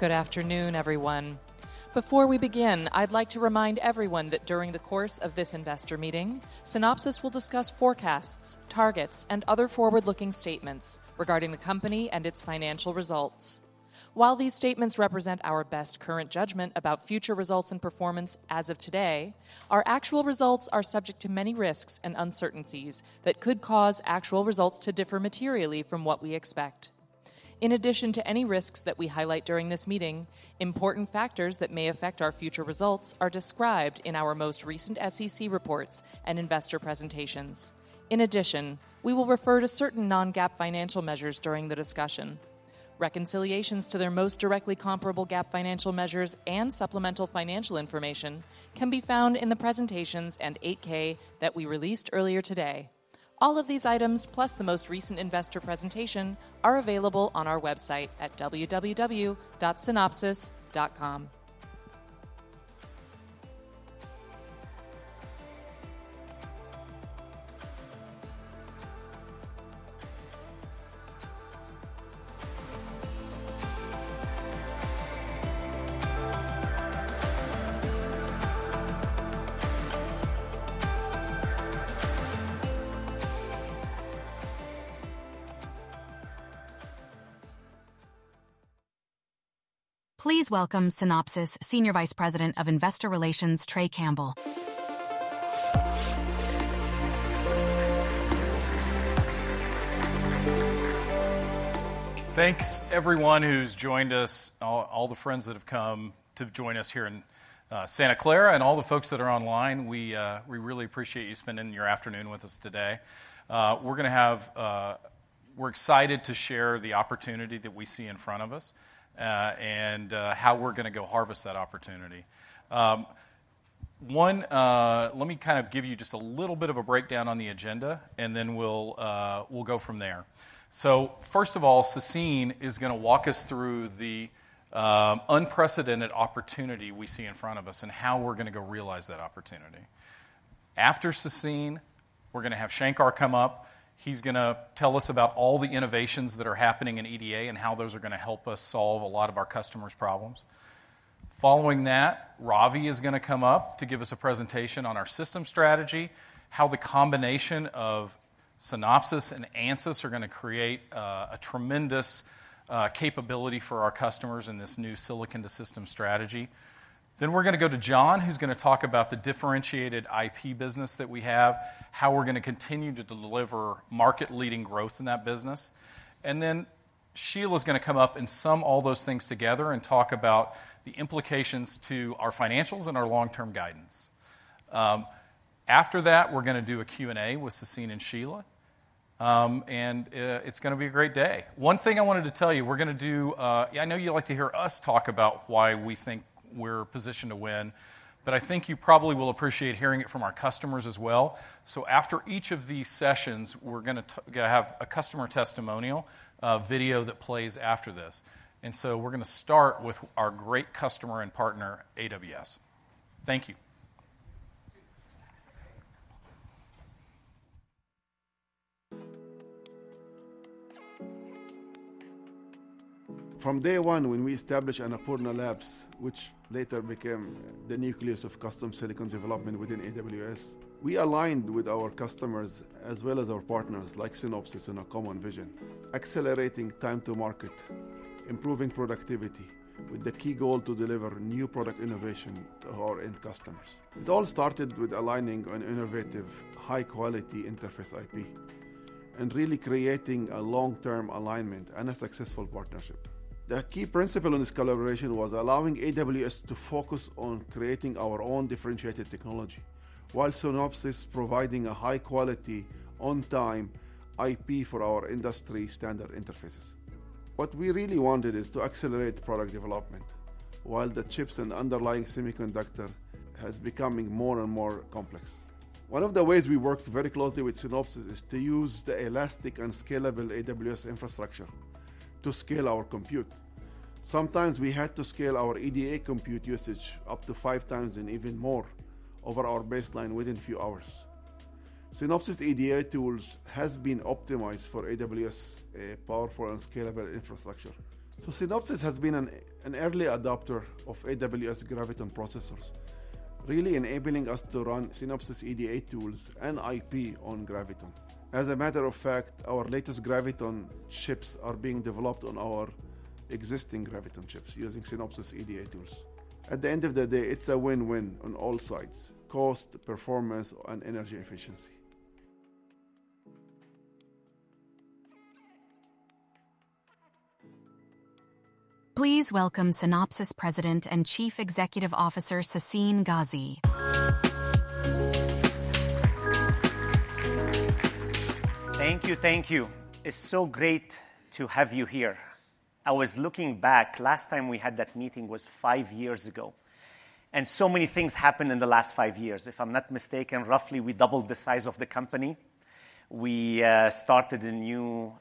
Good afternoon, everyone. Before we begin, I'd like to remind everyone that during the course of this investor meeting, Synopsys will discuss forecasts, targets, and other forward-looking statements regarding the company and its financial results. While these statements represent our best current judgment about future results and performance as of today, our actual results are subject to many risks and uncertainties that could cause actual results to differ materially from what we expect. In addition to any risks that we highlight during this meeting, important factors that may affect our future results are described in our most recent SEC reports and investor presentations. In addition, we will refer to certain non-GAAP financial measures during the discussion. Reconciliations to their most directly comparable GAAP financial measures and supplemental financial information can be found in the presentations and 8-K that we released earlier today. All of these items, plus the most recent investor presentation, are available on our website at www.synopsys.com. Please welcome Synopsys Senior Vice President of Investor Relations, Trey Campbell. Thanks everyone who's joined us, all the friends that have come to join us here in Santa Clara, and all the folks that are online. We, we really appreciate you spending your afternoon with us today. We're gonna have... We're excited to share the opportunity that we see in front of us, and how we're gonna go harvest that opportunity. One, let me kind of give you just a little bit of a breakdown on the agenda, and then we'll, we'll go from there. So first of all, Sassine is gonna walk us through the unprecedented opportunity we see in front of us and how we're gonna go realize that opportunity. After Sassine, we're gonna have Shankar come up. He's gonna tell us about all the innovations that are happening in EDA and how those are gonna help us solve a lot of our customers' problems. Following that, Ravi is gonna come up to give us a presentation on our system strategy, how the combination of Synopsys and Ansys are gonna create a tremendous capability for our customers in Silicon to Systems strategy. then we're gonna go to John, who's gonna talk about the differentiated IP business that we have, how we're gonna continue to deliver market-leading growth in that business. And then Shelagh is gonna come up and sum all those things together and talk about the implications to our financials and our long-term guidance. After that, we're gonna do a Q&A with Sassine and Shelagh, and it's gonna be a great day. One thing I wanted to tell you, we're gonna do. I know you like to hear us talk about why we think we're positioned to win, but I think you probably will appreciate hearing it from our customers as well. So after each of these sessions, we're gonna have a customer testimonial, a video that plays after this. And so we're gonna start with our great customer and partner, AWS. Thank you. From day one, when we established Annapurna Labs, which later became the nucleus of custom silicon development within AWS, we aligned with our customers as well as our partners, like Synopsys, in a common vision: accelerating time to market, improving productivity, with the key goal to deliver new product innovation to our end customers. It all started with aligning on innovative, high-quality interface IP and really creating a long-term alignment and a successful partnership. The key principle in this collaboration was allowing AWS to focus on creating our own differentiated technology, while Synopsys providing a high quality, on-time IP for our industry-standard interfaces. What we really wanted is to accelerate product development while the chips and underlying semiconductor has becoming more and more complex. One of the ways we worked very closely with Synopsys is to use the elastic and scalable AWS infrastructure to scale our compute. Sometimes we had to scale our EDA compute usage up to 5 times and even more over our baseline within few hours. Synopsys EDA tools has been optimized for AWS powerful and scalable infrastructure. So Synopsys has been an early adopter of AWS Graviton processors, really enabling us to run Synopsys EDA tools and IP on Graviton. As a matter of fact, our latest Graviton chips are being developed on our existing Graviton chips using Synopsys EDA tools. At the end of the day, it's a win-win on all sides: cost, performance, and energy efficiency. Please welcome Synopsys President and Chief Executive Officer, Sassine Ghazi. Thank you. Thank you. It's so great to have you here. I was looking back, last time we had that meeting was five years ago, and so many things happened in the last five years. If I'm not mistaken, roughly, we doubled the size of the company. We started a new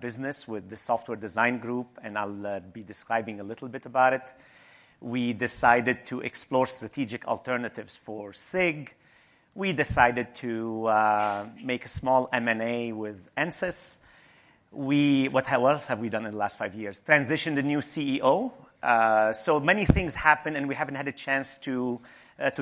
business with the Software Design Group, and I'll be describing a little bit about it.... We decided to explore strategic alternatives for SIG. We decided to make a small M&A with Ansys. What else have we done in the last five years? Transitioned a new CEO. So many things happened, and we haven't had a chance to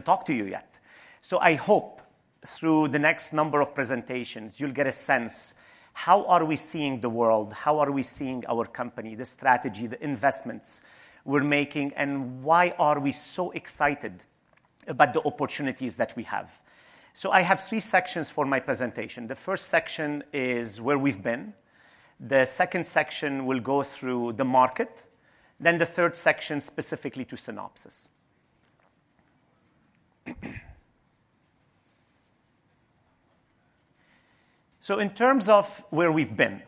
talk to you yet. So I hope through the next number of presentations, you'll get a sense, how are we seeing the world? How are we seeing our company, the strategy, the investments we're making, and why are we so excited about the opportunities that we have? So I have three sections for my presentation. The first section is where we've been. The second section will go through the market. Then the third section, specifically to Synopsys. So in terms of where we've been,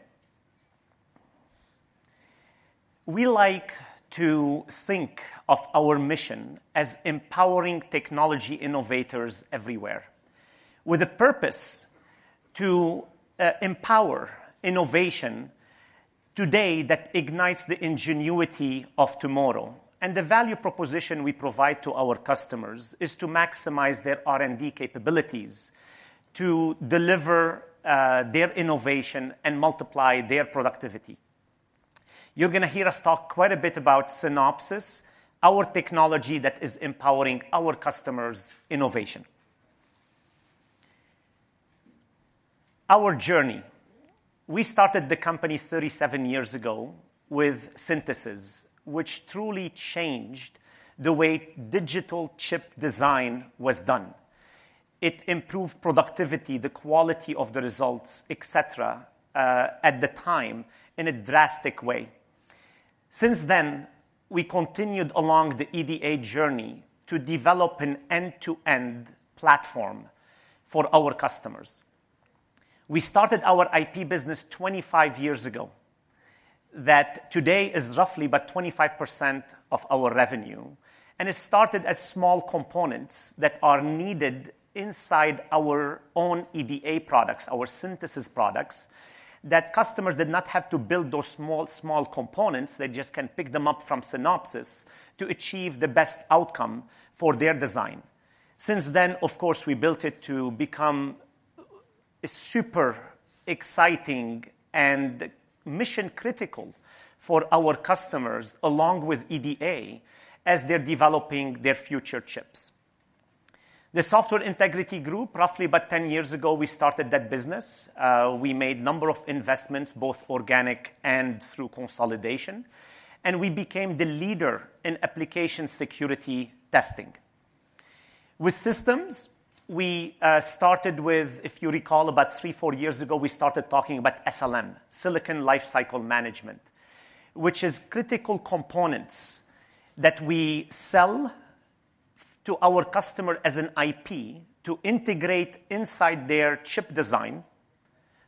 we like to think of our mission as empowering technology innovators everywhere, with a purpose to empower innovation today that ignites the ingenuity of tomorrow. The value proposition we provide to our customers is to maximize their R&D capabilities to deliver their innovation and multiply their productivity. You're gonna hear us talk quite a bit about Synopsys, our technology that is empowering our customers' innovation. Our journey. We started the company 37 years ago with synthesis, which truly changed the way digital chip design was done. It improved productivity, the quality of the results, et cetera, at the time, in a drastic way. Since then, we continued along the EDA journey to develop an end-to-end platform for our customers. We started our IP business 25 years ago, that today is roughly about 25% of our revenue, and it started as small components that are needed inside our own EDA products, our synthesis products, that customers did not have to build those small, small components. They just can pick them up from Synopsys to achieve the best outcome for their design. Since then, of course, we built it to become super exciting and mission-critical for our customers, along with EDA, as they're developing their future chips. The Software Integrity Group, roughly about 10 years ago, we started that business. We made number of investments, both organic and through consolidation, and we became the leader in application security testing. With systems, we started with... If you recall, about three to four years ago, we started talking about SLM, Silicon Lifecycle Management, which is critical components that we sell to our customer as an IP to integrate inside their chip design.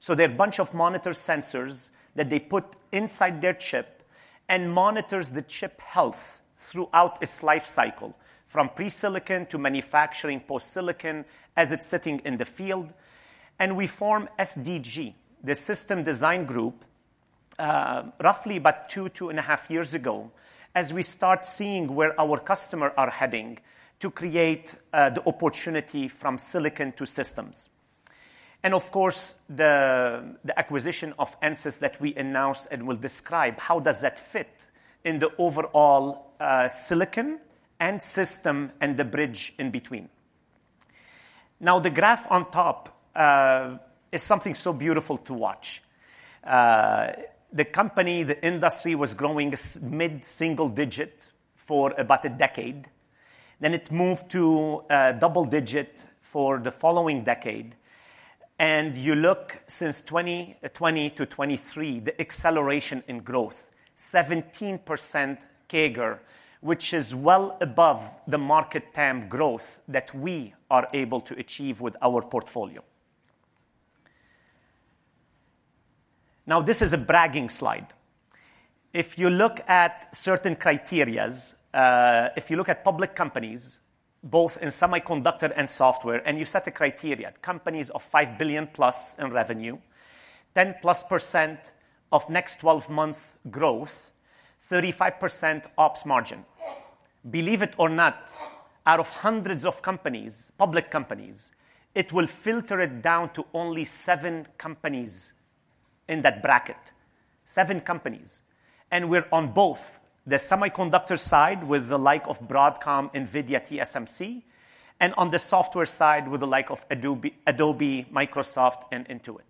So they're a bunch of monitor sensors that they put inside their chip and monitors the chip health throughout its life cycle, from pre-silicon to manufacturing, post-silicon, as it's sitting in the field. And we form SDG, the Systems Design Group, roughly about 2-2.5 years ago, as we start seeing where our customer are heading to Silicon to Systems. and of course, the acquisition of Ansys that we announced and will describe, how does that fit in the overall silicon and system and the bridge in between? Now, the graph on top is something so beautiful to watch. The company, the industry was growing mid-single-digit for about a decade. Then it moved to double-digit for the following decade. And you look since 2020-2023, the acceleration in growth, 17% CAGR, which is well above the market TAM growth that we are able to achieve with our portfolio. Now, this is a bragging slide. If you look at certain criteria, if you look at public companies, both in semiconductor and software, and you set the criteria, companies of $5 billion+ in revenue, 10%+ next 12-month growth, 35% ops margin. Believe it or not, out of hundreds of companies, public companies, it will filter it down to only seven companies in that bracket. Seven companies, and we're on both the semiconductor side, with the likes of Broadcom, NVIDIA, TSMC, and on the software side, with the likes of Adobe, Adobe, Microsoft, and Intuit.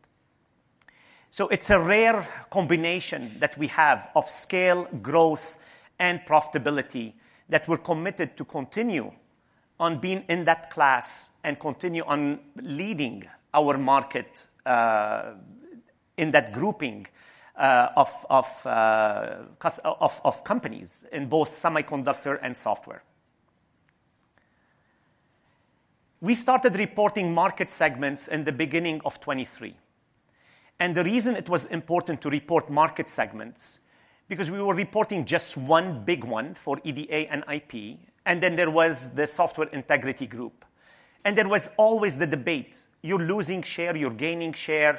So it's a rare combination that we have of scale, growth, and profitability that we're committed to continue on being in that class and continue on leading our market in that grouping of companies in both semiconductor and software. We started reporting market segments in the beginning of 2023, and the reason it was important to report market segments, because we were reporting just one big one for EDA and IP, and then there was the Software Integrity Group... and there was always the debate: you're losing share, you're gaining share.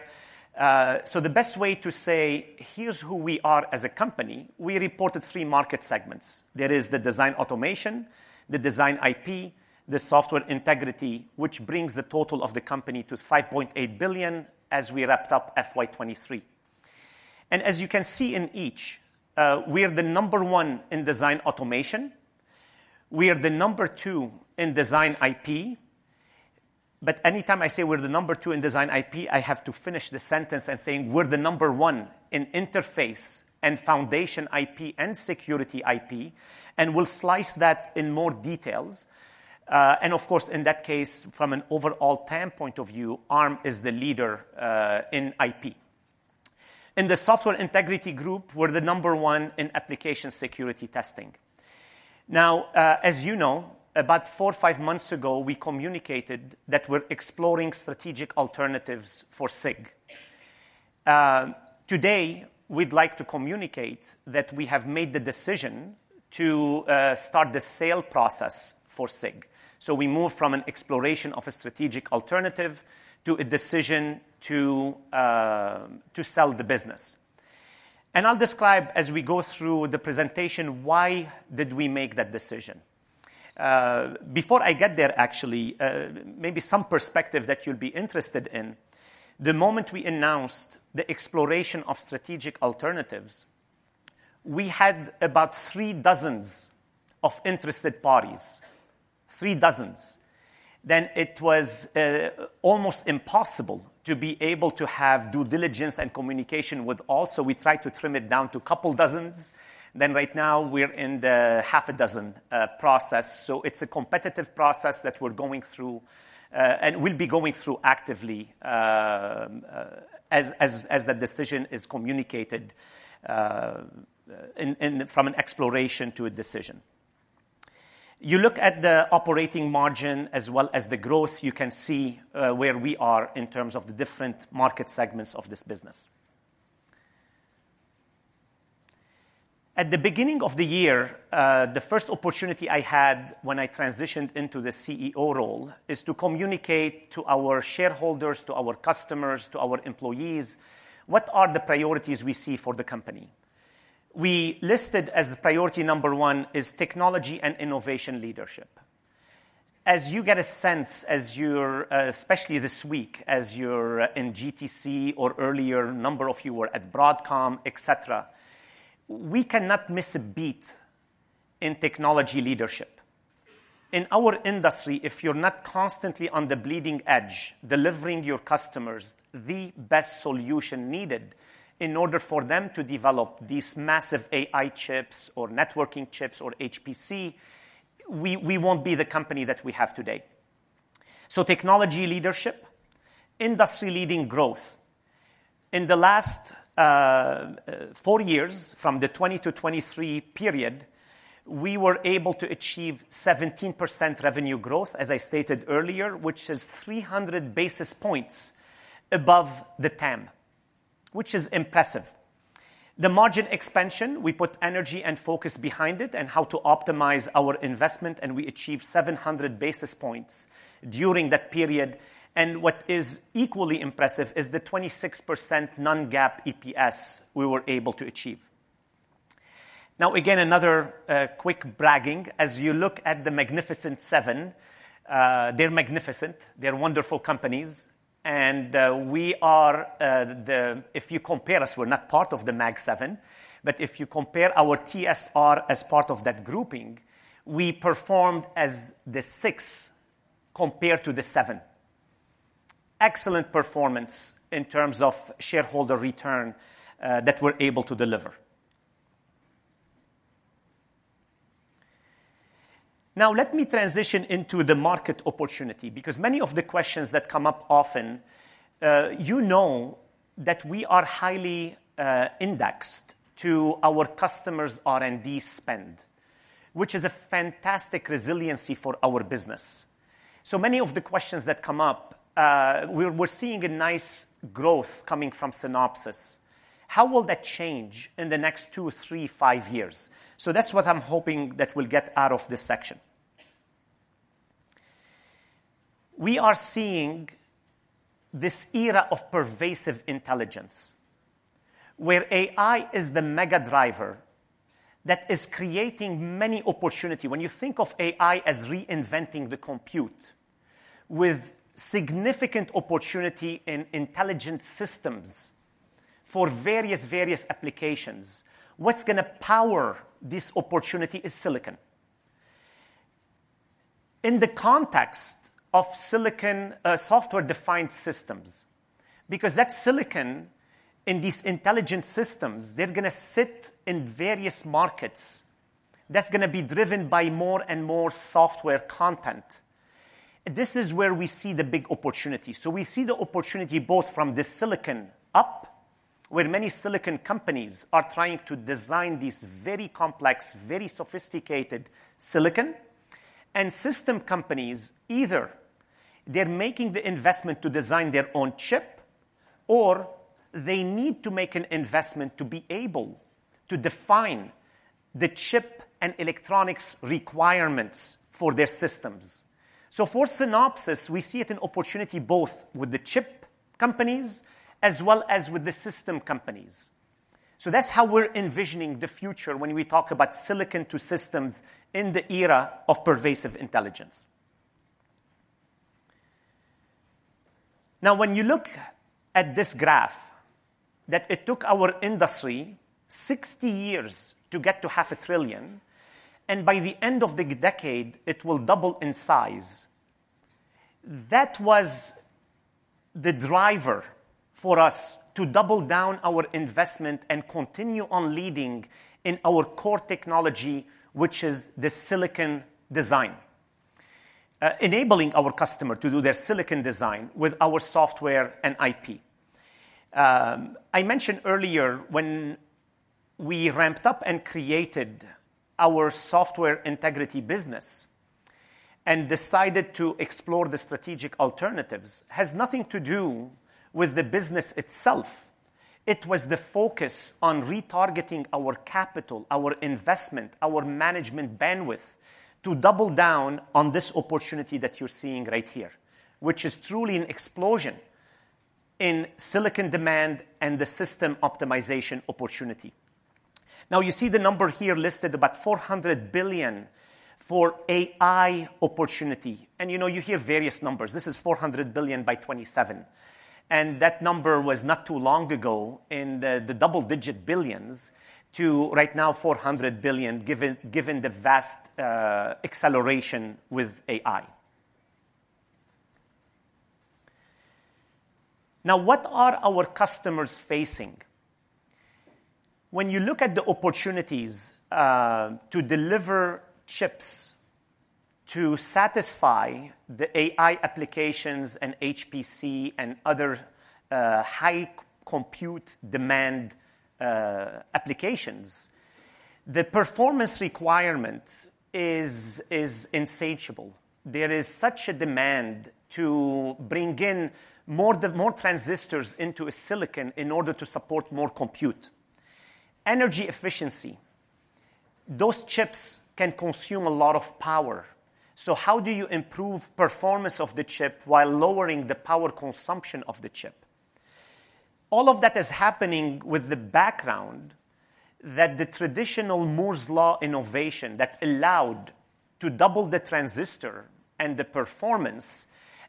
So the best way to say, here's who we are as a company, we reported three market segments. There is the Design Automation, the Design IP, the Software Integrity, which brings the total of the company to $5.8 billion as we wrapped up FY 2023. And as you can see in each, we are the number one in Design Automation. We are the number two in Design IP. But anytime I say we're the number two in Design IP, I have to finish the sentence and saying we're the number one in interface and foundation IP and security IP, and we'll slice that in more details. And of course, in that case, from an overall TAM point of view, Arm is the leader, in IP. In the Software Integrity Group, we're the number one in application security testing. Now, as you know, about 4-5 months ago, we communicated that we're exploring strategic alternatives for SIG. Today, we'd like to communicate that we have made the decision to start the sale process for SIG. So we move from an exploration of a strategic alternative to a decision to sell the business. I'll describe as we go through the presentation why did we make that decision? Before I get there, actually, maybe some perspective that you'll be interested in. The moment we announced the exploration of strategic alternatives, we had about three dozen interested parties, three dozen. Then it was almost impossible to be able to have due diligence and communication with all, so we tried to trim it down to a couple dozen. Then right now, we're in the half a dozen process. It's a competitive process that we're going through, and we'll be going through actively, as the decision is communicated, in from an exploration to a decision. You look at the operating margin as well as the growth, you can see where we are in terms of the different market segments of this business. At the beginning of the year, the first opportunity I had when I transitioned into the CEO role, is to communicate to our shareholders, to our customers, to our employees, what are the priorities we see for the company. We listed as the priority number one is technology and innovation leadership. As you get a sense, especially this week, as you're in GTC or earlier, a number of you were at Broadcom, et cetera, we cannot miss a beat in technology leadership. In our industry, if you're not constantly on the bleeding edge, delivering your customers the best solution needed in order for them to develop these massive AI chips or networking chips or HPC, we, we won't be the company that we have today. So technology leadership, industry-leading growth. In the last four years, from the 2020-2023 period, we were able to achieve 17% revenue growth, as I stated earlier, which is 300 basis points above the TAM, which is impressive. The margin expansion, we put energy and focus behind it and how to optimize our investment, and we achieved 700 basis points during that period. And what is equally impressive is the 26% non-GAAP EPS we were able to achieve. Now, again, another quick bragging. As you look at The Magnificent Seven, they're magnificent, they're wonderful companies, and we are... If you compare us, we're not part of the Mag Seven, but if you compare our TSR as part of that grouping, we performed as the six compared to the seven. Excellent performance in terms of shareholder return that we're able to deliver. Now, let me transition into the market opportunity, because many of the questions that come up often, you know that we are highly indexed to our customers' R&D spend, which is a fantastic resiliency for our business. So many of the questions that come up, we're, we're seeing a nice growth coming from Synopsys. How will that change in the next two, three, five years? So that's what I'm hoping that we'll get out of this section. We are seeing this era of pervasive intelligence, where AI is the mega driver that is creating many opportunity. When you think of AI as reinventing the compute with significant opportunity in intelligent systems for various, various applications, what's gonna power this opportunity is silicon. In the context of silicon, software-defined systems, because that silicon in these intelligent systems, they're gonna sit in various markets that's gonna be driven by more and more software content. This is where we see the big opportunity. So we see the opportunity both from the silicon up, where many silicon companies are trying to design these very complex, very sophisticated silicon, and system companies, either they're making the investment to design their own chip or they need to make an investment to be able to define the chip and electronics requirements for their systems. So for Synopsys, we see it an opportunity both with the chip companies as well as with the system companies. So that's how we're envisioning the future Silicon to Systems in the era of pervasive intelligence. Now, when you look at this graph, that it took our industry 60 years to get to $500 billion, and by the end of the decade, it will double in size. That was the driver for us to double down our investment and continue on leading in our core technology, which is the silicon design, enabling our customer to do their silicon design with our software and IP. I mentioned earlier, when we ramped up and created our Software Integrity business and decided to explore the strategic alternatives, has nothing to do with the business itself. It was the focus on retargeting our capital, our investment, our management bandwidth, to double down on this opportunity that you're seeing right here, which is truly an explosion in silicon demand and the system optimization opportunity. Now, you see the number here listed about $400 billion for AI opportunity, and, you know, you hear various numbers. This is $400 billion by 2027, and that number was not too long ago in the, the double-digit billions, to right now, $400 billion, given the vast acceleration with AI. Now, what are our customers facing? When you look at the opportunities, to deliver chips to satisfy the AI applications and HPC and other, high compute demand, applications, the performance requirement is insatiable. There is such a demand to bring in more transistors into a silicon in order to support more compute. Energy efficiency. Those chips can consume a lot of power, so how do you improve performance of the chip while lowering the power consumption of the chip? All of that is happening with the background that the traditional Moore's Law innovation that allowed to double the transistor and the performance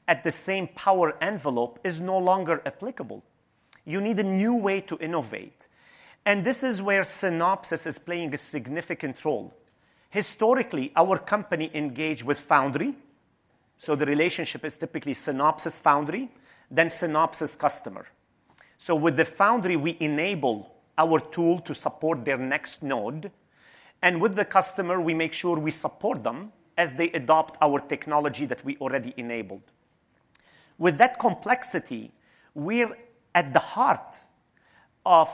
at the same power envelope is no longer applicable. You need a new way to innovate, and this is where Synopsys is playing a significant role. Historically, our company engage with foundry, so the relationship is typically Synopsys foundry, then Synopsys customer. So with the foundry, we enable our tool to support their next node, and with the customer, we make sure we support them as they adopt our technology that we already enabled. With that complexity, we're at the heart of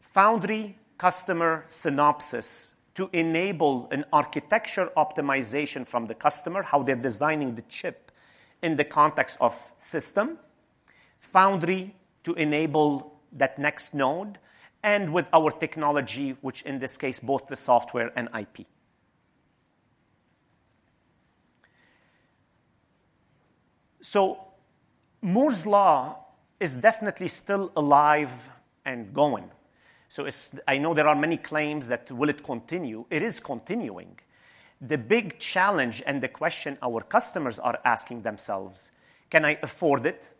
foundry customer Synopsys to enable an architecture optimization from the customer, how they're designing the chip in the context of system, foundry to enable that next node, and with our technology, which in this case, both the software and IP. So Moore's Law is definitely still alive and going, so it's. I know there are many claims that will it continue? It is continuing. The big challenge and the question our customers are asking themselves: Can I afford it?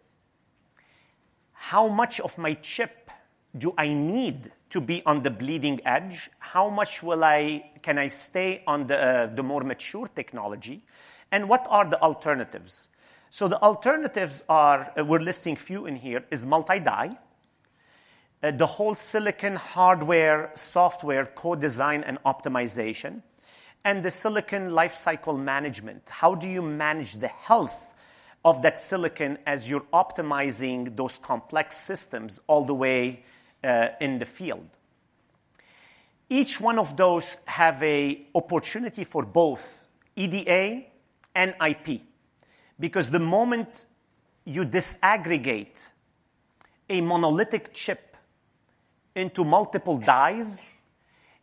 How much of my chip do I need to be on the bleeding edge? How much will I can I stay on the, the more mature technology, and what are the alternatives? So the alternatives are, we're listing few in here, is multi-die, the whole silicon hardware, software, co-design and optimization, and the Silicon Lifecycle Management. How do you manage the health of that silicon as you're optimizing those complex systems all the way in the field? Each one of those have a opportunity for both EDA and IP, because the moment you disaggregate a monolithic chip into multiple dies,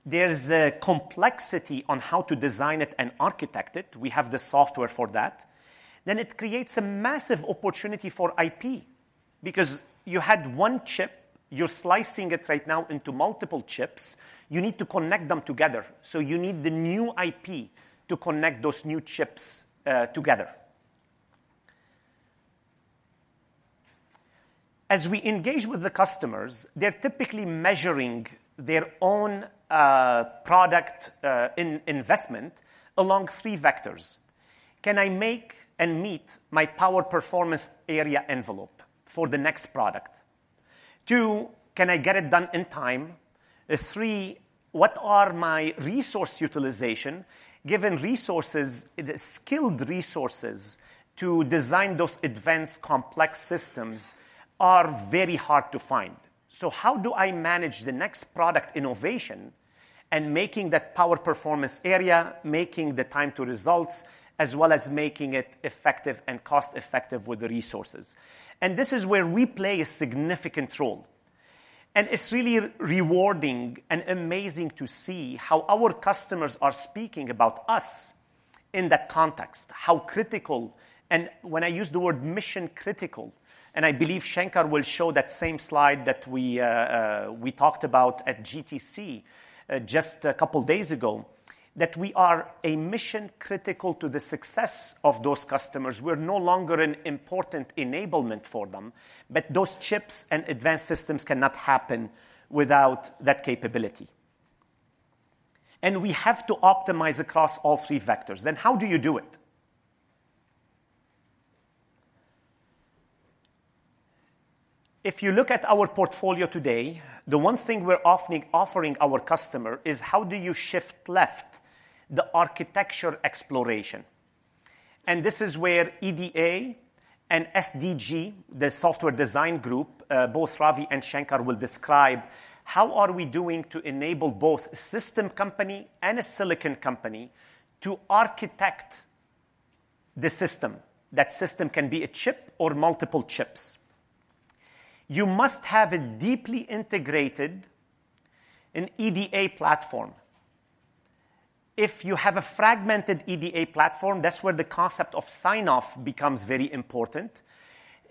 there's a complexity on how to design it and architect it. We have the software for that. Then it creates a massive opportunity for IP, because you had one chip, you're slicing it right now into multiple chips. You need to connect them together, so you need the new IP to connect those new chips together. As we engage with the customers, they're typically measuring their own product investment along three vectors. Can I make and meet my power performance area envelope for the next product? Two, can I get it done in time? Three, what are my resource utilization, given resources, the skilled resources to design those advanced complex systems are very hard to find. So how do I manage the next product innovation and making that power performance area, making the time to results, as well as making it effective and cost-effective with the resources? And this is where we play a significant role... And it's really rewarding and amazing to see how our customers are speaking about us in that context, how critical. And when I use the word mission-critical, and I believe Shankar will show that same slide that we, we talked about at GTC, just a couple of days ago, that we are a mission-critical to the success of those customers. We're no longer an important enablement for them, but those chips and advanced systems cannot happen without that capability. And we have to optimize across all three vectors. Then how do you do it? If you look at our portfolio today, the one thing we're offering, offering our customer is: How do you shift left the architecture exploration? And this is where EDA and SDG, the Software Design Group, both Ravi and Shankar will describe how are we doing to enable both a system company and a silicon company to architect the system. That system can be a chip or multiple chips. You must have a deeply integrated, an EDA platform. If you have a fragmented EDA platform, that's where the concept of sign-off becomes very important,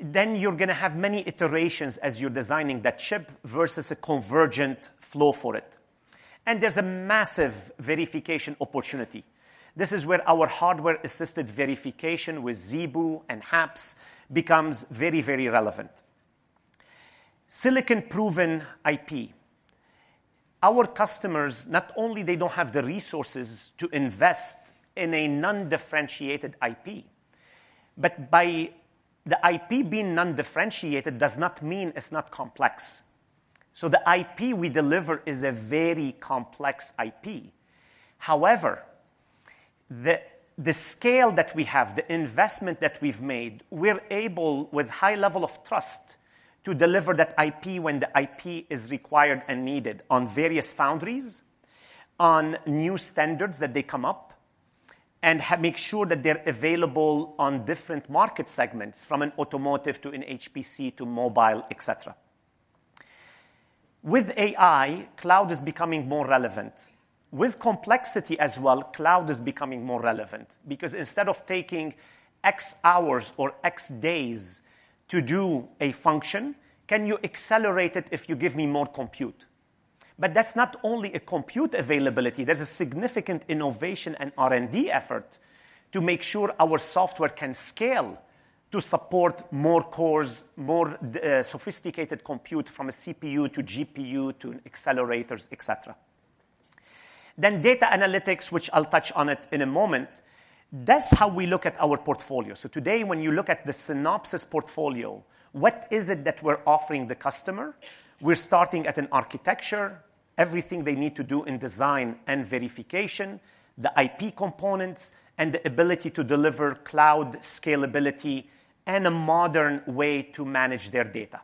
then you're gonna have many iterations as you're designing that chip versus a convergent flow for it. And there's a massive verification opportunity. This is where our hardware-assisted verification with ZeBu and HAPS becomes very, very relevant. Silicon-proven IP. Our customers, not only they don't have the resources to invest in a non-differentiated IP, but by the IP being non-differentiated does not mean it's not complex. So the IP we deliver is a very complex IP. However, the scale that we have, the investment that we've made, we're able, with high level of trust, to deliver that IP when the IP is required and needed on various foundries, on new standards that they come up, and make sure that they're available on different market segments, from an automotive to an HPC to mobile, etc. With AI, cloud is becoming more relevant. With complexity as well, cloud is becoming more relevant because instead of taking X hours or X days to do a function, can you accelerate it if you give me more compute? But that's not only a compute availability. There's a significant innovation and R&D effort to make sure our software can scale to support more cores, more sophisticated compute, from a CPU to GPU to accelerators, etc. Then data analytics, which I'll touch on it in a moment. That's how we look at our portfolio. So today, when you look at the Synopsys portfolio, what is it that we're offering the customer? We're starting at an architecture, everything they need to do in design and verification, the IP components, and the ability to deliver cloud scalability and a modern way to manage their data.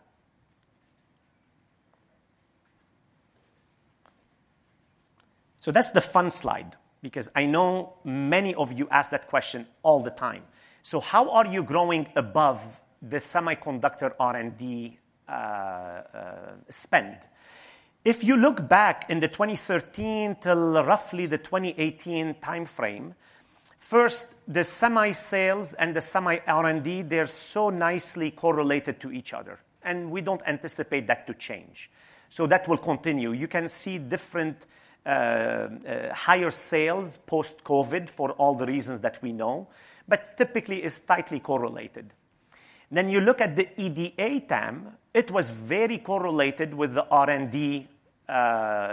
So that's the fun slide because I know many of you ask that question all the time. So how are you growing above the semiconductor R&D spend? If you look back in the 2013 till roughly the 2018 timeframe, first, the Semi sales and the Semi R&D, they're so nicely correlated to each other, and we don't anticipate that to change. So that will continue. You can see different higher sales post-COVID for all the reasons that we know, but typically it's tightly correlated. Then you look at the EDA TAM, it was very correlated with the R&D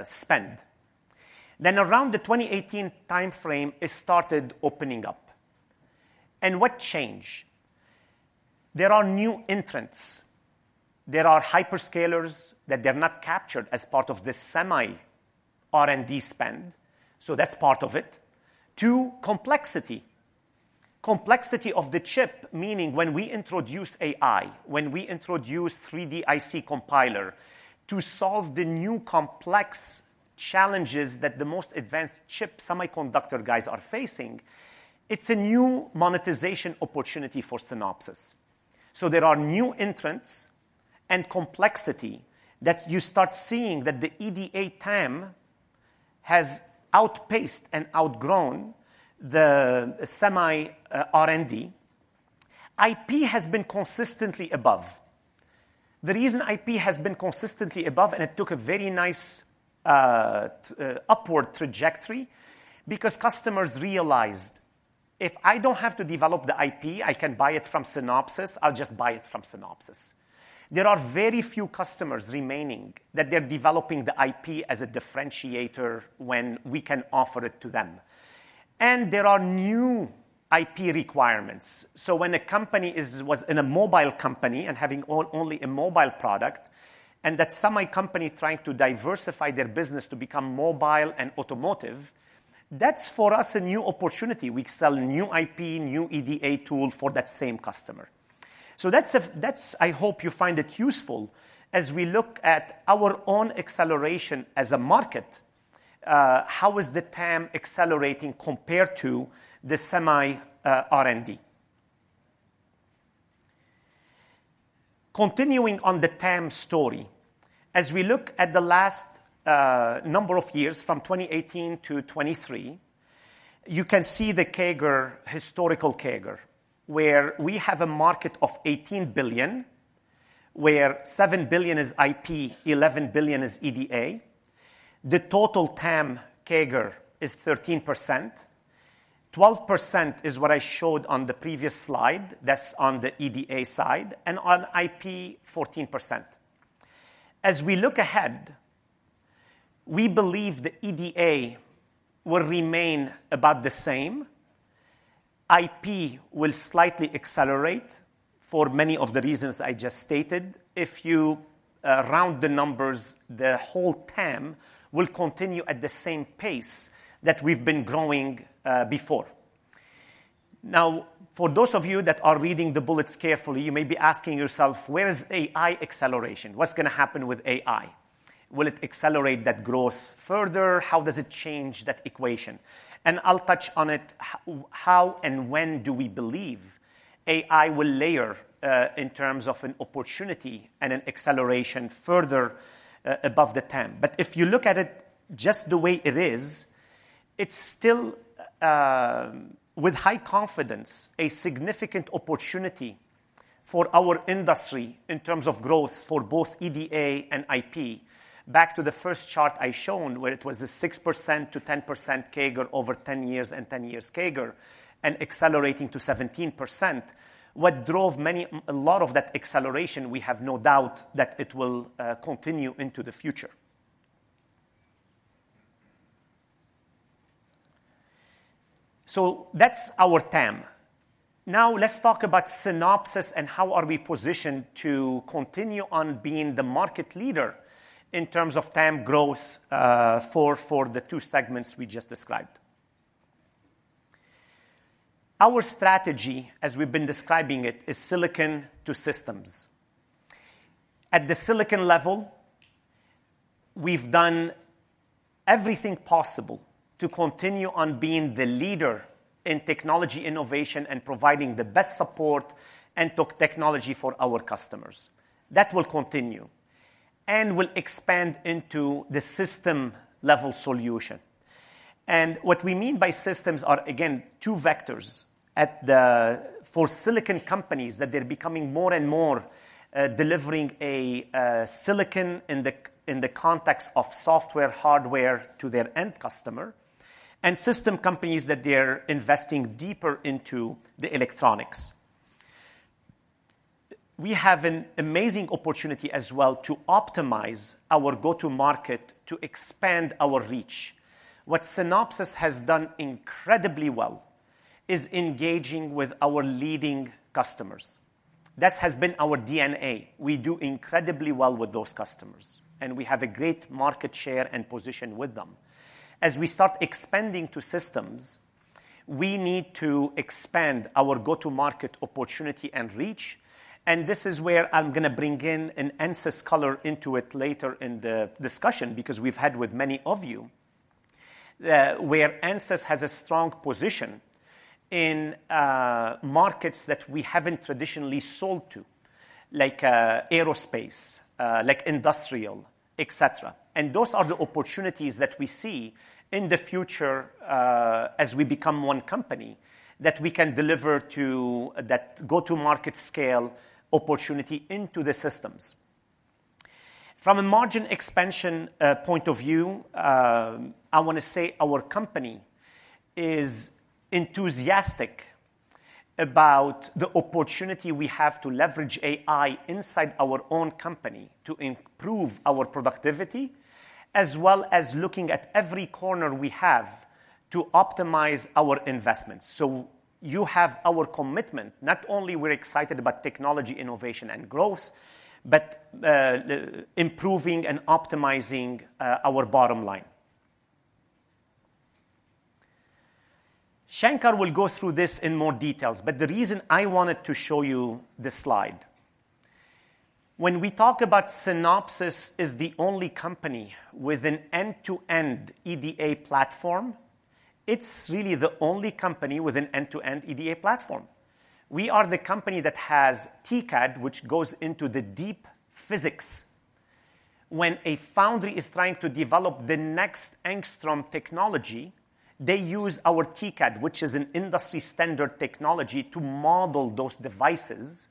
spend. Then around the 2018 timeframe, it started opening up. And what changed? There are new entrants. There are hyperscalers that they're not captured as part of the Semi R&D spend, so that's part of it. Two, complexity. Complexity of the chip, meaning when we introduce AI, when we introduce 3DIC Compiler to solve the new complex challenges that the most advanced chip semiconductor guys are facing, it's a new monetization opportunity for Synopsys. So there are new entrants and complexity that you start seeing that the EDA TAM has outpaced and outgrown the Semi R&D. IP has been consistently above. The reason IP has been consistently above, and it took a very nice upward trajectory, because customers realized, "If I don't have to develop the IP, I can buy it from Synopsys, I'll just buy it from Synopsys." There are very few customers remaining that they're developing the IP as a differentiator when we can offer it to them. And there are new IP requirements. So when a company is or was a mobile company and having only a mobile product, and that semi company trying to diversify their business to become mobile and automotive, that's, for us, a new opportunity. We sell new IP, new EDA tool for that same customer. So that's a-- that's-- I hope you find it useful as we look at our own acceleration as a market, how is the TAM accelerating compared to the Semi, R&D?... Continuing on the TAM story, as we look at the last number of years from 2018-2023, you can see the CAGR, historical CAGR, where we have a market of $18 billion, where $7 billion is IP, $11 billion is EDA. The total TAM CAGR is 13%. 12% is what I showed on the previous slide, that's on the EDA side, and on IP, 14%. As we look ahead, we believe the EDA will remain about the same. IP will slightly accelerate for many of the reasons I just stated. If you round the numbers, the whole TAM will continue at the same pace that we've been growing before. Now, for those of you that are reading the bullets carefully, you may be asking yourself: Where is AI acceleration? What's gonna happen with AI? Will it accelerate that growth further? How does it change that equation? And I'll touch on it, how and when do we believe AI will layer in terms of an opportunity and an acceleration further above the TAM. But if you look at it just the way it is, it's still, with high confidence, a significant opportunity for our industry in terms of growth for both EDA and IP. Back to the first chart I shown, where it was a 6%-10% CAGR over 10 years and 10 years CAGR and accelerating to 17%. What drove a lot of that acceleration, we have no doubt that it will continue into the future. So that's our TAM. Now, let's talk about Synopsys and how are we positioned to continue on being the market leader in terms of TAM growth, for the two segments we just described. Our strategy, as we've been describing it, is Silicon to Systems. At the silicon level, we've done everything possible to continue on being the leader in technology innovation and providing the best support and technology for our customers. That will continue and will expand into the system-level solution. What we mean by systems are, again, two vectors. For silicon companies, that they're becoming more and more delivering a silicon in the context of software, hardware to their end customer, and system companies, that they are investing deeper into the electronics. We have an amazing opportunity as well to optimize our go-to-market to expand our reach. What Synopsys has done incredibly well is engaging with our leading customers. That has been our DNA. We do incredibly well with those customers, and we have a great market share and position with them. As we start expanding to systems, we need to expand our go-to market opportunity and reach, and this is where I'm gonna bring in an Ansys color into it later in the discussion, because we've had with many of you, where Ansys has a strong position in, markets that we haven't traditionally sold to, like, aerospace, like industrial, et cetera. And those are the opportunities that we see in the future, as we become one company, that we can deliver to that go-to-market scale opportunity into the systems. From a margin expansion, point of view, I wanna say our company is enthusiastic about the opportunity we have to leverage AI inside our own company to improve our productivity, as well as looking at every corner we have to optimize our investments. So you have our commitment, not only we're excited about technology, innovation, and growth, but improving and optimizing our bottom line. Shankar will go through this in more details, but the reason I wanted to show you this slide: When we talk about Synopsys is the only company with an end-to-end EDA platform, it's really the only company with an end-to-end EDA platform. We are the company that has TCAD, which goes into the deep physics. When a foundry is trying to develop the next Angstrom technology, they use our TCAD, which is an industry-standard technology, to model those devices,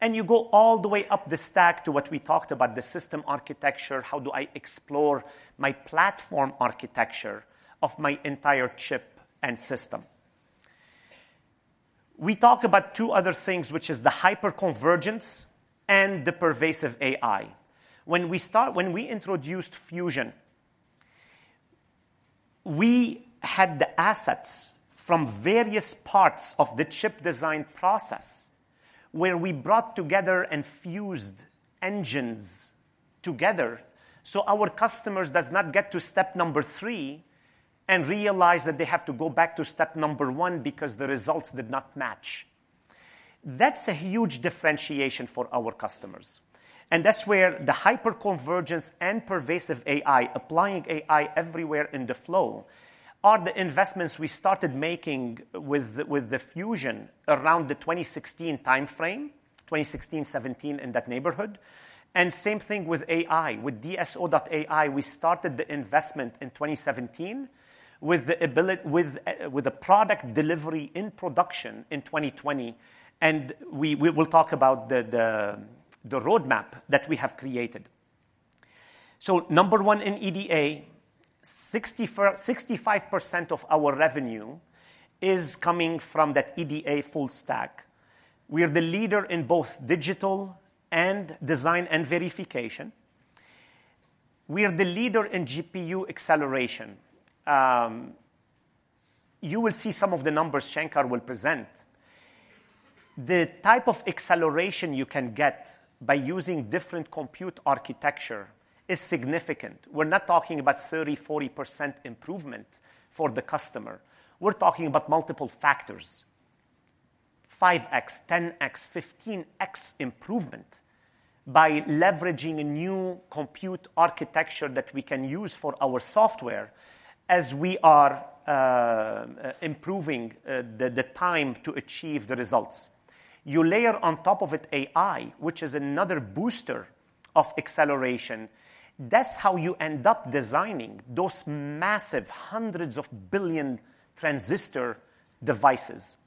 and you go all the way up the stack to what we talked about, the system architecture, how do I explore my platform architecture of my entire chip and system? We talk about two other things, which is the hyperconvergence and the pervasive AI. When we introduced Fusion, we had the assets from various parts of the chip design process, where we brought together and fused engines together, so our customers does not get to step number three and realize that they have to go back to step number one because the results did not match. That's a huge differentiation for our customers... And that's where the hyperconvergence and pervasive AI, applying AI everywhere in the flow, are the investments we started making with the fusion around the 2016 timeframe, 2016, 2017, in that neighborhood. And same thing with AI. With DSO.ai, we started the investment in 2017, with the ability, with the product delivery in production in 2020, and we will talk about the roadmap that we have created. Number one in EDA, 65% of our revenue is coming from that EDA full stack. We are the leader in both digital and design and verification. We are the leader in GPU acceleration. You will see some of the numbers Shankar will present. The type of acceleration you can get by using different compute architecture is significant. We're not talking about 30, 40% improvement for the customer, we're talking about multiple factors. 5x, 10x, 15x improvement by leveraging a new compute architecture that we can use for our software as we are improving the time to achieve the results. You layer on top of it AI, which is another booster of acceleration. That's how you end up designing those massive hundreds of billions of transistor devices.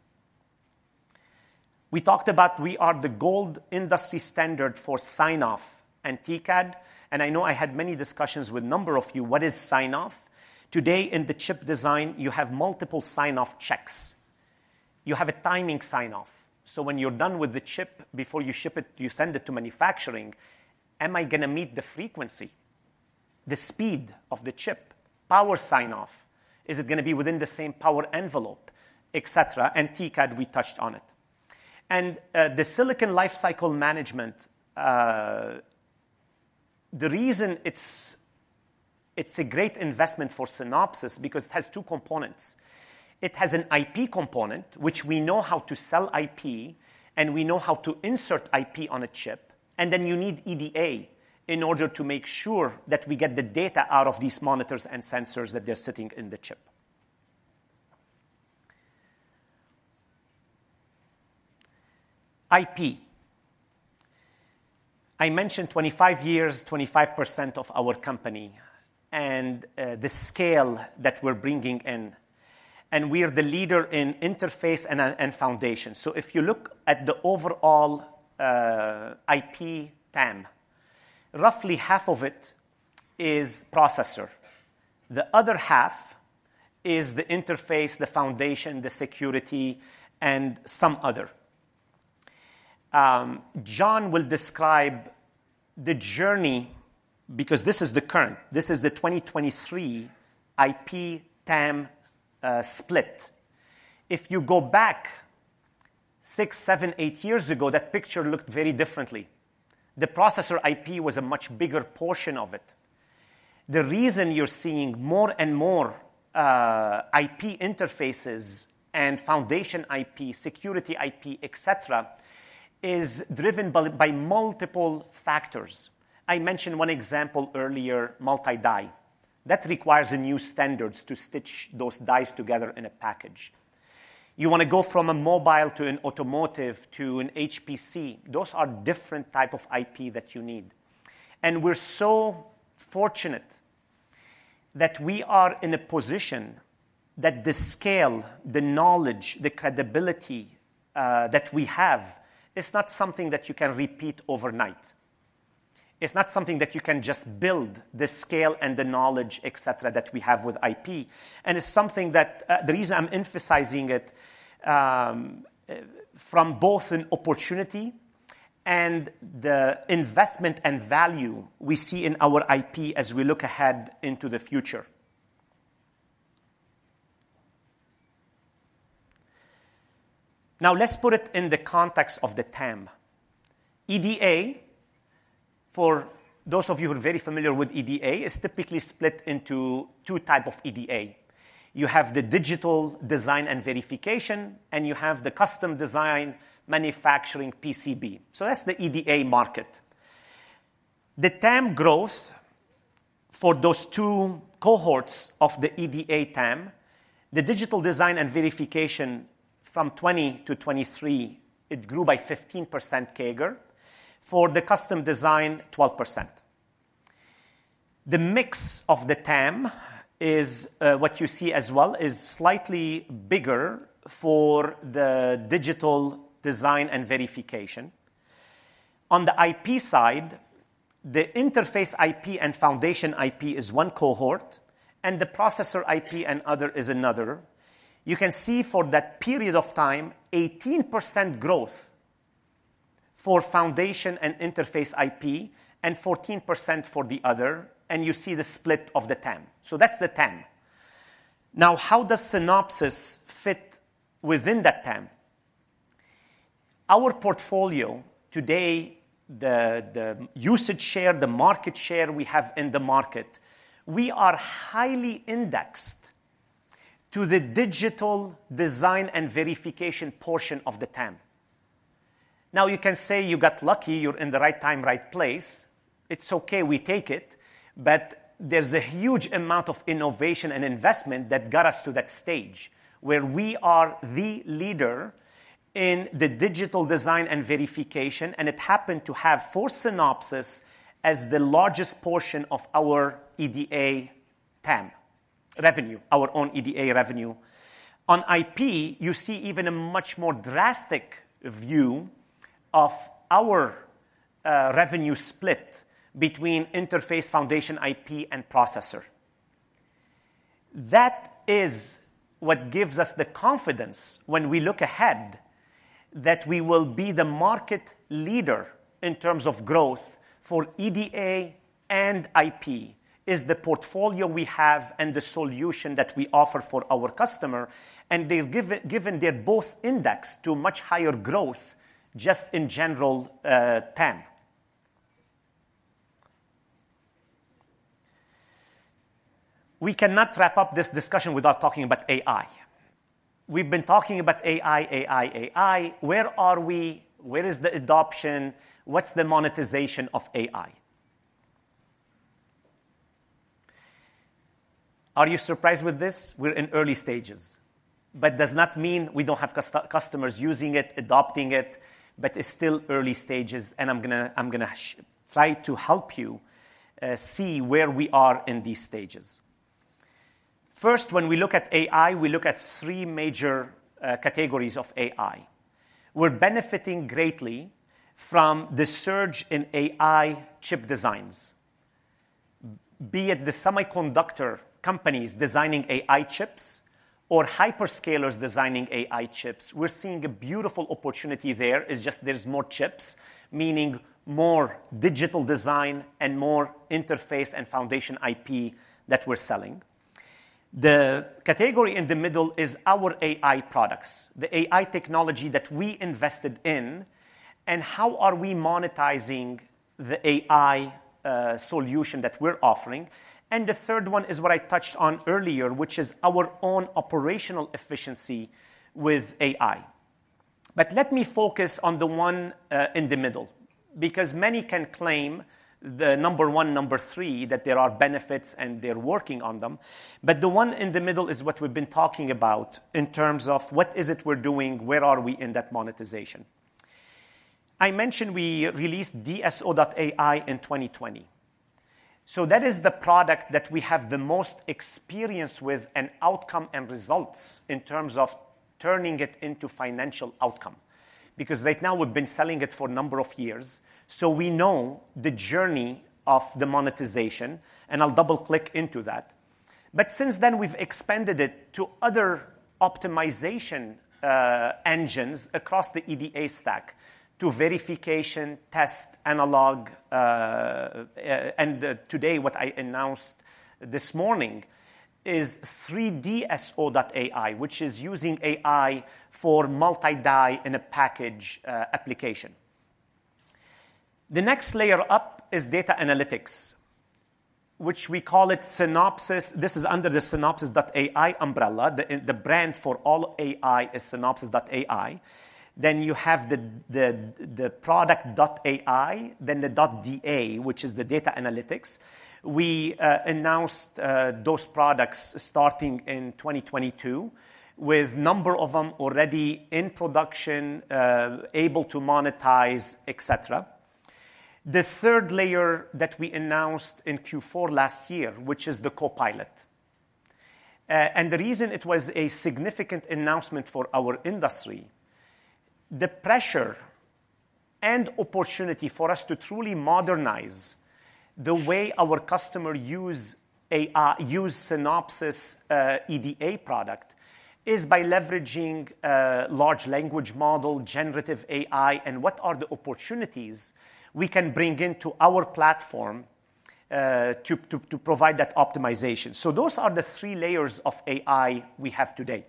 We talked about we are the gold industry standard for sign-off and TCAD, and I know I had many discussions with a number of you. What is sign-off? Today, in the chip design, you have multiple sign-off checks. You have a timing sign-off, so when you're done with the chip, before you ship it, you send it to manufacturing, am I going to meet the frequency, the speed of the chip? Power sign-off, is it going to be within the same power envelope, et cetera? And TCAD, we touched on it. And, the Silicon Lifecycle Management, the reason it's a great investment for Synopsys, because it has two components. It has an IP component, which we know how to sell IP, and we know how to insert IP on a chip, and then you need EDA in order to make sure that we get the data out of these monitors and sensors that they're sitting in the chip. IP. I mentioned 25 years, 25% of our company, and the scale that we're bringing in, and we are the leader in interface and foundation. So if you look at the overall IP TAM, roughly half of it is processor. The other half is the interface, the foundation, the security, and some other. John will describe the journey because this is the current, this is the 2023 IP TAM split. If you go back six, seven, eight years ago, that picture looked very differently. The processor IP was a much bigger portion of it. The reason you're seeing more and more, IP interfaces and foundation IP, security IP, et cetera, is driven by, by multiple factors. I mentioned one example earlier, multi-die. That requires a new standards to stitch those dies together in a package. You want to go from a mobile to an automotive to an HPC, those are different type of IP that you need. And we're so fortunate that we are in a position that the scale, the knowledge, the credibility, that we have, is not something that you can repeat overnight. It's not something that you can just build the scale and the knowledge, et cetera, that we have with IP, and it's something that... The reason I'm emphasizing it, from both an opportunity and the investment and value we see in our IP as we look ahead into the future. Now, let's put it in the context of the TAM. EDA, for those of you who are very familiar with EDA, is typically split into two type of EDA. You have the digital design and verification, and you have the custom design manufacturing PCB. So that's the EDA market. The TAM growth for those two cohorts of the EDA TAM, the digital design and verification from 2020-2023, it grew by 15% CAGR. For the custom design, 12%. The mix of the TAM is what you see as well, is slightly bigger for the digital design and verification. On the IP side, the interface IP and foundation IP is one cohort, and the processor IP and other is another. You can see for that period of time, 18% growth for foundation and interface IP and 14% for the other, and you see the split of the TAM. So that's the TAM. Now, how does Synopsys fit within that TAM? Our portfolio today, the usage share, the market share we have in the market, we are highly indexed to the digital design and verification portion of the TAM. Now, you can say you got lucky, you're in the right time, right place. It's okay, we take it, but there's a huge amount of innovation and investment that got us to that stage, where we are the leader in the digital design and verification, and it happened to have for Synopsys as the largest portion of our EDA TAM revenue, our own EDA revenue. On IP, you see even a much more drastic view of our revenue split between interface foundation IP and processor. That is what gives us the confidence when we look ahead, that we will be the market leader in terms of growth for EDA and IP, is the portfolio we have and the solution that we offer for our customer, and they've given, they're both indexed to much higher growth, just in general, TAM. We cannot wrap up this discussion without talking about AI. We've been talking about AI, AI, AI. Where are we? Where is the adoption? What's the monetization of AI? Are you surprised with this? We're in early stages, but does not mean we don't have customers using it, adopting it, but it's still early stages, and I'm gonna try to help you see where we are in these stages. First, when we look at AI, we look at three major categories of AI. We're benefiting greatly from the surge in AI chip designs. Be it the semiconductor companies designing AI chips or hyperscalers designing AI chips, we're seeing a beautiful opportunity there, it's just there's more chips, meaning more digital design and more interface and foundation IP that we're selling. The category in the middle is our AI products, the AI technology that we invested in, and how are we monetizing the AI solution that we're offering. And the third one is what I touched on earlier, which is our own operational efficiency with AI. But let me focus on the one in the middle, because many can claim the number one, number three, that there are benefits and they're working on them. But the one in the middle is what we've been talking about in terms of what is it we're doing, where are we in that monetization? I mentioned we released DSO.ai in 2020. So that is the product that we have the most experience with, and outcome and results in terms of turning it into financial outcome. Because right now we've been selling it for a number of years, so we know the journey of the monetization, and I'll double-click into that. But since then, we've expanded it to other optimization engines across the EDA stack to verification, test, analog... And today, what I announced this morning is 3DSO.ai, which is using AI for multi-die in a package application. The next layer up is data analytics, which we call it Synopsys. This is under the Synopsys.ai umbrella. The product .ai, then the .da, which is the data analytics. We announced those products starting in 2022, with number of them already in production, able to monetize, et cetera. The third layer that we announced in Q4 last year, which is the Copilot. And the reason it was a significant announcement for our industry, the pressure and opportunity for us to truly modernize the way our customer use AI—use Synopsys' EDA product, is by leveraging large language model, generative AI, and what are the opportunities we can bring into our platform to provide that optimization. So those are the three layers of AI we have today.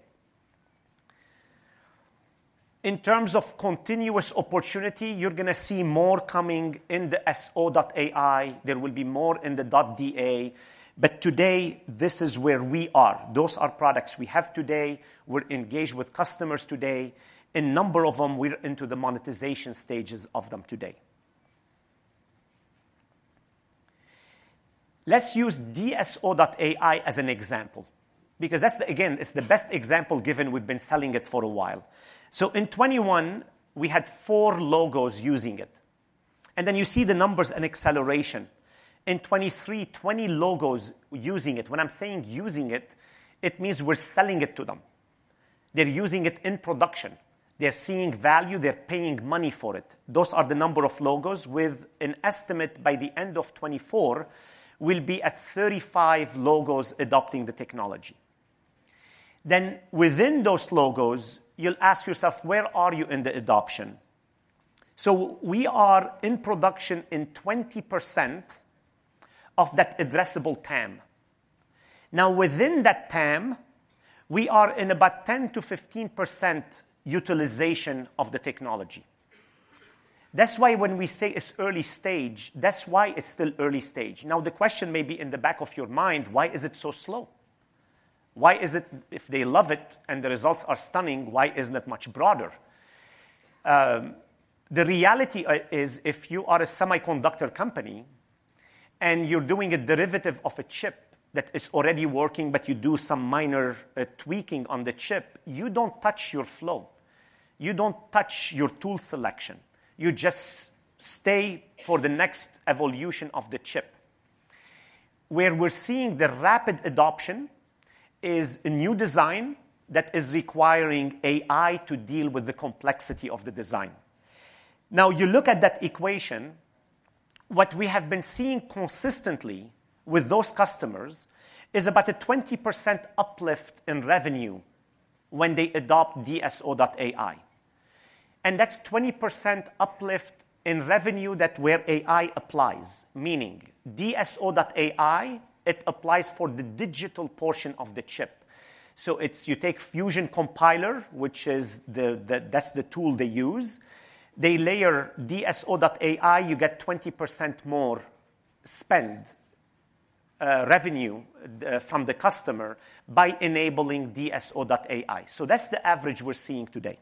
In terms of continuous opportunity, you're gonna see more coming in the DSO.ai. There will be more in the EDA. But today, this is where we are. Those are products we have today. We're engaged with customers today. In number of them, we're into the monetization stages of them today. Let's use DSO.ai as an example, because that's, again, it's the best example, given we've been selling it for a while. So in 2021, we had four logos using it, and then you see the numbers and acceleration. In 2023, 20 logos using it. When I'm saying using it, it means we're selling it to them. They're using it in production, they're seeing value, they're paying money for it. Those are the number of logos with an estimate by the end of 2024, we'll be at 35 logos adopting the technology. Then within those logos, you'll ask yourself: Where are you in the adoption? So we are in production in 20% of that addressable TAM. Now, within that TAM, we are in about 10%-15% utilization of the technology.... That's why when we say it's early stage, that's why it's still early stage. Now, the question may be in the back of your mind, why is it so slow? Why is it, if they love it and the results are stunning, why isn't it much broader? The reality is if you are a semiconductor company, and you're doing a derivative of a chip that is already working, but you do some minor tweaking on the chip, you don't touch your flow. You don't touch your tool selection, you just stay for the next evolution of the chip. Where we're seeing the rapid adoption is a new design that is requiring AI to deal with the complexity of the design. Now, you look at that equation, what we have been seeing consistently with those customers is about a 20% uplift in revenue when they adopt DSO.ai, and that's 20% uplift in revenue that where AI applies, meaning DSO.ai, it applies for the digital portion of the chip. So it's you take Fusion Compiler, which is the tool they use. They layer DSO.ai, you get 20% more spend, revenue, from the customer by enabling DSO.ai. So that's the average we're seeing today.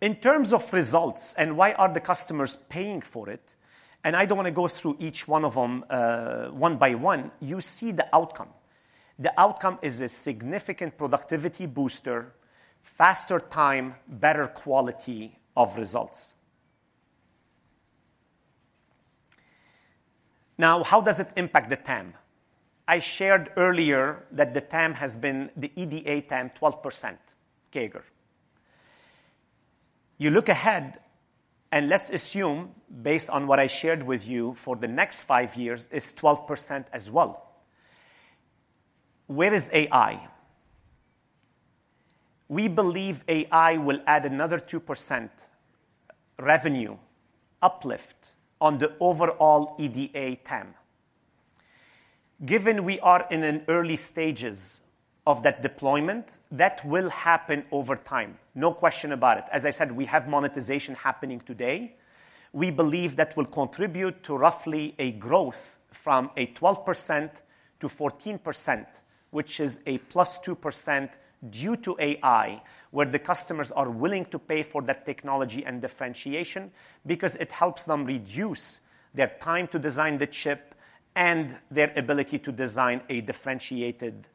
In terms of results, and why are the customers paying for it, and I don't wanna go through each one of them, one by one, you see the outcome. The outcome is a significant productivity booster, faster time, better quality of results. Now, how does it impact the TAM? I shared earlier that the TAM has been the EDA TAM 12% CAGR. You look ahead, and let's assume, based on what I shared with you, for the next five years is 12% as well. Where is AI? We believe AI will add another 2% revenue uplift on the overall EDA TAM. Given we are in an early stages of that deployment, that will happen over time, no question about it. As I said, we have monetization happening today. We believe that will contribute to roughly a growth from a 12%-14%, which is a +2% due to AI, where the customers are willing to pay for that technology and differentiation because it helps them reduce their time to design the chip and their ability to design a differentiated,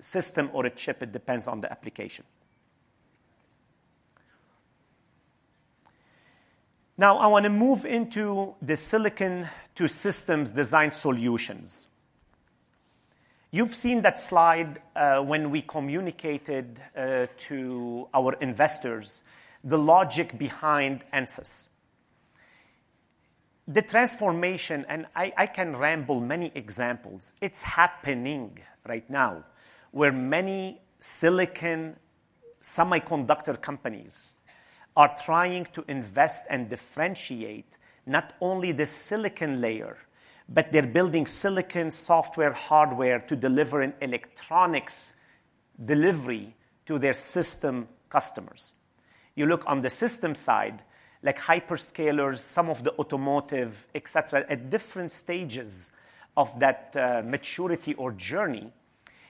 system or a chip, it depends on the application. Now, I Silicon to Systems design solutions. you've seen that slide, when we communicated, to our investors, the logic behind Ansys. The transformation, and I, I can ramble many examples, it's happening right now, where many silicon semiconductor companies are trying to invest and differentiate not only the silicon layer, but they're building silicon software, hardware to deliver an electronics delivery to their system customers. You look on the system side, like hyperscalers, some of the automotive, et cetera, at different stages of that, maturity or journey,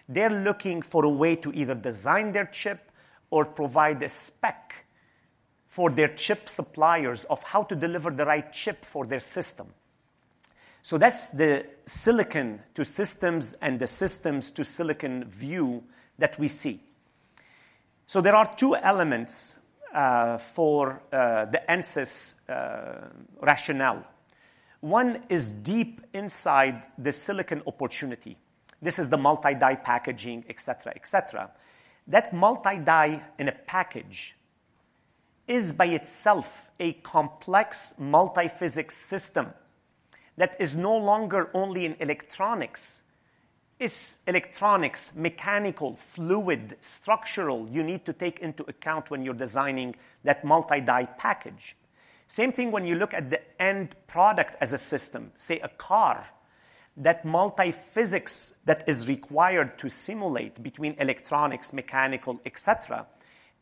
they're looking for a way to either design their chip or provide a spec for their chip suppliers of how to deliver the right chip for their Silicon to Systems and the Systems to Silicon view that we see. So there are two elements, for the Ansys rationale. One is deep inside the silicon opportunity. This is the multi-die packaging, et cetera, et cetera. That multi-die in a package is by itself a complex multiphysics system that is no longer only in electronics. It's electronics, mechanical, fluid, structural. You need to take into account when you're designing that multi-die package. Same thing when you look at the end product as a system, say, a car, that multiphysics that is required to simulate between electronics, mechanical, et cetera,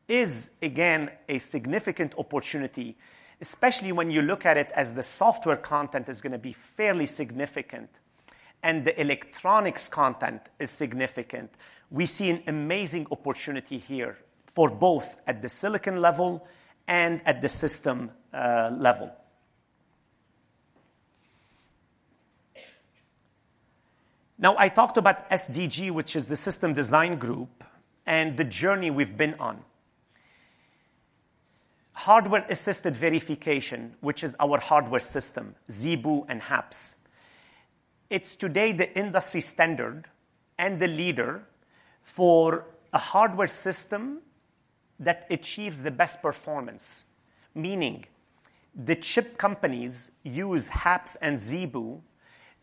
is again a significant opportunity, especially when you look at it as the software content is gonna be fairly significant, and the electronics content is significant. We see an amazing opportunity here for both at the silicon level and at the system level. Now, I talked about SDG, which is the Systems Design Group, and the journey we've been on. Hardware-assisted verification, which is our hardware system, ZeBu and HAPS. It's today the industry standard and the leader for a hardware system that achieves the best performance, meaning the chip companies use HAPS and ZeBu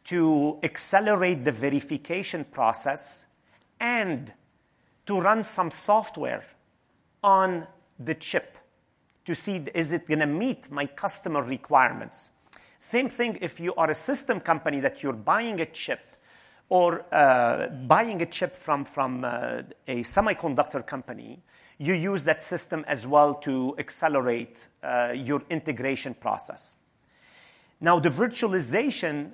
to accelerate the verification process and to run some software on the chip to see is it going to meet my customer requirements? Same thing if you are a system company that you're buying a chip or buying a chip from a semiconductor company, you use that system as well to accelerate your integration process. Now, the virtualization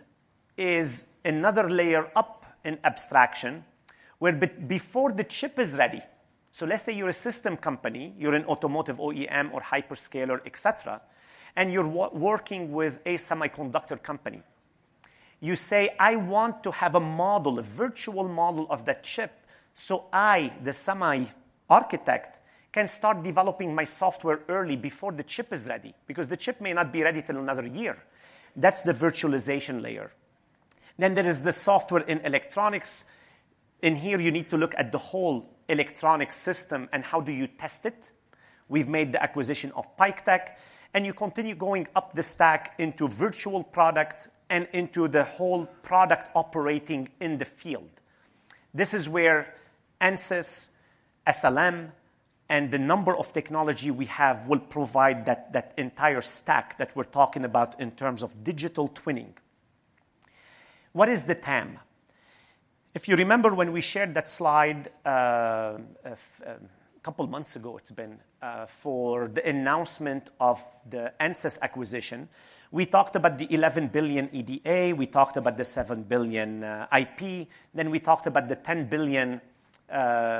is another layer up in abstraction, where before the chip is ready. So let's say you're a system company, you're an automotive OEM or hyperscaler, et cetera, and you're working with a semiconductor company. You say, "I want to have a model, a virtual model of that chip, so I, the semi architect, can start developing my software early before the chip is ready, because the chip may not be ready till another year." That's the virtualization layer. Then there is the software in electronics. In here, you need to look at the whole electronic system and how do you test it. We've made the acquisition of PikeTec, and you continue going up the stack into virtual product and into the whole product operating in the field. This is where Ansys, SLM, and a number of technologies we have will provide that, that entire stack that we're talking about in terms of digital twinning. What is the TAM? If you remember when we shared that slide, a couple of months ago, it's been for the announcement of the Ansys acquisition, we talked about the $11 billion EDA, we talked about the $7 billion IP, then we talked about the $10 billion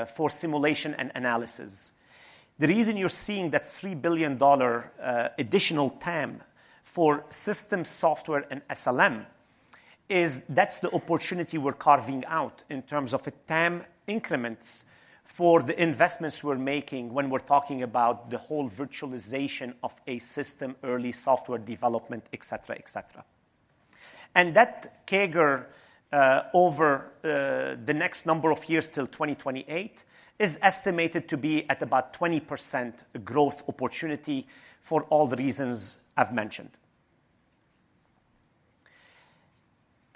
for simulation and analysis. The reason you're seeing that $3 billion additional TAM for system software and SLM is that's the opportunity we're carving out in terms of the TAM increments for the investments we're making when we're talking about the whole virtualization of a system, early software development, et cetera, et cetera. And that CAGR over the next number of years till 2028 is estimated to be at about 20% growth opportunity for all the reasons I've mentioned.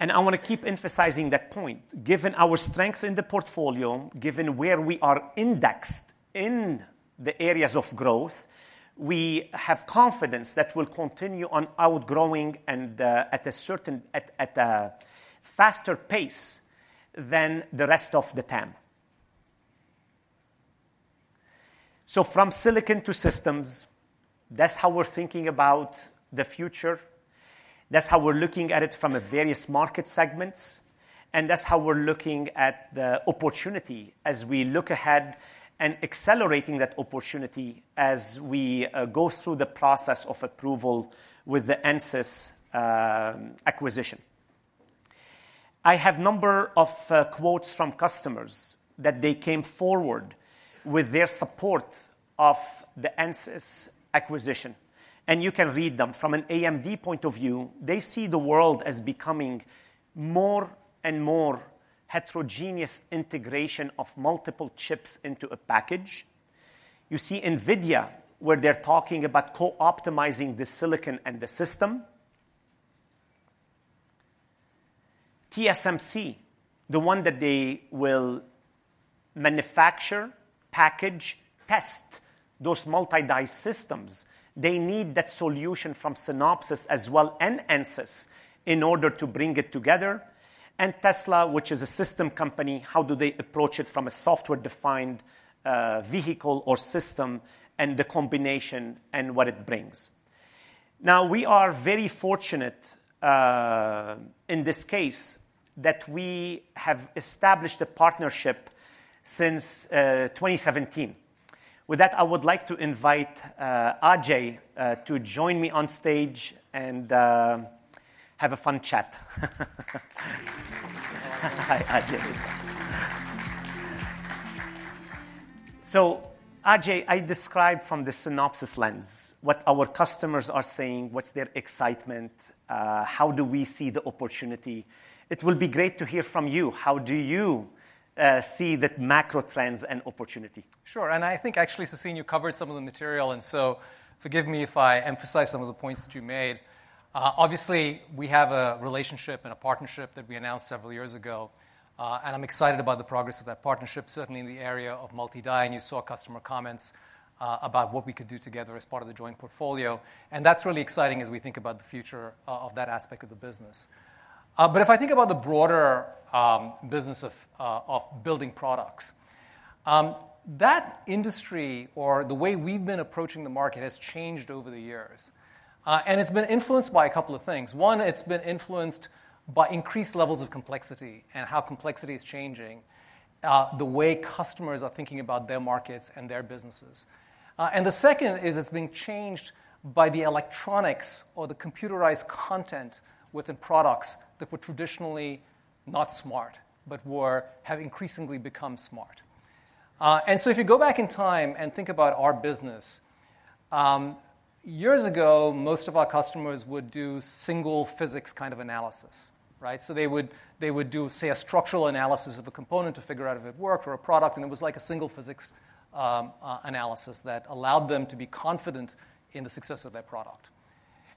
And I want to keep emphasizing that point. Given our strength in the portfolio, given where we are indexed in the areas of growth, we have confidence that we'll continue on outgrowing and at a faster pace than the rest of Silicon to Systems, that's how we're thinking about the future, that's how we're looking at it from various market segments, and that's how we're looking at the opportunity as we look ahead and accelerating that opportunity as we go through the process of approval with the Ansys acquisition. I have number of quotes from customers that they came forward with their support of the Ansys acquisition, and you can read them. From an AMD point of view, they see the world as becoming more and more heterogeneous integration of multiple chips into a package. You see NVIDIA, where they're talking about co-optimizing the silicon and the system. TSMC, the one that they will manufacture, package, test those multi-die systems, they need that solution from Synopsys as well, and Ansys, in order to bring it together. And Tesla, which is a system company, how do they approach it from a software-defined vehicle or system, and the combination and what it brings? Now, we are very fortunate in this case, that we have established a partnership since 2017. With that, I would like to invite Ajei to join me on stage and have a fun chat. Hi, Ajei. So, Ajei, I described from the Synopsys lens, what our customers are saying, what's their excitement, how do we see the opportunity. It will be great to hear from you, how do you see the macro trends and opportunity? Sure. I think actually, Sassine, you covered some of the material, and so forgive me if I emphasize some of the points that you made. Obviously, we have a relationship and a partnership that we announced several years ago, and I'm excited about the progress of that partnership, certainly in the area of multi-die. You saw customer comments about what we could do together as part of the joint portfolio, and that's really exciting as we think about the future of that aspect of the business. But if I think about the broader business of building products, that industry or the way we've been approaching the market has changed over the years. It's been influenced by a couple of things. One, it's been influenced by increased levels of complexity and how complexity is changing the way customers are thinking about their markets and their businesses. And the second is, it's being changed by the electronics or the computerized content within products that were traditionally not smart, but have increasingly become smart. And so if you go back in time and think about our business, years ago, most of our customers would do single physics kind of analysis, right? So they would, they would do, say, a structural analysis of a component to figure out if it worked or a product, and it was like a single physics analysis that allowed them to be confident in the success of their product...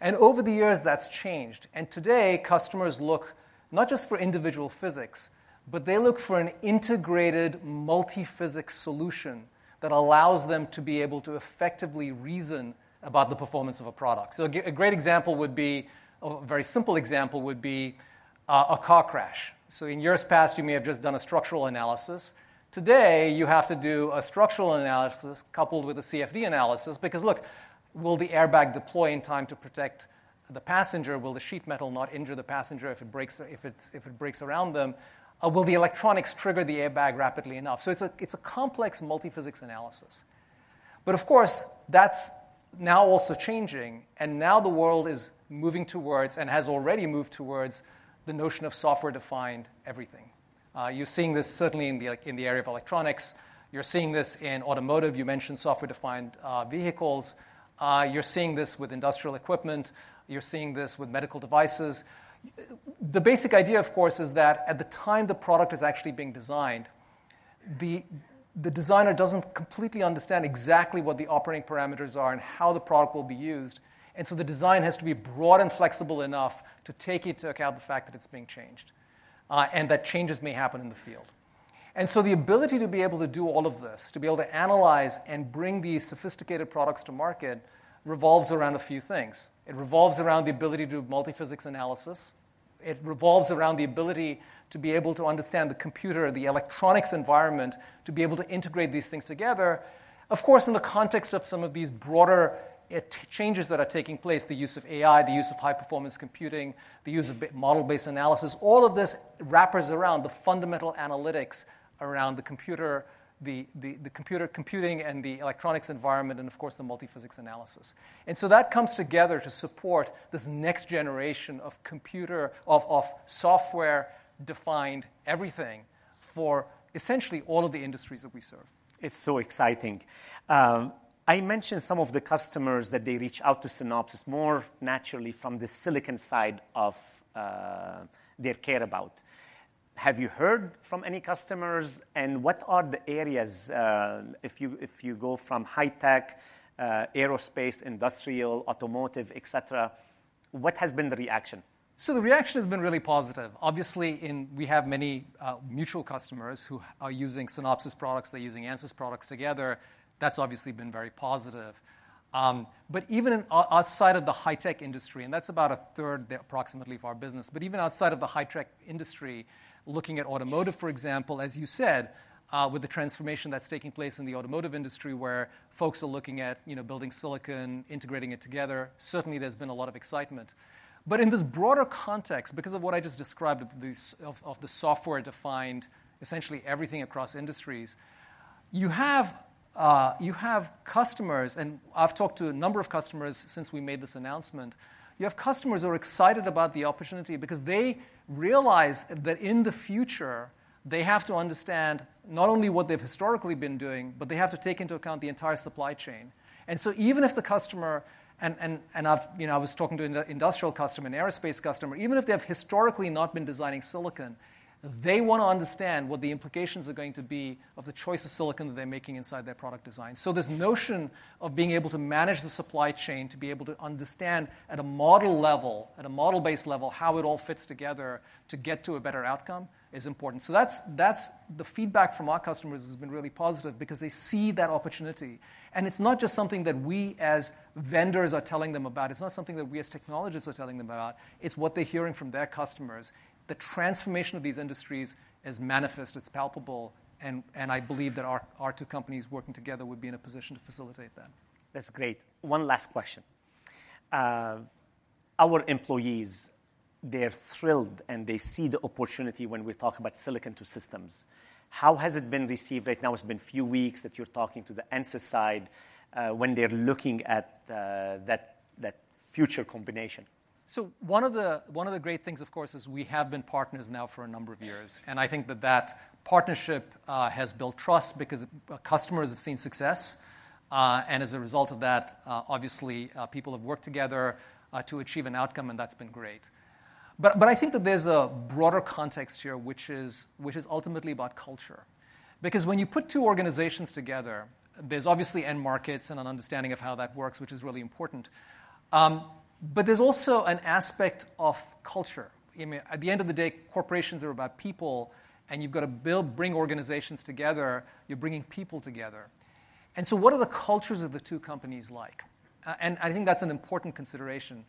and over the years, that's changed. Today, customers look not just for individual physics, but they look for an integrated multiphysics solution that allows them to be able to effectively reason about the performance of a product. So a great example would be, or a very simple example would be, a car crash. So in years past, you may have just done a structural analysis. Today, you have to do a structural analysis coupled with a CFD analysis, because, look, will the airbag deploy in time to protect the passenger? Will the sheet metal not injure the passenger if it breaks around them? Will the electronics trigger the airbag rapidly enough? So it's a complex multiphysics analysis. But of course, that's now also changing, and now the world is moving towards, and has already moved towards, the notion of software-defined everything. You're seeing this certainly in the, like, in the area of electronics. You're seeing this in automotive. You mentioned software-defined vehicles. You're seeing this with industrial equipment. You're seeing this with medical devices. The basic idea, of course, is that at the time the product is actually being designed, the designer doesn't completely understand exactly what the operating parameters are and how the product will be used, and so the design has to be broad and flexible enough to take into account the fact that it's being changed, and that changes may happen in the field. And so the ability to be able to do all of this, to be able to analyze and bring these sophisticated products to market, revolves around a few things. It revolves around the ability to do multiphysics analysis. It revolves around the ability to be able to understand the computer or the electronics environment, to be able to integrate these things together. Of course, in the context of some of these broader IT changes that are taking place, the use of AI, the use of high-performance computing, the use of model-based analysis, all of this wraps around the fundamental analytics around the computer, the computer computing and the electronics environment, and of course, the multiphysics analysis. And so that comes together to support this next generation of computer, of software-defined everything for essentially all of the industries that we serve. It's so exciting. I mentioned some of the customers that they reach out to Synopsys more naturally from the silicon side of their care about. Have you heard from any customers, and what are the areas, if you go from high tech, aerospace, industrial, automotive, et cetera, what has been the reaction? So the reaction has been really positive. Obviously, we have many mutual customers who are using Synopsys products, they're using Ansys products together. That's obviously been very positive. But even outside of the high-tech industry, and that's about a third, approximately, of our business, but even outside of the high-tech industry, looking at automotive, for example, as you said, with the transformation that's taking place in the automotive industry, where folks are looking at, you know, building silicon, integrating it together, certainly there's been a lot of excitement. But in this broader context, because of what I just described, these software-defined, essentially everything across industries, you have customers, and I've talked to a number of customers since we made this announcement. You have customers who are excited about the opportunity because they realize that in the future, they have to understand not only what they've historically been doing, but they have to take into account the entire supply chain. And so even if the customer, I've, you know, I was talking to an industrial customer, an aerospace customer, even if they have historically not been designing silicon, they want to understand what the implications are going to be of the choice of silicon that they're making inside their product design. So this notion of being able to manage the supply chain, to be able to understand at a model level, at a model-based level, how it all fits together to get to a better outcome, is important. So that's, that's the feedback from our customers has been really positive because they see that opportunity, and it's not just something that we, as vendors, are telling them about. It's not something that we, as technologists, are telling them about. It's what they're hearing from their customers. The transformation of these industries is manifest, it's palpable, and, and I believe that our, our two companies working together would be in a position to facilitate that. That's great. One last question. Our employees, they're thrilled, and they see the opportunity Silicon to Systems. how has it been received right now? It's been a few weeks that you're talking to the Ansys side, when they're looking at that future combination. So one of the great things, of course, is we have been partners now for a number of years, and I think that that partnership has built trust because customers have seen success. And as a result of that, obviously, people have worked together to achieve an outcome, and that's been great. But I think that there's a broader context here, which is ultimately about culture. Because when you put two organizations together, there's obviously end markets and an understanding of how that works, which is really important. But there's also an aspect of culture. I mean, at the end of the day, corporations are about people, and you've got to bring organizations together, you're bringing people together. And so what are the cultures of the two companies like? And I think that's an important consideration.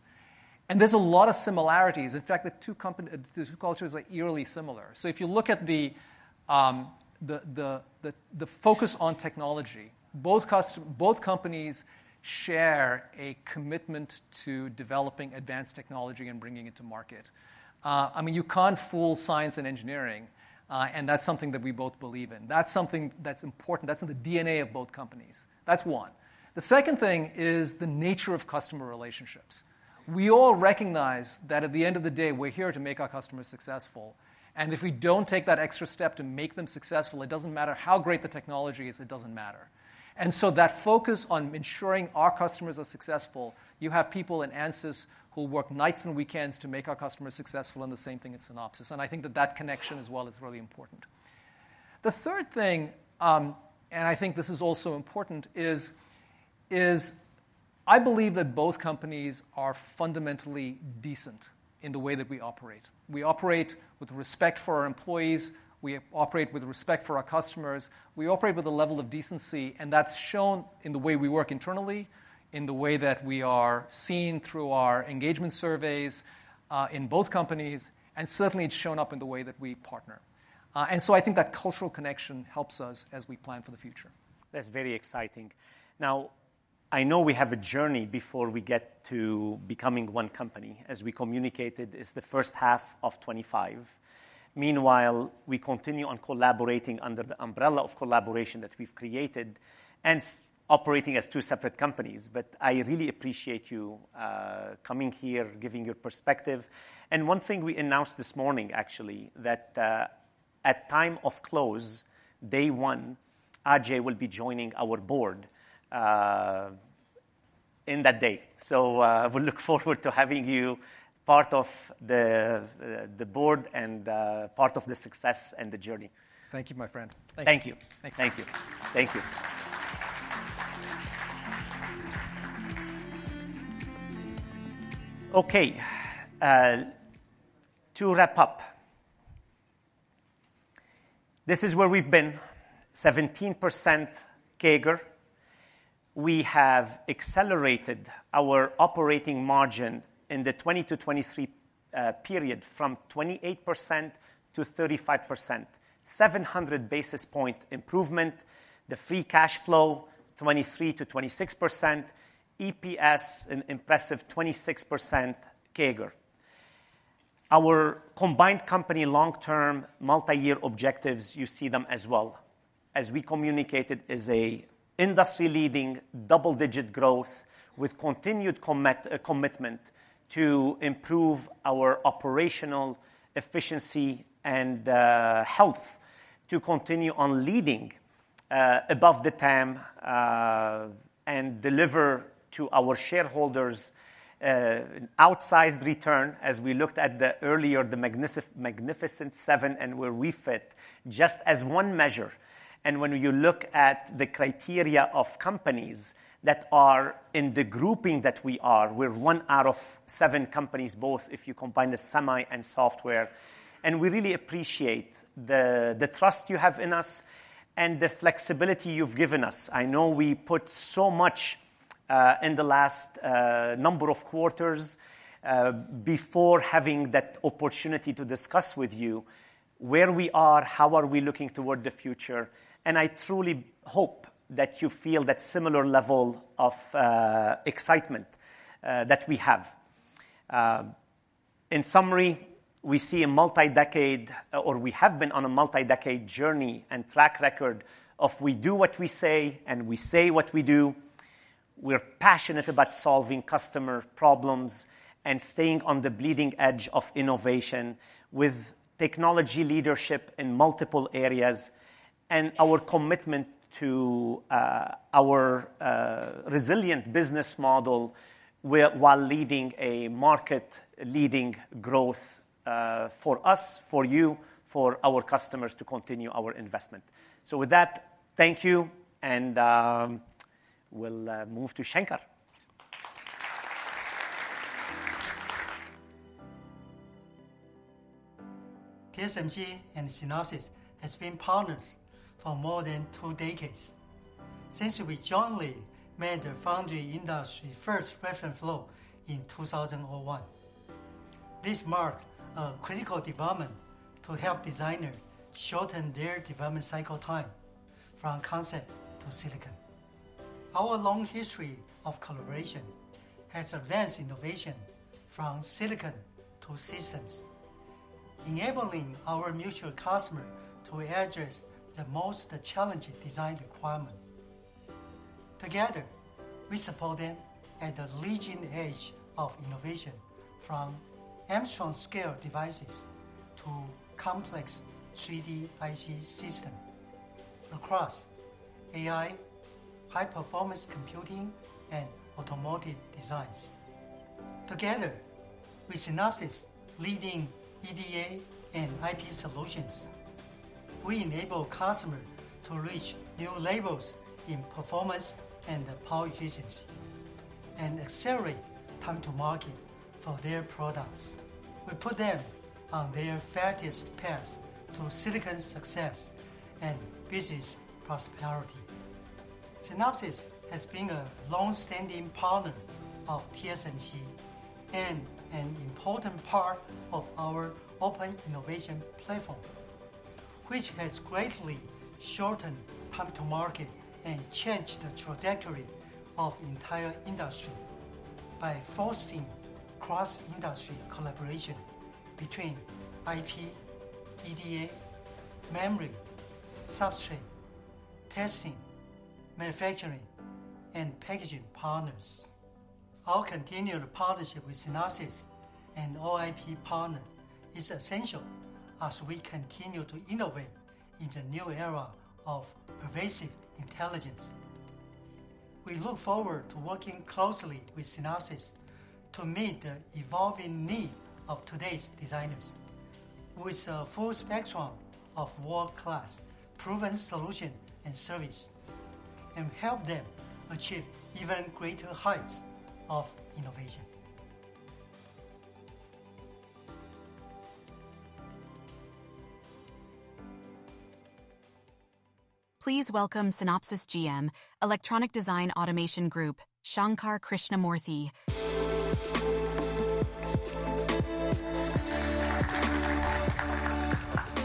There's a lot of similarities. In fact, the two companies—the two cultures are eerily similar. So if you look at the focus on technology, both companies share a commitment to developing advanced technology and bringing it to market. I mean, you can't fool science and engineering, and that's something that we both believe in. That's something that's important. That's in the DNA of both companies. That's one. The second thing is the nature of customer relationships. We all recognize that at the end of the day, we're here to make our customers successful, and if we don't take that extra step to make them successful, it doesn't matter how great the technology is, it doesn't matter. And so that focus on ensuring our customers are successful, you have people in Ansys who work nights and weekends to make our customers successful, and the same thing at Synopsys, and I think that that connection as well is really important. The third thing, and I think this is also important, is I believe that both companies are fundamentally decent in the way that we operate. We operate with respect for our employees, we operate with respect for our customers. We operate with a level of decency, and that's shown in the way we work internally, in the way that we are seen through our engagement surveys, in both companies, and certainly it's shown up in the way that we partner. And so I think that cultural connection helps us as we plan for the future. That's very exciting. Now, I know we have a journey before we get to becoming one company. As we communicated, it's the first half of 2025. Meanwhile, we continue on collaborating under the umbrella of collaboration that we've created and operating as two separate companies. But I really appreciate you coming here, giving your perspective. And one thing we announced this morning, actually, that at time of close, day one, Ajei will be joining our board in that day. So, we look forward to having you part of the board and part of the success and the journey. Thank you, my friend. Thanks. Thank you. Thanks. Thank you. Thank you. Okay, to wrap up, this is where we've been, 17% CAGR. We have accelerated our operating margin in the 2020 to 2023 period from 28%-35%, 700 basis point improvement; the free cash flow, 23%-26%; EPS, an impressive 26% CAGR. Our combined company long-term multi-year objectives, you see them as well. As we communicated, is a industry-leading double-digit growth with continued commitment to improve our operational efficiency and health to continue on leading above the TAM and deliver to our shareholders an outsized return, as we looked at the earlier, the Magnificent Seven, and where we fit just as one measure. When you look at the criteria of companies that are in the grouping that we are, we're one out of seven companies, both if you combine the semi and software. We really appreciate the trust you have in us and the flexibility you've given us. I know we put so much in the last number of quarters before having that opportunity to discuss with you where we are, how we are looking toward the future, and I truly hope that you feel that similar level of excitement that we have. In summary, we see a multi-decade or we have been on a multi-decade journey and track record of we do what we say, and we say what we do. We're passionate about solving customer problems and staying on the bleeding edge of innovation with technology leadership in multiple areas, and our commitment to our resilient business model, while leading a market-leading growth, for us, for you, for our customers, to continue our investment. So with that, thank you, and we'll move to Shankar. TSMC and Synopsys have been partners for more than two decades since we jointly made the foundry industry's first reference flow in 2001. This marked a critical development to help designers shorten their development cycle time from concept to silicon. Our long history of collaboration Silicon to Systems, enabling our mutual customers to address the most challenging design requirements. Together, we support them at the leading edge of innovation, from Angstrom-scale devices to complex 3D IC systems across AI, high-performance computing, and automotive designs. Together, with Synopsys' leading EDA and IP solutions, we enable customers to reach new levels in performance and power efficiency and accelerate time to market for their products. We put them on their fastest path to silicon success and business prosperity. Synopsys has been a long-standing partner of TSMC and an important part of our Open Innovation Platform, which has greatly shortened time to market and changed the trajectory of entire industry by fostering cross-industry collaboration between IP, EDA, memory, substrate, testing, manufacturing, and packaging partners. Our continued partnership with Synopsys and OIP partner is essential as we continue to innovate in the new era of pervasive intelligence.... We look forward to working closely with Synopsys to meet the evolving need of today's designers with a full spectrum of world-class proven solution and service, and help them achieve even greater heights of innovation. Please welcome Synopsys GM, Electronic Design Automation Group, Shankar Krishnamoorthy.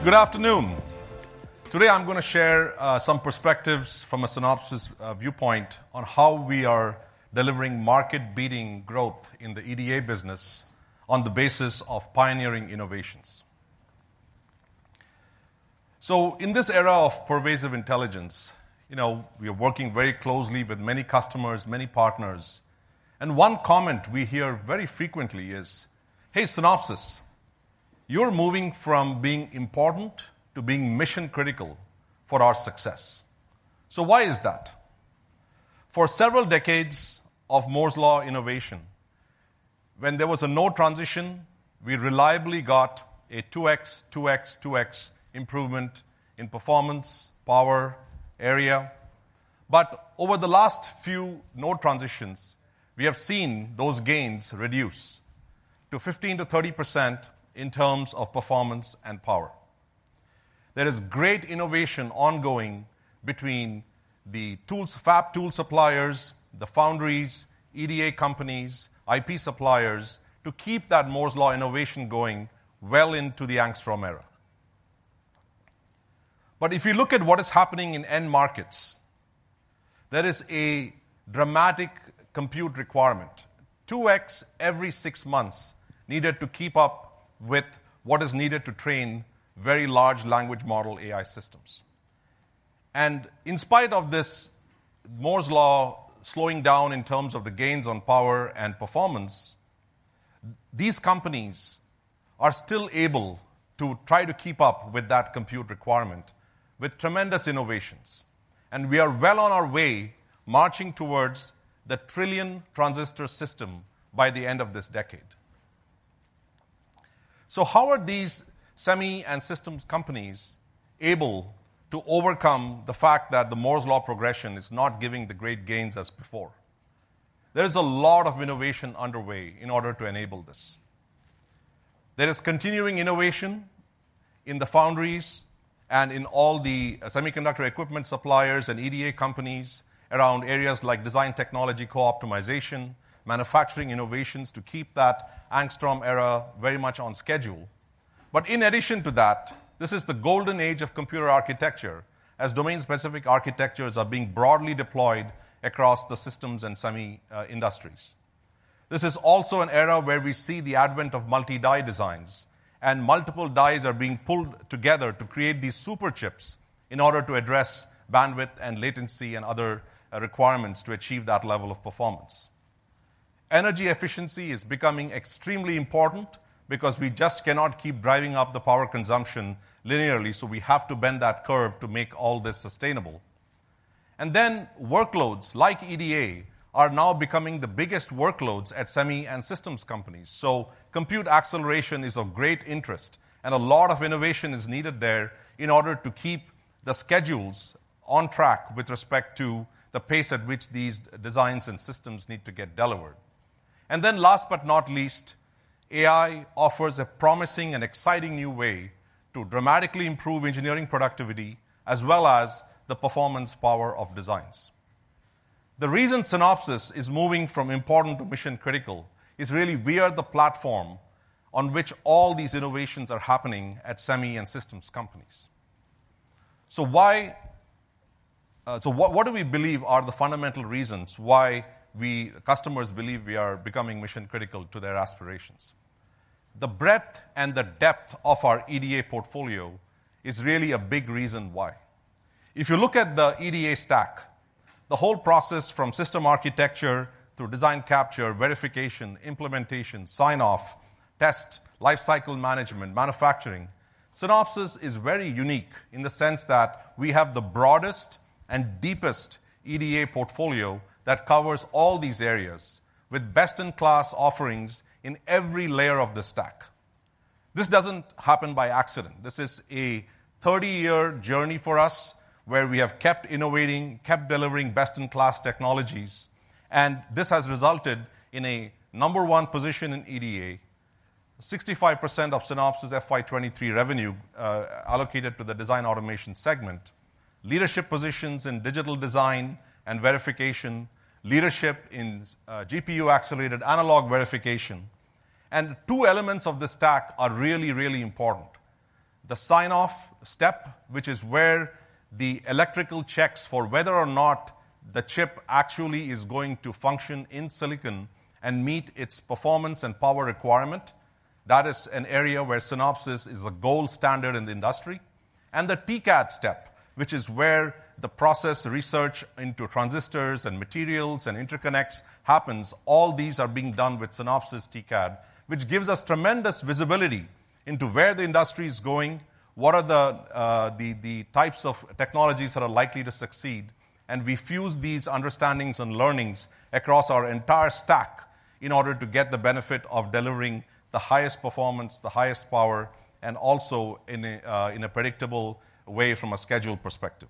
Good afternoon. Today, I'm going to share some perspectives from a Synopsys viewpoint on how we are delivering market-beating growth in the EDA business on the basis of pioneering innovations. In this era of pervasive intelligence, you know, we are working very closely with many customers, many partners, and one comment we hear very frequently is, "Hey, Synopsys, you're moving from being important to being mission-critical for our success." Why is that? For several decades of Moore's Law innovation, when there was a node transition, we reliably got a 2x, 2x, 2x improvement in performance, power, area. But over the last few node transitions, we have seen those gains reduce to 15%-30% in terms of performance and power. There is great innovation ongoing between the tools, fab tool suppliers, the foundries, EDA companies, IP suppliers, to keep that Moore's Law innovation going well into the Angstrom era. But if you look at what is happening in end markets, there is a dramatic compute requirement, 2x every six months, needed to keep up with what is needed to train very large language model AI systems. In spite of this, Moore's Law slowing down in terms of the gains on power and performance, these companies are still able to try to keep up with that compute requirement with tremendous innovations, and we are well on our way, marching towards the trillion transistor system by the end of this decade. How are these semi and systems companies able to overcome the fact that the Moore's Law progression is not giving the great gains as before? There is a lot of innovation underway in order to enable this. There is continuing innovation in the foundries and in all the semiconductor equipment suppliers and EDA companies around areas like Design Technology Co-Optimization, manufacturing innovations to keep that Angstrom era very much on schedule. But in addition to that, this is the golden age of computer architecture, as domain-specific architectures are being broadly deployed across the systems and semi, industries. This is also an era where we see the advent of multi-die designs, and multiple dies are being pulled together to create these Superchips in order to address bandwidth and latency and other, requirements to achieve that level of performance. Energy efficiency is becoming extremely important because we just cannot keep driving up the power consumption linearly, so we have to bend that curve to make all this sustainable. And then workloads like EDA are now becoming the biggest workloads at semi and systems companies. So compute acceleration is of great interest, and a lot of innovation is needed there in order to keep the schedules on track with respect to the pace at which these designs and systems need to get delivered. And then last but not least, AI offers a promising and exciting new way to dramatically improve engineering productivity, as well as the performance power of designs. The reason Synopsys is moving from important to mission-critical is really we are the platform on which all these innovations are happening at semi and systems companies. So what, what do we believe are the fundamental reasons why we, customers believe we are becoming mission-critical to their aspirations? The breadth and the depth of our EDA portfolio is really a big reason why. If you look at the EDA stack, the whole process from system architecture through design capture, verification, implementation, sign-off, test, lifecycle management, manufacturing. Synopsys is very unique in the sense that we have the broadest and deepest EDA portfolio that covers all these areas, with best-in-class offerings in every layer of the stack. This doesn't happen by accident. This is a 30-year journey for us, where we have kept innovating, kept delivering best-in-class technologies, and this has resulted in a number one position in EDA, 65% of Synopsys FY 2023 revenue allocated to the Design Automation segment, leadership positions in digital design and verification, leadership in GPU-accelerated analog verification. Two elements of the stack are really, really important. The sign-off step, which is where the electrical checks for whether or not the chip actually is going to function in silicon and meet its performance and power requirement. That is an area where Synopsys is a gold standard in the industry. The TCAD step, which is where the process research into transistors and materials and interconnects happens. All these are being done with Synopsys TCAD, which gives us tremendous visibility into where the industry is going, what are the types of technologies that are likely to succeed, and we fuse these understandings and learnings across our entire stack in order to get the benefit of delivering the highest performance, the highest power, and also in a predictable way from a schedule perspective.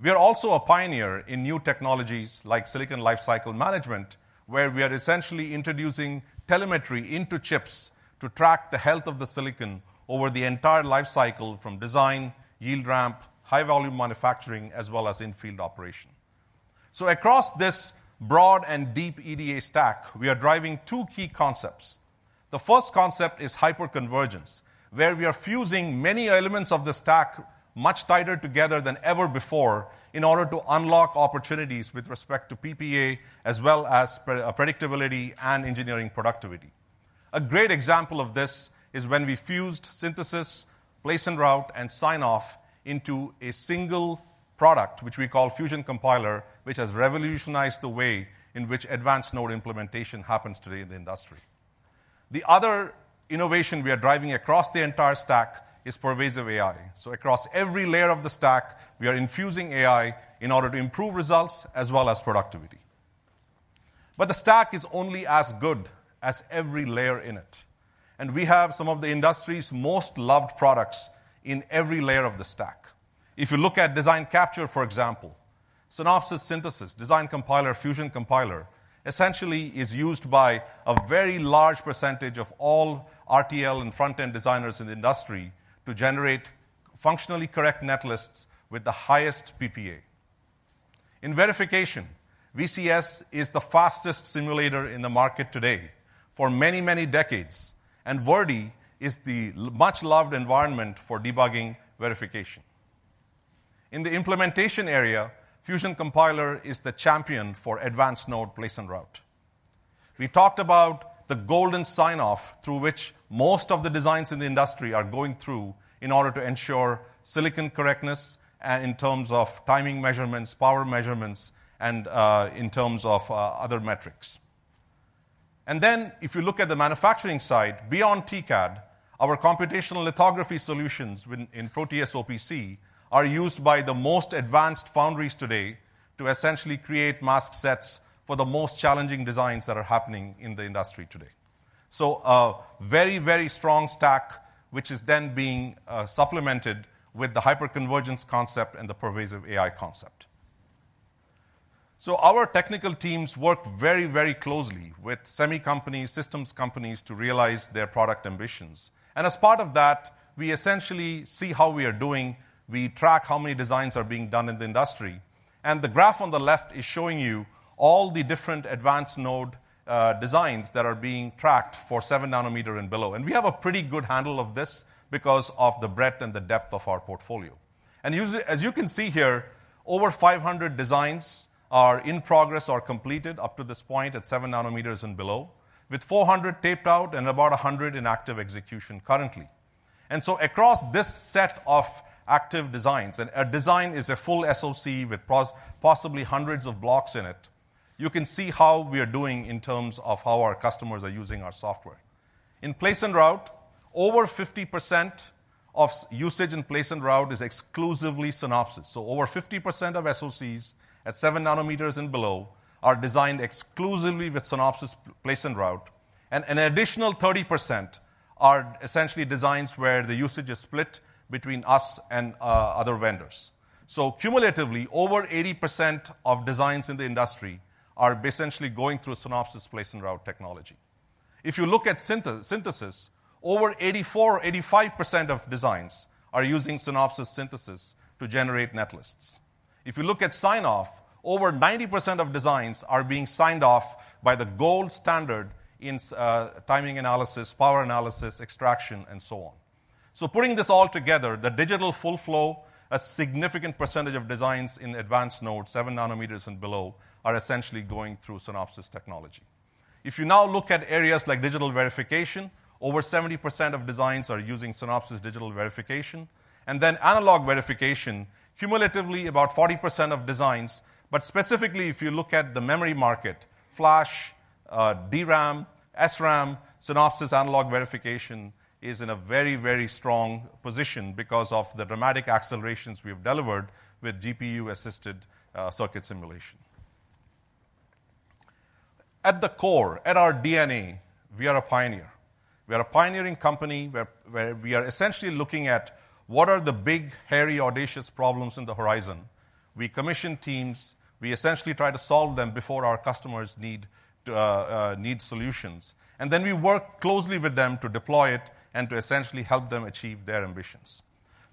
We are also a pioneer in new technologies like Silicon Lifecycle Management, where we are essentially introducing telemetry into chips to track the health of the silicon over the entire lifecycle, from design, yield ramp, high-volume manufacturing, as well as in-field operation. So across this broad and deep EDA stack, we are driving two key concepts. The first concept is hyperconvergence, where we are fusing many elements of the stack much tighter together than ever before in order to unlock opportunities with respect to PPA, as well as predictability and engineering productivity. A great example of this is when we fused synthesis, place and route, and sign-off into a single product, which we call Fusion Compiler, which has revolutionized the way in which advanced node implementation happens today in the industry. The other innovation we are driving across the entire stack is pervasive AI. So across every layer of the stack, we are infusing AI in order to improve results as well as productivity. But the stack is only as good as every layer in it, and we have some of the industry's most loved products in every layer of the stack. If you look at design capture, for example, Synopsys synthesis, Design Compiler, Fusion Compiler, essentially is used by a very large percentage of all RTL and front-end designers in the industry to generate functionally correct netlists with the highest PPA. In verification, VCS is the fastest simulator in the market today for many, many decades, and Verdi is the much-loved environment for debugging verification. In the implementation area, Fusion Compiler is the champion for advanced node place and route. We talked about the golden sign-off, through which most of the designs in the industry are going through in order to ensure silicon correctness, and in terms of timing measurements, power measurements, and in terms of other metrics. And then, if you look at the manufacturing side, beyond TCAD, our computational lithography solutions in Proteus OPC are used by the most advanced foundries today to essentially create mask sets for the most challenging designs that are happening in the industry today. So a very, very strong stack, which is then being supplemented with the hyperconvergence concept and the pervasive AI concept. So our technical teams work very, very closely with semi companies, systems companies to realize their product ambitions. And as part of that, we essentially see how we are doing. We track how many designs are being done in the industry, and the graph on the left is showing you all the different advanced node designs that are being tracked for 7-nanometer and below. We have a pretty good handle of this because of the breadth and the depth of our portfolio. As you can see here, over 500 designs are in progress or completed up to this point at 7 nanometers and below, with 400 taped out and about 100 in active execution currently. Across this set of active designs, and a design is a full SoC with possibly hundreds of blocks in it, you can see how we are doing in terms of how our customers are using our software. In place and route, over 50% of usage in place and route is exclusively Synopsys. So over 50% of SoCs at 7 nanometers and below are designed exclusively with Synopsys place and route, and an additional 30% are essentially designs where the usage is split between us and other vendors. So cumulatively, over 80% of designs in the industry are essentially going through Synopsys place and route technology. If you look at synthesis, over 84%-85% of designs are using Synopsys synthesis to generate netlists. If you look at sign-off, over 90% of designs are being signed off by the gold standard in timing analysis, power analysis, extraction, and so on. So putting this all together, the digital full flow, a significant percentage of designs in advanced node, 7 nanometers and below, are essentially going through Synopsys technology. If you now look at areas like digital verification, over 70% of designs are using Synopsys digital verification, and then analog verification, cumulatively, about 40% of designs. But specifically, if you look at the memory market, flash, DRAM, SRAM, Synopsys analog verification is in a very, very strong position because of the dramatic accelerations we have delivered with GPU-assisted circuit simulation. At the core, at our DNA, we are a pioneer. We are a pioneering company, where we are essentially looking at what are the big, hairy, audacious problems on the horizon. We commission teams, we essentially try to solve them before our customers need to, need solutions, and then we work closely with them to deploy it and to essentially help them achieve their ambitions.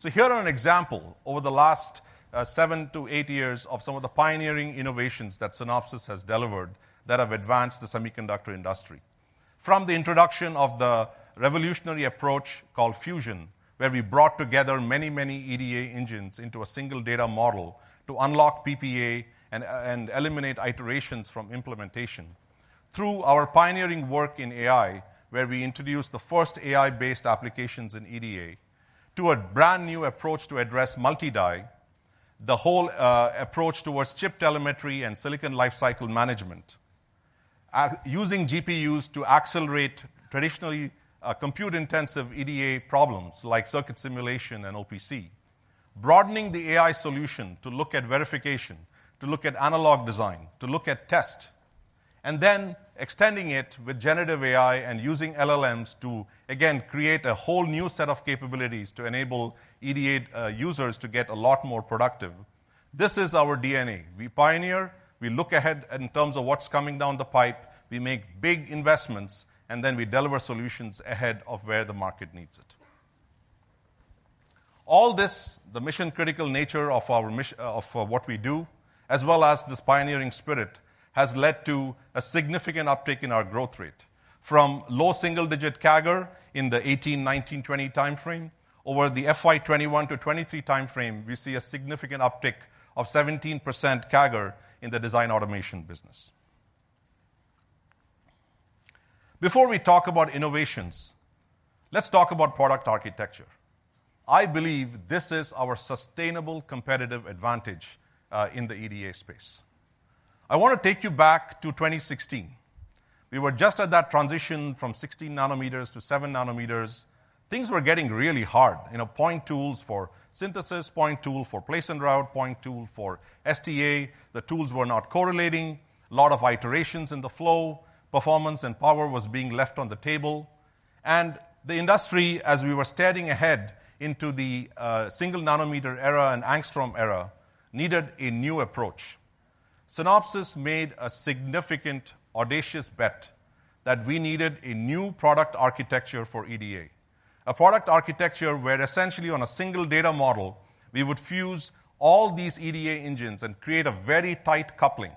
Here are an example, over the last 7 years-8 years, of some of the pioneering innovations that Synopsys has delivered that have advanced the semiconductor industry. From the introduction of the revolutionary approach called Fusion, where we brought together many, many EDA engines into a single data model to unlock PPA and eliminate iterations from implementation. Through our pioneering work in AI, where we introduced the first AI-based applications in EDA, to a brand-new approach to address multi-die, the whole approach towards chip telemetry and Silicon Lifecycle Management. Using GPUs to accelerate traditionally, compute-intensive EDA problems like circuit simulation and OPC, broadening the AI solution to look at verification, to look at analog design, to look at test, and then extending it with generative AI and using LLMs to, again, create a whole new set of capabilities to enable EDA users to get a lot more productive. This is our DNA. We pioneer, we look ahead in terms of what's coming down the pipe, we make big investments, and then we deliver solutions ahead of where the market needs it. All this, the mission-critical nature of what we do, as well as this pioneering spirit, has led to a significant uptick in our growth rate. From low single-digit CAGR in the 2018, 2019, 2020 time frame, over the FY 2021-2023 time frame, we see a significant uptick of 17% CAGR in the Design Automation business. Before we talk about innovations, let's talk about product architecture. I believe this is our sustainable competitive advantage in the EDA space. I want to take you back to 2016. We were just at that transition from 16 nanometers-7 nanometers. Things were getting really hard. You know, point tools for synthesis, point tool for place and route, point tool for STA. The tools were not correlating, a lot of iterations in the flow, performance and power was being left on the table. And the industry, as we were staring ahead into the single-nanometer era and Angstrom era, needed a new approach. Synopsys made a significant, audacious bet that we needed a new product architecture for EDA. A product architecture, where essentially on a single data model, we would fuse all these EDA engines and create a very tight coupling.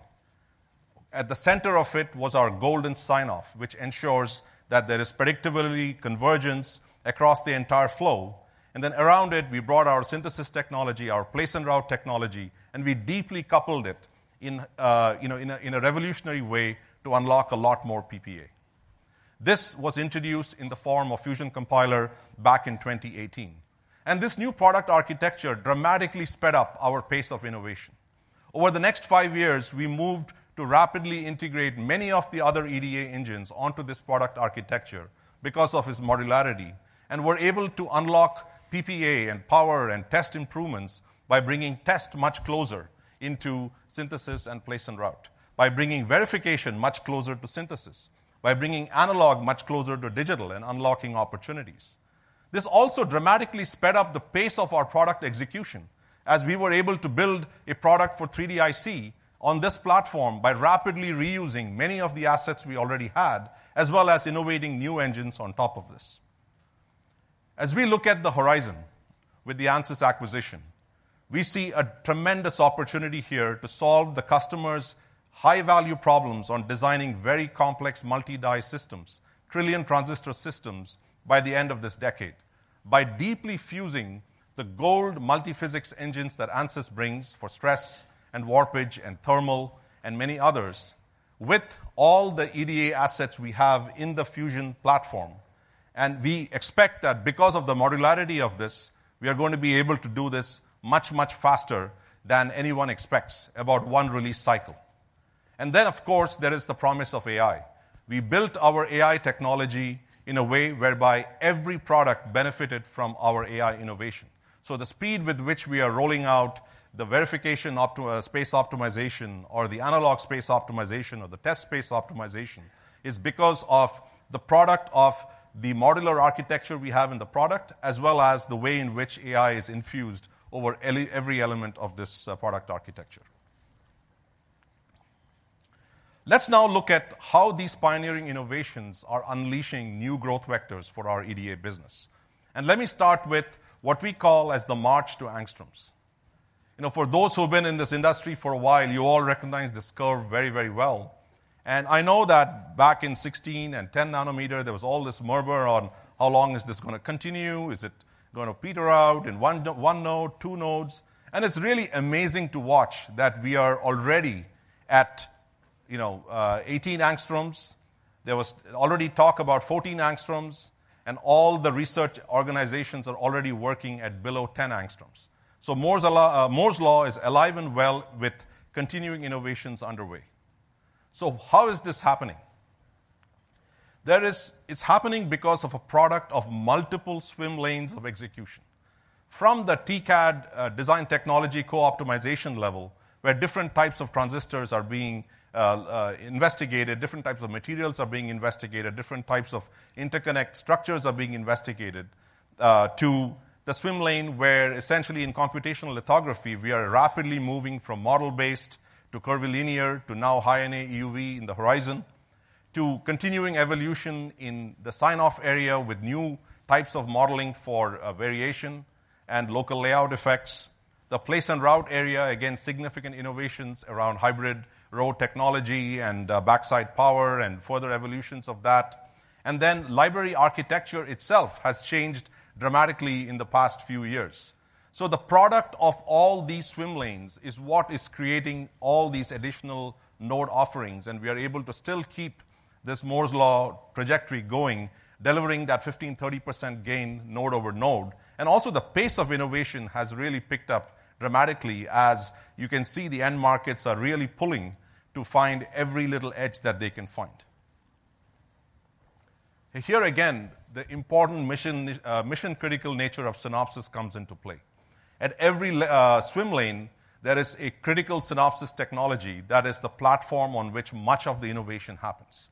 At the center of it was our golden sign-off, which ensures that there is predictability, convergence across the entire flow, and then around it, we brought our synthesis technology, our place and route technology, and we deeply coupled it in, you know, in a revolutionary way to unlock a lot more PPA. This was introduced in the form of Fusion Compiler back in 2018, and this new product architecture dramatically sped up our pace of innovation. Over the next five years, we moved to rapidly integrate many of the other EDA engines onto this product architecture because of its modularity, and we're able to unlock PPA and power and test improvements by bringing test much closer into synthesis and place and route, by bringing verification much closer to synthesis, by bringing analog much closer to digital and unlocking opportunities. This also dramatically sped up the pace of our product execution, as we were able to build a product for 3DIC on this platform by rapidly reusing many of the assets we already had, as well as innovating new engines on top of this. As we look at the horizon with the Ansys acquisition, we see a tremendous opportunity here to solve the customer's high-value problems on designing very complex multi-die systems, trillion transistor systems, by the end of this decade, by deeply fusing the gold multiphysics engines that Ansys brings for stress and warpage and thermal and many others, with all the EDA assets we have in the Fusion platform. We expect that because of the modularity of this, we are going to be able to do this much, much faster than anyone expects, about one release cycle. Then, of course, there is the promise of AI. We built our AI technology in a way whereby every product benefited from our AI innovation. So the speed with which we are rolling out the verification space optimization or the analog space optimization or the test space optimization is because of the product of the modular architecture we have in the product, as well as the way in which AI is infused over every element of this product architecture. Let's now look at how these pioneering innovations are unleashing new growth vectors for our EDA business. Let me start with what we call the March to Angstroms. You know, for those who have been in this industry for a while, you all recognize this curve very, very well. I know that back in 16- and 10-nanometer, there was all this murmur on how long is this gonna continue? Is it gonna peter out in one, one node, two nodes? It's really amazing to watch that we are already at, you know, 18 angstroms. There was already talk about 14 angstroms, and all the research organizations are already working at below 10 angstroms. Moore's Law is alive and well with continuing innovations underway. So how is this happening? It's happening because of a product of multiple swim lanes of execution. From the TCAD Design Technology Co-Optimization level, where different types of transistors are being investigated, different types of materials are being investigated, different types of interconnect structures are being investigated, to the swim lane, where essentially in computational lithography, we are rapidly moving from model-based to curvilinear, to now high-NA EUV in the horizon, to continuing evolution in the sign-off area with new types of modeling for variation and local layout effects. The place and route area, again, significant innovations around hybrid row technology and backside power and further evolutions of that. Then library architecture itself has changed dramatically in the past few years. So the product of all these swim lanes is what is creating all these additional node offerings, and we are able to still keep this Moore's Law trajectory going, delivering that 15%-30% gain node over node, and also the pace of innovation has really picked up dramatically. As you can see, the end markets are really pulling to find every little edge that they can find. And here again, the important mission-critical nature of Synopsys comes into play. At every swim lane, there is a critical Synopsys technology that is the platform on which much of the innovation happens.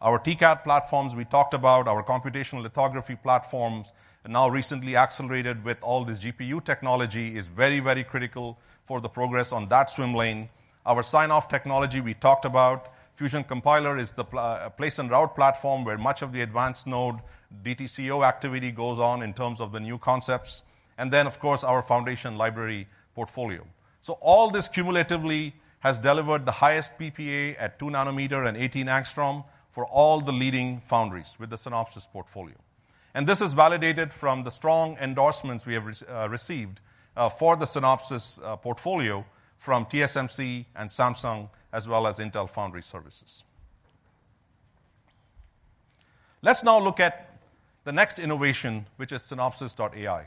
Our TCAD platforms, we talked about, our computational lithography platforms, and now recently accelerated with all this GPU technology, is very, very critical for the progress on that swim lane. Our sign-off technology, we talked about. Fusion Compiler is the place and route platform, where much of the advanced node DTCO activity goes on in terms of the new concepts, and then, of course, our foundation library portfolio. All this cumulatively has delivered the highest PPA at 2 nanometer and 18 angstrom for all the leading foundries with the Synopsys portfolio. This is validated from the strong endorsements we have received for the Synopsys portfolio from TSMC and Samsung, as well as Intel Foundry Services. Let's now look at the next innovation, which is Synopsys.ai.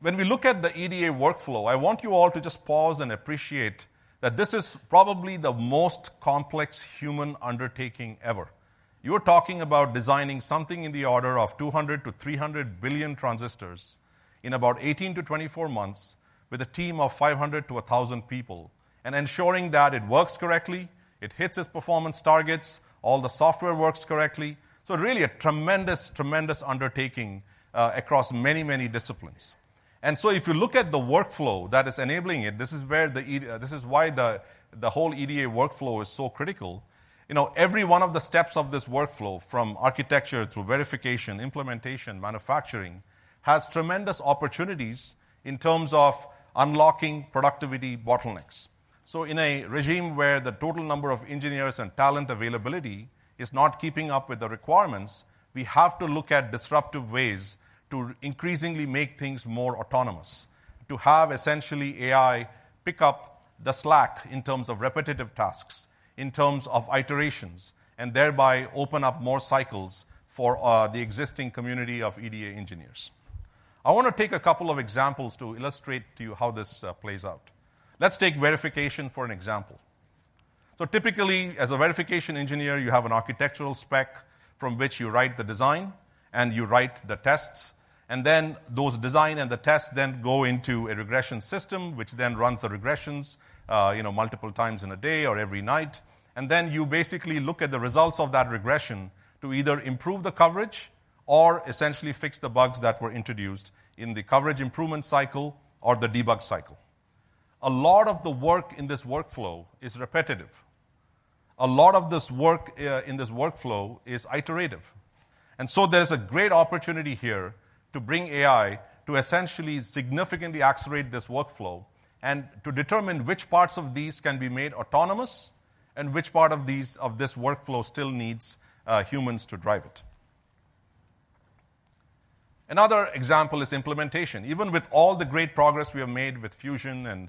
When we look at the EDA workflow, I want you all to just pause and appreciate that this is probably the most complex human undertaking ever. You're talking about designing something in the order of 200-300 billion transistors in about 18-24 months, with a team of 500-1,000 people, and ensuring that it works correctly, it hits its performance targets, all the software works correctly. So really a tremendous, tremendous undertaking across many, many disciplines. So if you look at the workflow that is enabling it, this is why the whole EDA workflow is so critical. You know, every one of the steps of this workflow, from architecture through verification, implementation, manufacturing, has tremendous opportunities in terms of unlocking productivity bottlenecks. So in a regime where the total number of engineers and talent availability is not keeping up with the requirements, we have to look at disruptive ways to increasingly make things more autonomous, to have essentially AI pick up the slack in terms of repetitive tasks, in terms of iterations, and thereby open up more cycles for the existing community of EDA engineers. I want to take a couple of examples to illustrate to you how this plays out. Let's take verification for an example. So typically, as a verification engineer, you have an architectural spec from which you write the design, and you write the tests, and then those design and the tests then go into a regression system, which then runs the regressions, you know, multiple times in a day or every night. Then you basically look at the results of that regression to either improve the coverage or essentially fix the bugs that were introduced in the coverage improvement cycle or the debug cycle. A lot of the work in this workflow is repetitive. A lot of this work, in this workflow is iterative, and so there's a great opportunity here to bring AI to essentially significantly accelerate this workflow and to determine which parts of these can be made autonomous and which part of this workflow still needs humans to drive it. Another example is implementation. Even with all the great progress we have made with Fusion and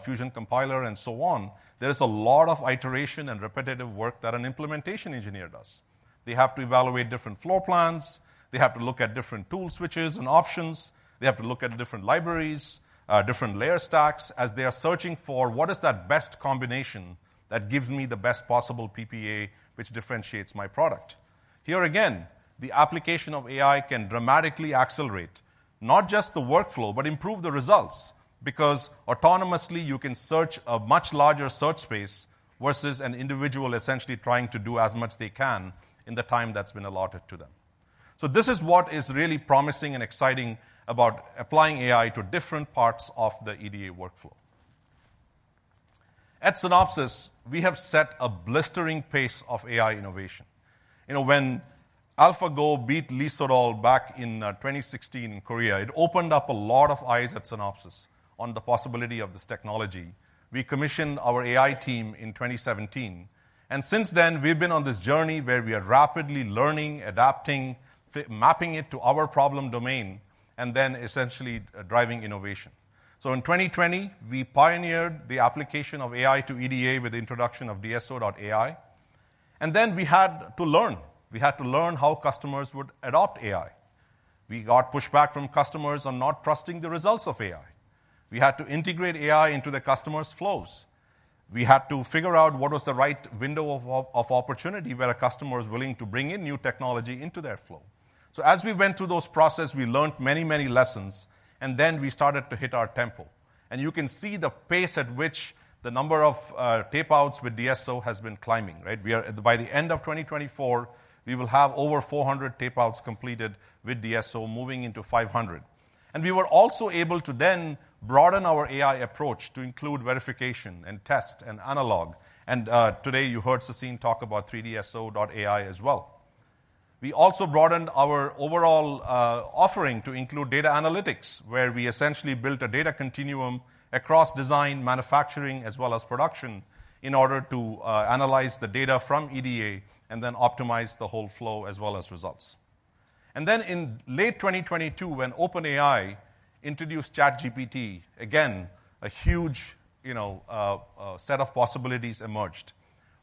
Fusion Compiler and so on, there is a lot of iteration and repetitive work that an implementation engineer does. They have to evaluate different floor plans. They have to look at different tool switches and options. They have to look at different libraries, different layer stacks, as they are searching for: what is that best combination that gives me the best possible PPA, which differentiates my product? Here again, the application of AI can dramatically accelerate not just the workflow, but improve the results, because autonomously, you can search a much larger search space versus an individual essentially trying to do as much they can in the time that's been allotted to them. So this is what is really promising and exciting about applying AI to different parts of the EDA workflow. At Synopsys, we have set a blistering pace of AI innovation. You know, when AlphaGo beat Lee Sedol back in 2016 in Korea, it opened up a lot of eyes at Synopsys on the possibility of this technology. We commissioned our AI team in 2017, and since then, we've been on this journey where we are rapidly learning, adapting, mapping it to our problem domain, and then essentially driving innovation. So in 2020, we pioneered the application of AI to EDA with the introduction of DSO.ai, and then we had to learn. We had to learn how customers would adopt AI. We got pushback from customers on not trusting the results of AI. We had to integrate AI into the customer's flows. We had to figure out what was the right window of opportunity, where a customer is willing to bring in new technology into their flow. So as we went through those process, we learned many, many lessons, and then we started to hit our tempo. You can see the pace at which the number of tape-outs with DSO has been climbing, right? By the end of 2024, we will have over 400 tape-outs completed with DSO moving into 500. We were also able to then broaden our AI approach to include verification and test and analog. Today, you heard Sassine talk about 3DSO.ai as well. We also broadened our overall offering to include data analytics, where we essentially built a data continuum across design, manufacturing, as well as production, in order to analyze the data from EDA and then optimize the whole flow as well as results. Then in late 2022, when OpenAI introduced ChatGPT, again, a huge, you know, set of possibilities emerged.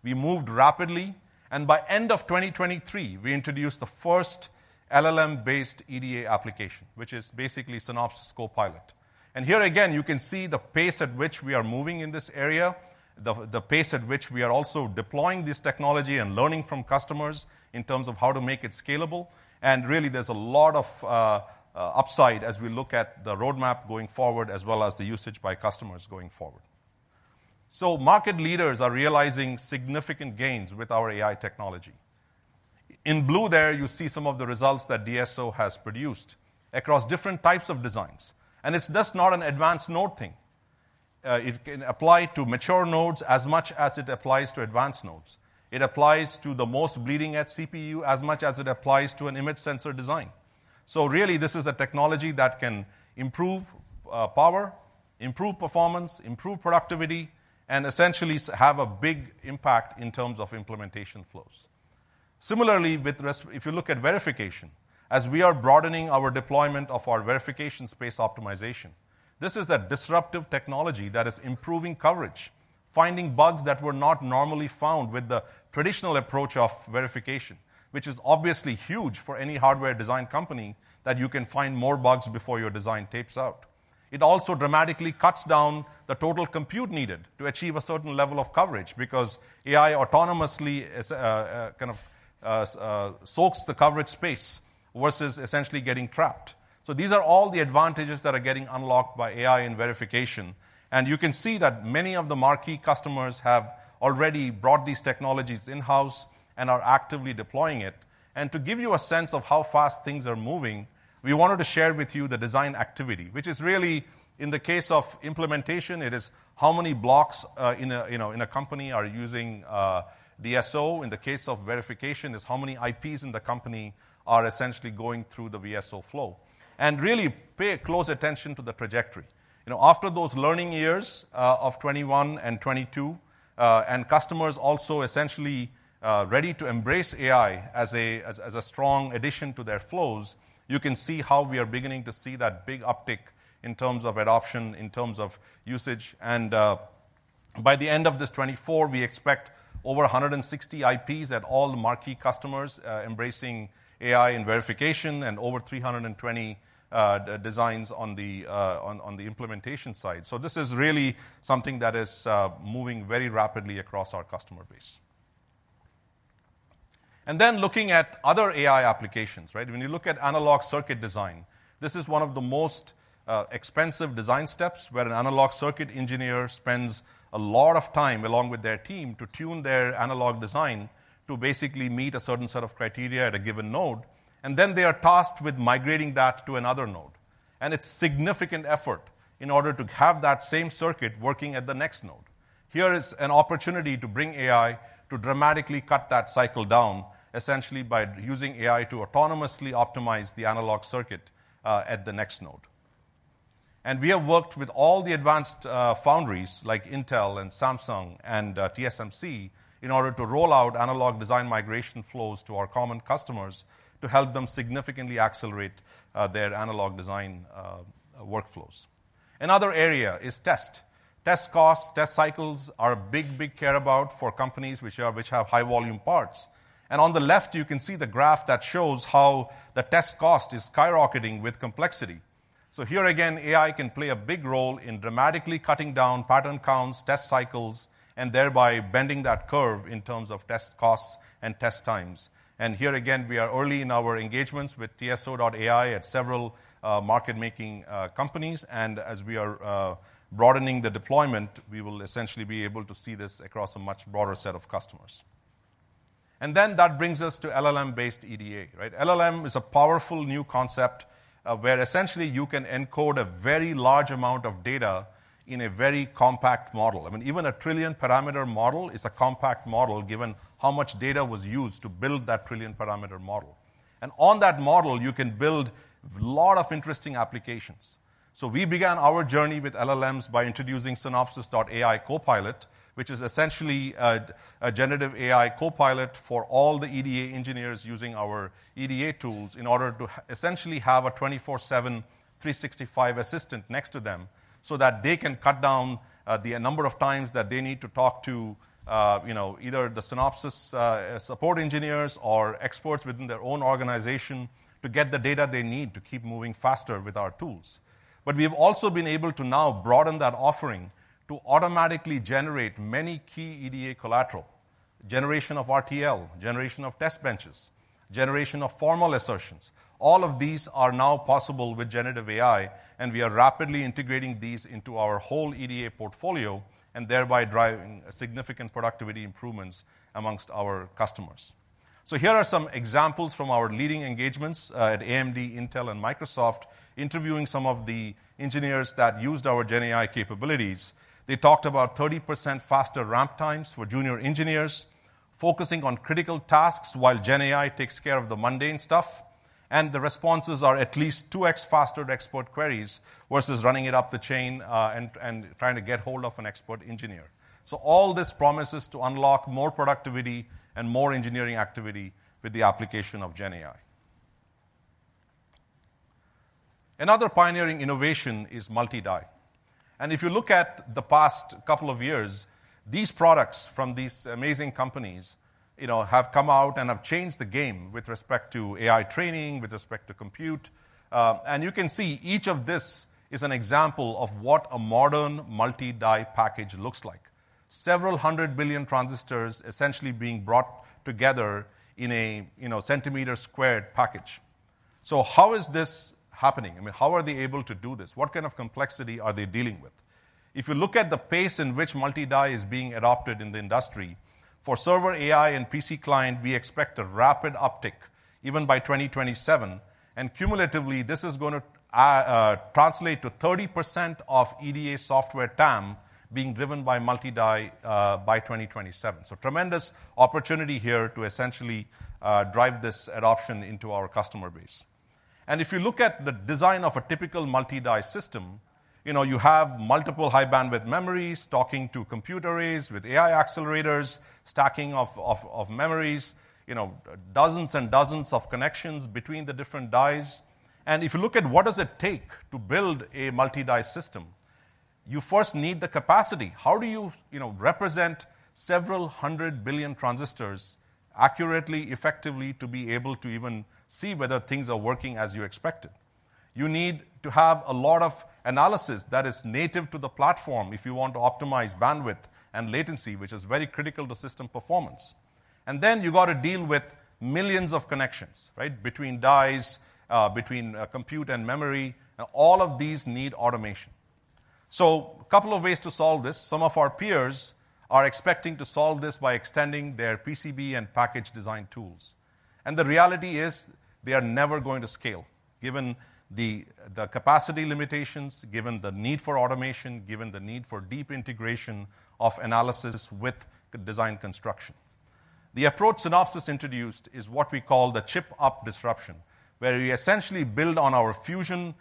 We moved rapidly, and by end of 2023, we introduced the first LLM-based EDA application, which is basically Synopsys Copilot. And here again, you can see the pace at which we are moving in this area, the pace at which we are also deploying this technology and learning from customers in terms of how to make it scalable. And really, there's a lot of upside as we look at the roadmap going forward, as well as the usage by customers going forward. So market leaders are realizing significant gains with our AI technology. In blue there, you see some of the results that DSO has produced across different types of designs, and it's just not an advanced node thing. It can apply to mature nodes as much as it applies to advanced nodes. It applies to the most bleeding-edge CPU as much as it applies to an image sensor design. So really, this is a technology that can improve power, improve performance, improve productivity, and essentially have a big impact in terms of implementation flows. Similarly, if you look at verification, as we are broadening our deployment of our verification space optimization, this is a disruptive technology that is improving coverage, finding bugs that were not normally found with the traditional approach of verification, which is obviously huge for any hardware design company, that you can find more bugs before your design tapes out. It also dramatically cuts down the total compute needed to achieve a certain level of coverage because AI autonomously is kind of soaks the coverage space versus essentially getting trapped. So these are all the advantages that are getting unlocked by AI and verification, and you can see that many of the marquee customers have already brought these technologies in-house and are actively deploying it. And to give you a sense of how fast things are moving, we wanted to share with you the design activity, which is really, in the case of implementation, it is how many blocks, in a, you know, in a company are using, DSO. In the case of verification, it's how many IPs in the company are essentially going through the VSO flow. And really pay close attention to the trajectory. You know, after those learning years of 2021 and 2022, and customers also essentially ready to embrace AI as a strong addition to their flows, you can see how we are beginning to see that big uptick in terms of adoption, in terms of usage. And by the end of this 2024, we expect over 160 IPs at all the marquee customers embracing AI and verification, and over 320 designs on the implementation side. So this is really something that is moving very rapidly across our customer base. And then looking at other AI applications, right? When you look at analog circuit design, this is one of the most expensive design steps, where an analog circuit engineer spends a lot of time, along with their team, to tune their analog design to basically meet a certain set of criteria at a given node, and then they are tasked with migrating that to another node. It's significant effort in order to have that same circuit working at the next node. Here is an opportunity to bring AI to dramatically cut that cycle down, essentially by using AI to autonomously optimize the analog circuit at the next node. We have worked with all the advanced foundries, like Intel and Samsung and TSMC, in order to roll out analog design migration flows to our common customers to help them significantly accelerate their analog design workflows. Another area is test. Test costs, test cycles are a big, big care about for companies which have high-volume parts. And on the left, you can see the graph that shows how the test cost is skyrocketing with complexity. So here again, AI can play a big role in dramatically cutting down pattern counts, test cycles, and thereby bending that curve in terms of test costs and test times. And here again, we are early in our engagements with DSO.ai at several market-making companies, and as we are broadening the deployment, we will essentially be able to see this across a much broader set of customers. And then that brings us to LLM-based EDA, right? LLM is a powerful new concept, where essentially you can encode a very large amount of data in a very compact model. I mean, even a trillion-parameter model is a compact model, given how much data was used to build that trillion-parameter model. And on that model, you can build a lot of interesting applications. So we began our journey with LLMs by introducing Synopsys.ai Copilot, which is essentially a generative AI copilot for all the EDA engineers using our EDA tools, in order to essentially have a 24/7, 365 assistant next to them, so that they can cut down the number of times that they need to talk to you know, either the Synopsys support engineers or experts within their own organization to get the data they need to keep moving faster with our tools. But we've also been able to now broaden that offering to automatically generate many key EDA collateral, generation of RTL, generation of test benches, generation of formal assertions. All of these are now possible with generative AI, and we are rapidly integrating these into our whole EDA portfolio, and thereby driving significant productivity improvements among our customers. So here are some examples from our leading engagements at AMD, Intel, and Microsoft, interviewing some of the engineers that used our GenAI capabilities. They talked about 30% faster ramp times for junior engineers, focusing on critical tasks while GenAI takes care of the mundane stuff, and the responses are at least 2x faster to expert queries versus running it up the chain, and trying to get hold of an expert engineer. So all this promises to unlock more productivity and more engineering activity with the application of GenAI. Another pioneering innovation is multi-die. If you look at the past couple of years, these products from these amazing companies, you know, have come out and have changed the game with respect to AI training, with respect to compute. You can see each of this is an example of what a modern multi-die package looks like. Several hundred billion transistors essentially being brought together in a, you know, square centimeter package. How is this happening? I mean, how are they able to do this? What kind of complexity are they dealing with? If you look at the pace in which multi-die is being adopted in the industry, for server AI and PC client, we expect a rapid uptick even by 2027. Cumulatively, this is going to translate to 30% of EDA software TAM being driven by multi-die, by 2027. So tremendous opportunity here to essentially drive this adoption into our customer base. And if you look at the design of a typical multi-die system, you know, you have multiple high-bandwidth memories talking to compute arrays with AI accelerators, stacking of memories, you know, dozens and dozens of connections between the different dies. And if you look at what does it take to build a multi-die system, you first need the capacity. How do you, you know, represent several 100 billion transistors accurately, effectively, to be able to even see whether things are working as you expected? You need to have a lot of analysis that is native to the platform if you want to optimize bandwidth and latency, which is very critical to system performance. And then you've got to deal with millions of connections, right? Between dies, between compute and memory, and all of these need automation. So a couple of ways to solve this. Some of our peers are expecting to solve this by extending their PCB and package design tools. The reality is, they are never going to scale, given the capacity limitations, given the need for automation, given the need for deep integration of analysis with design construction. The approach Synopsys introduced is what we call the chiplet disruption, where we essentially build on our Fusion,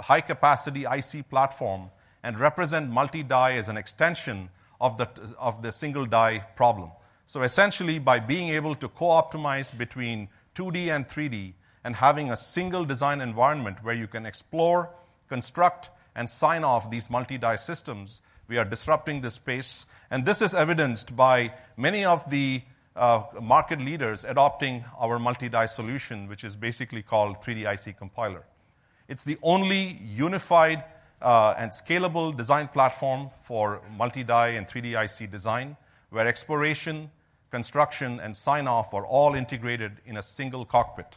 high-capacity IC platform and represent multi-die as an extension of the single-die problem. So essentially, by being able to co-optimize between 2D and 3D and having a single design environment where you can explore, construct, and sign off these multi-die systems, we are disrupting the space. This is evidenced by many of the market leaders adopting our multi-die solution, which is basically called 3DIC Compiler. It's the only unified and scalable design platform for multi-die and 3D IC design, where exploration, construction, and sign-off are all integrated in a single cockpit.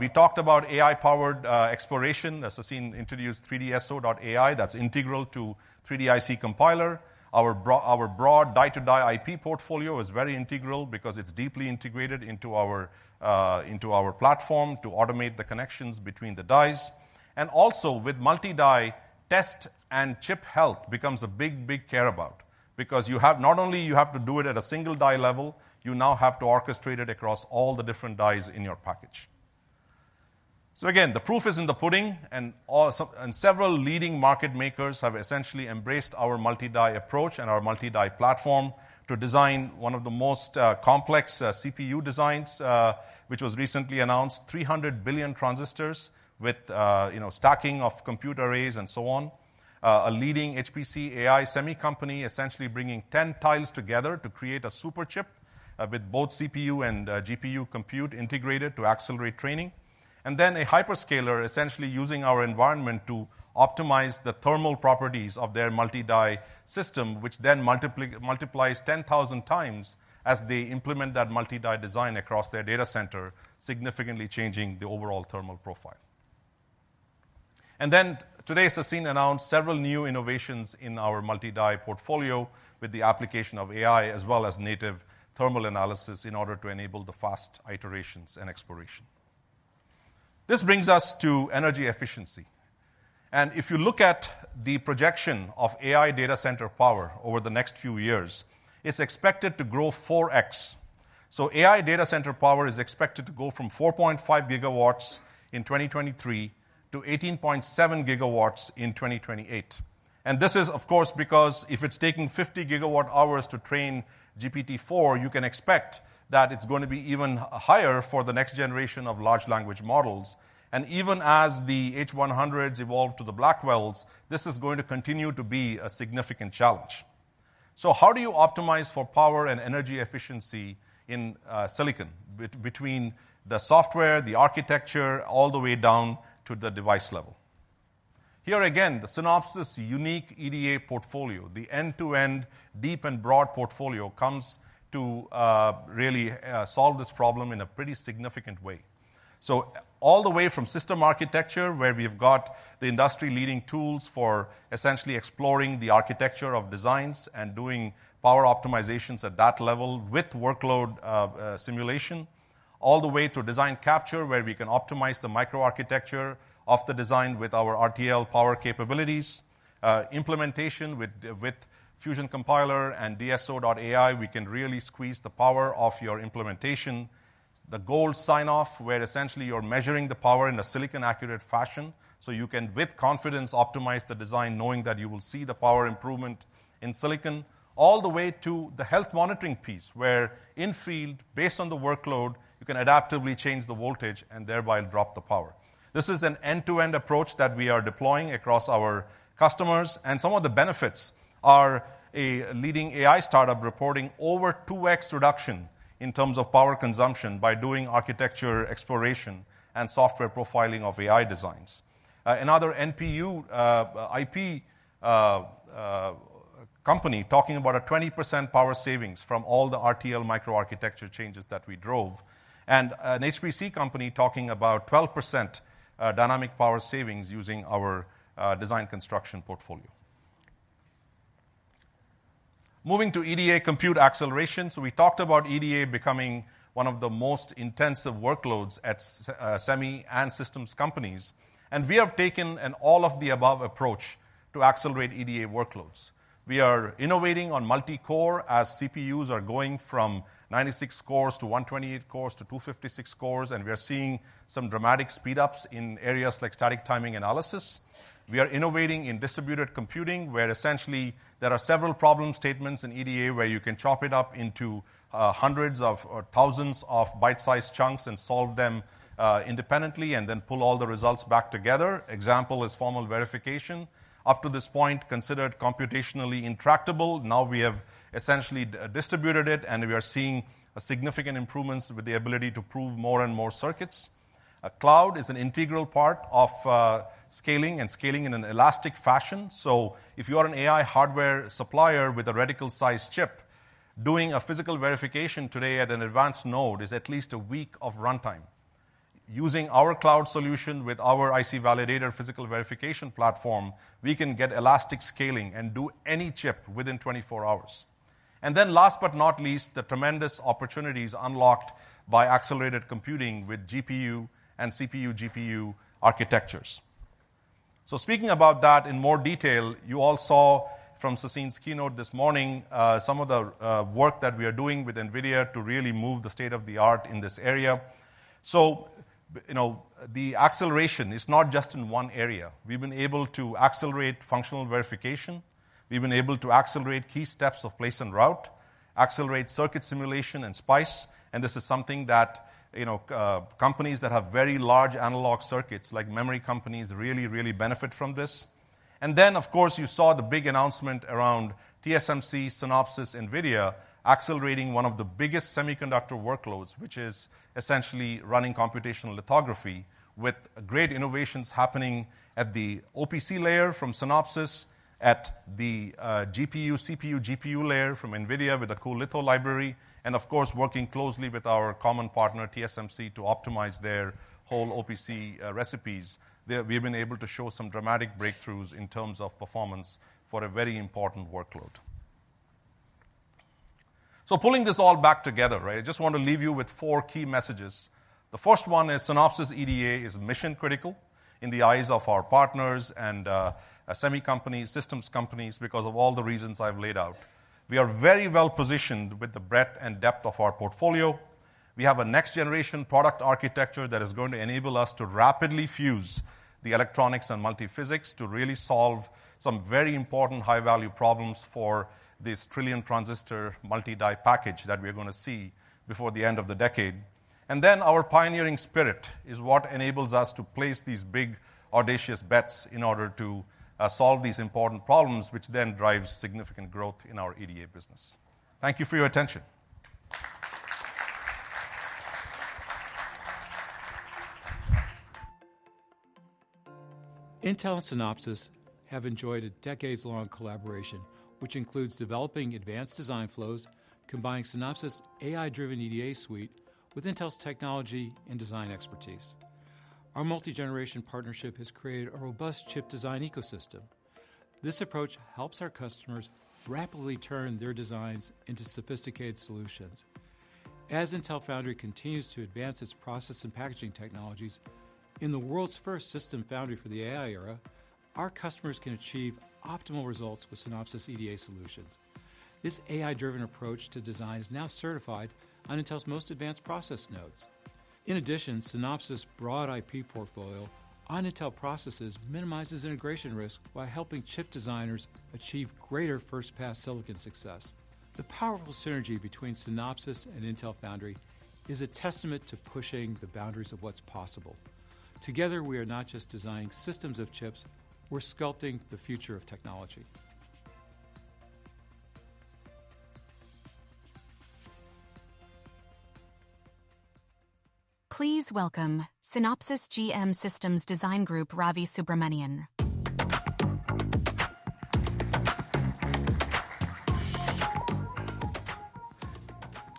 We talked about AI-powered exploration, as we've seen introduced 3DSO.ai. That's integral to 3DIC Compiler. Our broad die-to-die IP portfolio is very integral because it's deeply integrated into our platform to automate the connections between the dies. And also with multi-die, test and chip health becomes a big, big care about, because you have not only you have to do it at a single die level, you now have to orchestrate it across all the different dies in your package. So again, the proof is in the pudding, and several leading market makers have essentially embraced our multi-die approach and our multi-die platform to design one of the most complex CPU designs, which was recently announced, 300 billion transistors with, you know, stacking of compute arrays and so on. A leading HPC AI semi company, essentially bringing 10 tiles together to create a Superchip, with both CPU and GPU compute integrated to accelerate training. And then a hyperscaler, essentially using our environment to optimize the thermal properties of their multi-die system, which then multiplies 10,000 times as they implement that multi-die design across their data center, significantly changing the overall thermal profile. Then today, Sassine announced several new innovations in our multi-die portfolio with the application of AI, as well as native thermal analysis, in order to enable the fast iterations and exploration. This brings us to energy efficiency, and if you look at the projection of AI data center power over the next few years, it's expected to grow 4x. So AI data center power is expected to go from 4.5 GW in 2023 to 18.7 GW in 2028. And this is, of course, because if it's taking 50 GWh to train GPT-4, you can expect that it's going to be even higher for the next generation of large language models. And even as the H100s evolve to the Blackwells, this is going to continue to be a significant challenge. So how do you optimize for power and energy efficiency in silicon, between the software, the architecture, all the way down to the device level? Here again, the Synopsys unique EDA portfolio, the end-to-end, deep and broad portfolio, comes to really solve this problem in a pretty significant way. So all the way from system architecture, where we've got the industry-leading tools for essentially exploring the architecture of designs and doing power optimizations at that level with workload simulation, all the way to design capture, where we can optimize the microarchitecture of the design with our RTL power capabilities, implementation with Fusion Compiler and DSO.ai, we can really squeeze the power of your implementation. The gold sign-off, where essentially you're measuring the power in a silicon-accurate fashion, so you can, with confidence, optimize the design, knowing that you will see the power improvement in silicon, all the way to the health monitoring piece, where in field, based on the workload,... you can adaptively change the voltage and thereby drop the power. This is an end-to-end approach that we are deploying across our customers, and some of the benefits are a leading AI startup reporting over 2x reduction in terms of power consumption by doing architecture exploration and software profiling of AI designs. Another NPU IP company talking about a 20% power savings from all the RTL microarchitecture changes that we drove, and an HPC company talking about 12% dynamic power savings using our design construction portfolio. Moving to EDA compute acceleration. So we talked about EDA becoming one of the most intensive workloads at semi and systems companies, and we have taken an all-of-the-above approach to accelerate EDA workloads. We are innovating on multi-core, as CPUs are going from 96 cores to 128 cores to 256 cores, and we are seeing some dramatic speed-ups in areas like static timing analysis. We are innovating in distributed computing, where essentially there are several problem statements in EDA, where you can chop it up into hundreds of or thousands of bite-sized chunks and solve them independently, and then pull all the results back together. Example is formal verification, up to this point, considered computationally intractable. Now, we have essentially distributed it, and we are seeing significant improvements with the ability to prove more and more circuits. A cloud is an integral part of scaling and scaling in an elastic fashion. So if you are an AI hardware supplier with a radical-sized chip, doing a physical verification today at an advanced node is at least a week of runtime. Using our cloud solution with our IC Validator physical verification platform, we can get elastic scaling and do any chip within 24 hours. And then last but not least, the tremendous opportunities unlocked by accelerated computing with GPU and CPU/GPU architectures. So speaking about that in more detail, you all saw from Sassine's keynote this morning, some of the work that we are doing with NVIDIA to really move the state-of-the-art in this area. So, you know, the acceleration is not just in one area. We've been able to accelerate functional verification. We've been able to accelerate key steps of place and route, accelerate circuit simulation and SPICE, and this is something that, you know, companies that have very large analog circuits, like memory companies, really, really benefit from this. And then, of course, you saw the big announcement around TSMC, Synopsys, NVIDIA, accelerating one of the biggest semiconductor workloads, which is essentially running computational lithography, with great innovations happening at the OPC layer from Synopsys, at the, GPU, CPU, GPU layer from NVIDIA with a cuLitho library, and of course, working closely with our common partner, TSMC, to optimize their whole OPC, recipes. There, we've been able to show some dramatic breakthroughs in terms of performance for a very important workload. So pulling this all back together, right? I just want to leave you with four key messages. The first one is Synopsys EDA is mission-critical in the eyes of our partners and semi companies, systems companies, because of all the reasons I've laid out. We are very well-positioned with the breadth and depth of our portfolio. We have a next-generation product architecture that is going to enable us to rapidly fuse the electronics and multiphysics to really solve some very important high-value problems for this trillion transistor multi-die package that we are gonna see before the end of the decade. And then, our pioneering spirit is what enables us to place these big, audacious bets in order to solve these important problems, which then drives significant growth in our EDA business. Thank you for your attention. Intel and Synopsys have enjoyed a decades-long collaboration, which includes developing advanced design flows, combining Synopsys' AI-driven EDA suite with Intel's technology and design expertise. Our multi-generation partnership has created a robust chip design ecosystem. This approach helps our customers rapidly turn their designs into sophisticated solutions. As Intel Foundry continues to advance its process and packaging technologies, in the world's first Systems Foundry for the AI era, our customers can achieve optimal results with Synopsys EDA solutions. This AI-driven approach to design is now certified on Intel's most advanced process nodes. In addition, Synopsys' broad IP portfolio on Intel processes minimizes integration risk by helping chip designers achieve greater first-pass silicon success. The powerful synergy between Synopsys and Intel Foundry is a testament to pushing the boundaries of what's possible. Together, we are not just designing systems of chips, we're sculpting the future of technology. Please welcome Synopsys GM Systems Design Group, Ravi Subramanian.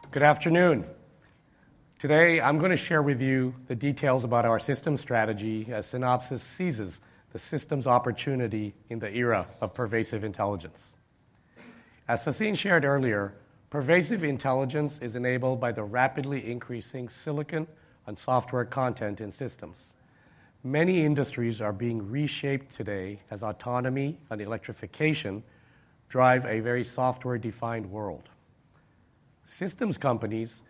Good afternoon. Today, I'm going to share with you the details about our systems strategy as Synopsys seizes the systems opportunity in the era of pervasive intelligence. As Sassine shared earlier, pervasive intelligence is enabled by the rapidly increasing silicon and software content in systems. Many industries are being reshaped today as autonomy and electrification drive a very software-defined world. Systems companies,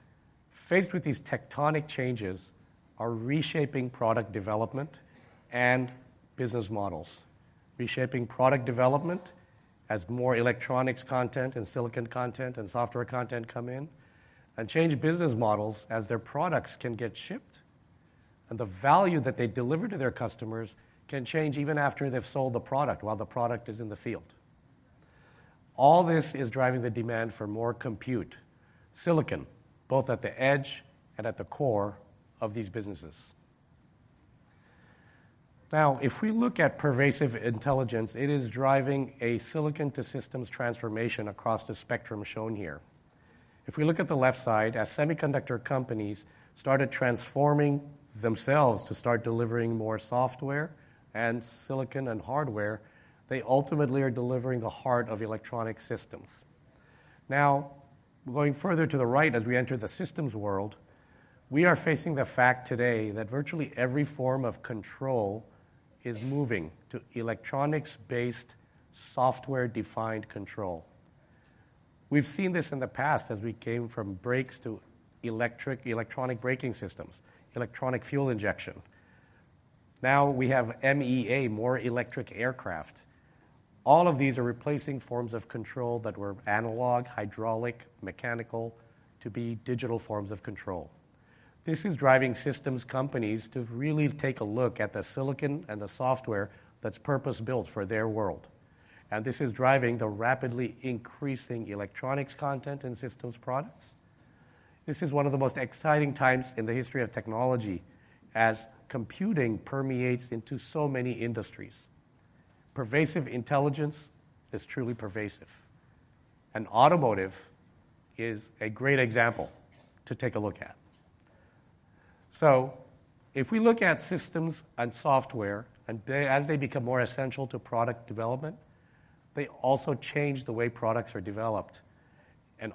faced with these tectonic changes, are reshaping product development and business models... reshaping product development as more electronics content and silicon content and software content come in, and change business models as their products can get shipped. The value that they deliver to their customers can change even after they've sold the product, while the product is in the field. All this is driving the demand for more compute, silicon, both at the edge and at the core of these businesses. Now, if we look at pervasive intelligence, it is driving a silicon-to-systems transformation across the spectrum shown here. If we look at the left side, as semiconductor companies started transforming themselves to start delivering more software and silicon and hardware, they ultimately are delivering the heart of electronic systems. Now, going further to the right, as we enter the systems world, we are facing the fact today that virtually every form of control is moving to electronics-based, software-defined control. We've seen this in the past as we came from brakes to electronic braking systems, electronic fuel injection. Now we have MEA, more electric aircraft. All of these are replacing forms of control that were analog, hydraulic, mechanical, to be digital forms of control. This is driving systems companies to really take a look at the silicon and the software that's purpose-built for their world. This is driving the rapidly increasing electronics content in systems products. This is one of the most exciting times in the history of technology as computing permeates into so many industries. Pervasive intelligence is truly pervasive, and automotive is a great example to take a look at. If we look at systems and software, and as they become more essential to product development, they also change the way products are developed.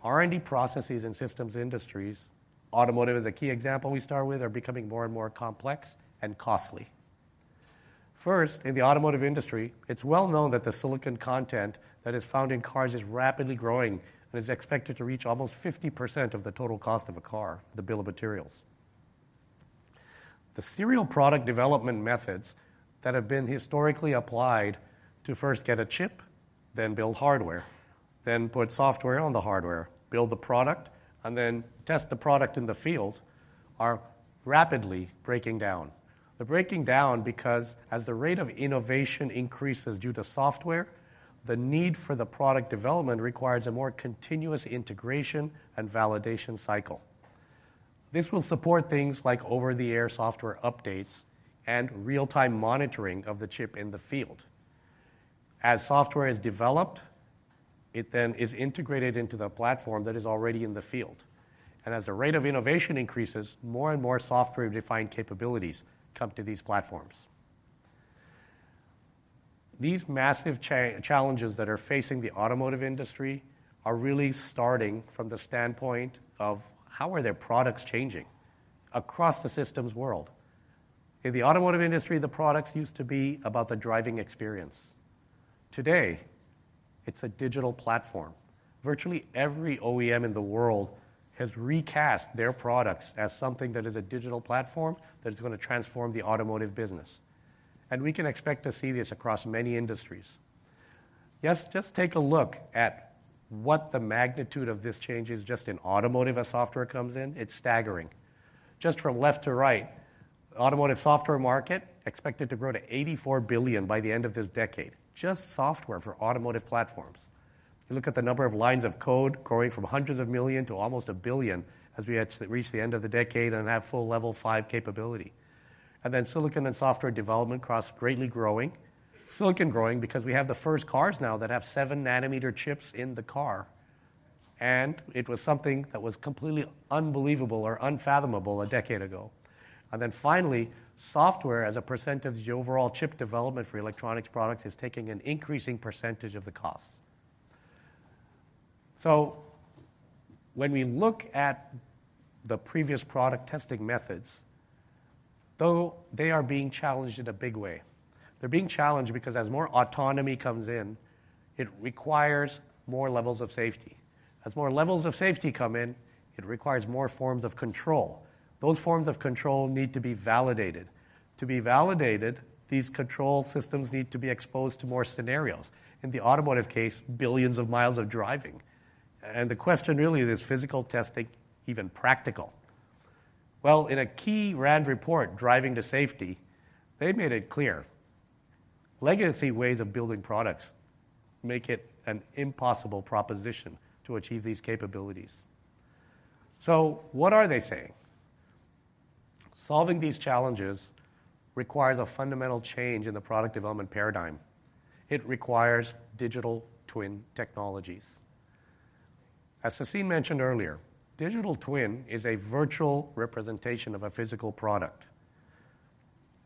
R&D processes in systems industries, automotive is a key example we start with, are becoming more and more complex and costly. First, in the automotive industry, it's well known that the silicon content that is found in cars is rapidly growing and is expected to reach almost 50% of the total cost of a car, the bill of materials. The serial product development methods that have been historically applied to first get a chip, then build hardware, then put software on the hardware, build the product, and then test the product in the field, are rapidly breaking down. They're breaking down because as the rate of innovation increases due to software, the need for the product development requires a more continuous integration and validation cycle. This will support things like over-the-air software updates and real-time monitoring of the chip in the field. As software is developed, it then is integrated into the platform that is already in the field, and as the rate of innovation increases, more and more software-defined capabilities come to these platforms. These massive challenges that are facing the automotive industry are really starting from the standpoint of: How are their products changing across the systems world? In the automotive industry, the products used to be about the driving experience. Today, it's a digital platform. Virtually every OEM in the world has recast their products as something that is a digital platform, that is gonna transform the automotive business. And we can expect to see this across many industries. Yes, just take a look at what the magnitude of this change is. Just in automotive, as software comes in, it's staggering. Just from left to right, automotive software market expected to grow to $84 billion by the end of this decade. Just software for automotive platforms. You look at the number of lines of code growing from hundreds of million to almost a billion as we reach the end of the decade and have full Level 5 capability. And then silicon and software development costs greatly growing. Silicon growing because we have the first cars now that have 7-nanometer chips in the car, and it was something that was completely unbelievable or unfathomable a decade ago. Then finally, software as a percentage of the overall chip development for electronics products is taking an increasing percentage of the cost. When we look at the previous product testing methods, though, they are being challenged in a big way. They're being challenged because as more autonomy comes in, it requires more levels of safety. As more levels of safety come in, it requires more forms of control. Those forms of control need to be validated. To be validated, these control systems need to be exposed to more scenarios. In the automotive case, billions of miles of driving. And the question really is physical testing even practical? Well, in a key RAND report, Driving to Safety, they made it clear: legacy ways of building products make it an impossible proposition to achieve these capabilities. So what are they saying? Solving these challenges requires a fundamental change in the product development paradigm. It requires digital twin technologies. As Sassine mentioned earlier, digital twin is a virtual representation of a physical product.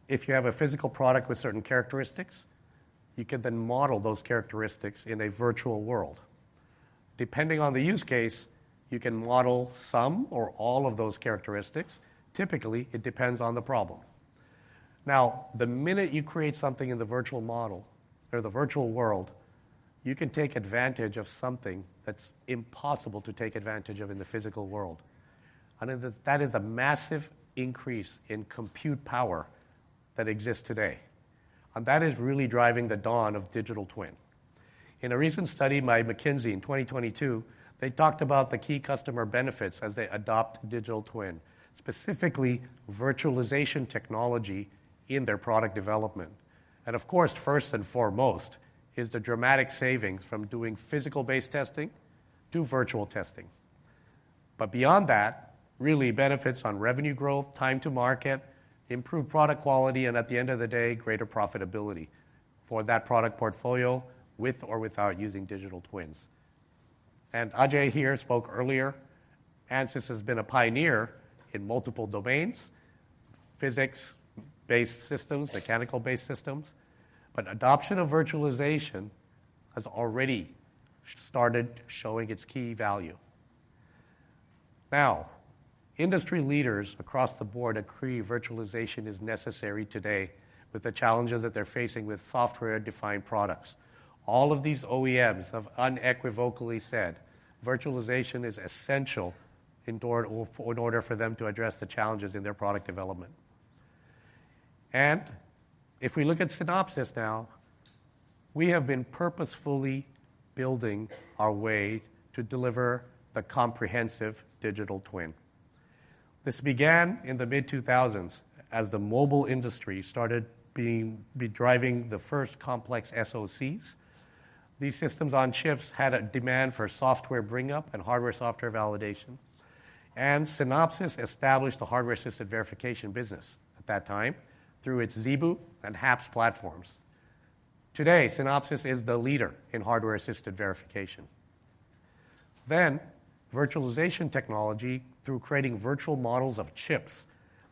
If you have a physical product with certain characteristics, you can then model those characteristics in a virtual world. Depending on the use case, you can model some or all of those characteristics. Typically, it depends on the problem. Now, the minute you create something in the virtual model or the virtual world, you can take advantage of something that's impossible to take advantage of in the physical world.... And that is the massive increase in compute power that exists today, and that is really driving the dawn of digital twin. In a recent study by McKinsey in 2022, they talked about the key customer benefits as they adopt digital twin, specifically virtualization technology in their product development. Of course, first and foremost is the dramatic savings from doing physical-based testing, do virtual testing. But beyond that, really benefits on revenue growth, time to market, improved product quality, and at the end of the day, greater profitability for that product portfolio, with or without using digital twins. And Ajei here spoke earlier, Ansys has been a pioneer in multiple domains, physics-based systems, mechanical-based systems, but adoption of virtualization has already started showing its key value. Now, industry leaders across the board agree virtualization is necessary today with the challenges that they're facing with software-defined products. All of these OEMs have unequivocally said virtualization is essential in order for them to address the challenges in their product development. If we look at Synopsys now, we have been purposefully building our way to deliver the comprehensive digital twin. This began in the mid-2000s as the mobile industry started driving the first complex SoCs. These systems on chips had a demand for software bring up and hardware-software validation, and Synopsys established a hardware-assisted verification business at that time through its ZeBu and HAPS platforms. Today, Synopsys is the leader in hardware-assisted verification. Virtualization technology, through creating virtual models of chips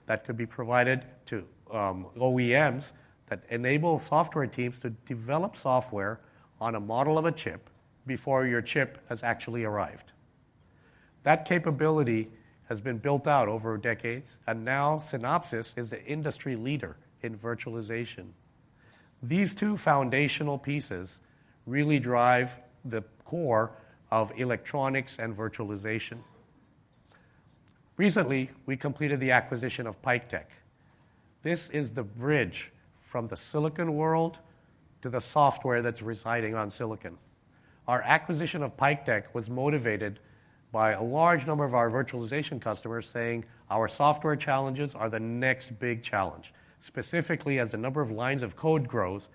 that could be provided to OEMs that enable software teams to develop software on a model of a chip before your chip has actually arrived. That capability has been built out over decades, and now Synopsys is the industry leader in virtualization. These two foundational pieces really drive the core of electronics and virtualization. Recently, we completed the acquisition of PikeTec. This is the bridge from the silicon world to the software that's residing on silicon. Our acquisition of PikeTec was motivated by a large number of our virtualization customers saying our software challenges are the next big challenge. Specifically, as the number of lines of code grows,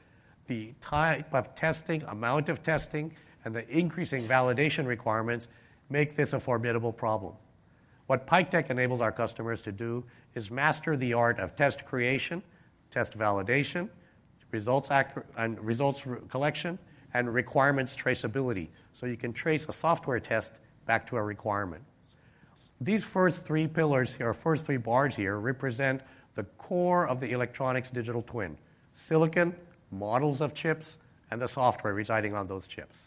the type of testing, amount of testing, and the increasing validation requirements make this a formidable problem. What PikeTec enables our customers to do is master the art of test creation, test validation, results accuracy and results collection, and requirements traceability, so you can trace a software test back to a requirement. These first three pillars here, or first three bars here, represent the core of the Electronics Digital Twin: silicon, models of chips, and the software residing on those chips.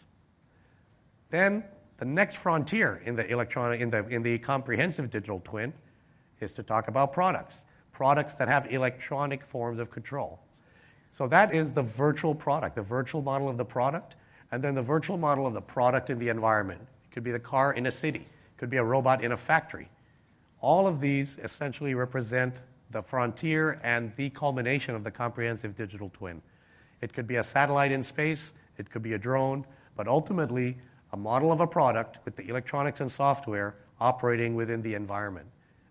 Then the next frontier in the comprehensive digital twin is to talk about products, products that have electronic forms of control. So that is the virtual product, the virtual model of the product, and then the virtual model of the product in the environment. It could be the car in a city, it could be a robot in a factory. All of these essentially represent the frontier and the culmination of the comprehensive digital twin. It could be a satellite in space, it could be a drone, but ultimately, a model of a product with the electronics and software operating within the environment.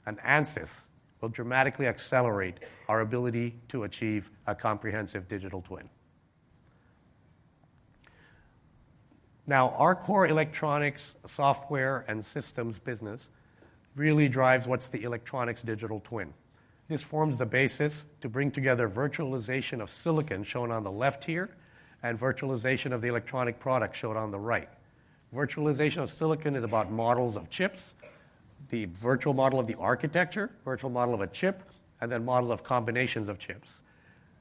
And Ansys will dramatically accelerate our ability to achieve a comprehensive digital twin. Now, our core electronics, software, and systems business really drives what's the Electronics Digital Twin. This forms the basis to bring together virtualization of silicon, shown on the left here, and virtualization of the electronic product, shown on the right. Virtualization of silicon is about models of chips, the virtual model of the architecture, virtual model of a chip, and then models of combinations of chips.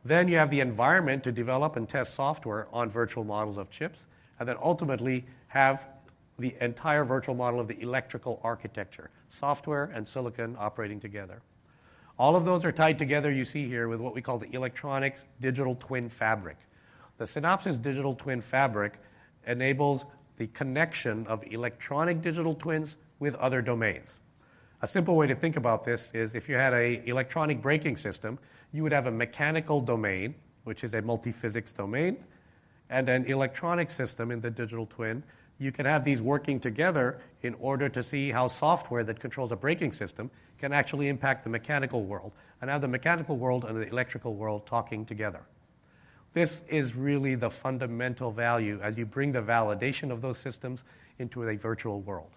Then you have the environment to develop and test software on virtual models of chips, and then ultimately have the entire virtual model of the electrical architecture, software and silicon operating together. All of those are tied together, you see here, with what we call the Electronics Digital Twin fabric. The Synopsys digital twin fabric enables the connection of electronic digital twins with other domains. A simple way to think about this is if you had an electronic braking system, you would have a mechanical domain, which is a multiphysics domain, and an electronic system in the digital twin. You can have these working together in order to see how software that controls a braking system can actually impact the mechanical world, and have the mechanical world and the electrical world talking together. This is really the fundamental value as you bring the validation of those systems into a virtual world.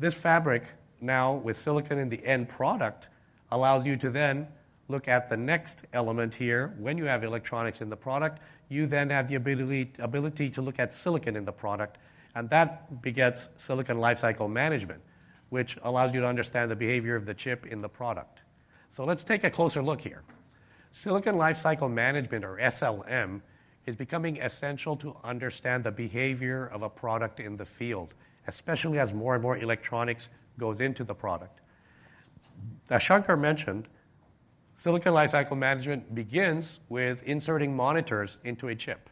This fabric, now with silicon in the end product, allows you to then look at the next element here. When you have electronics in the product, you then have the ability to look at silicon in the product, and that begets Silicon Lifecycle Management, which allows you to understand the behavior of the chip in the product. So let's take a closer look here. Silicon Lifecycle Management, or SLM, is becoming essential to understand the behavior of a product in the field, especially as more and more electronics goes into the product. As Shankar mentioned, Silicon Lifecycle Management begins with inserting monitors into a chip,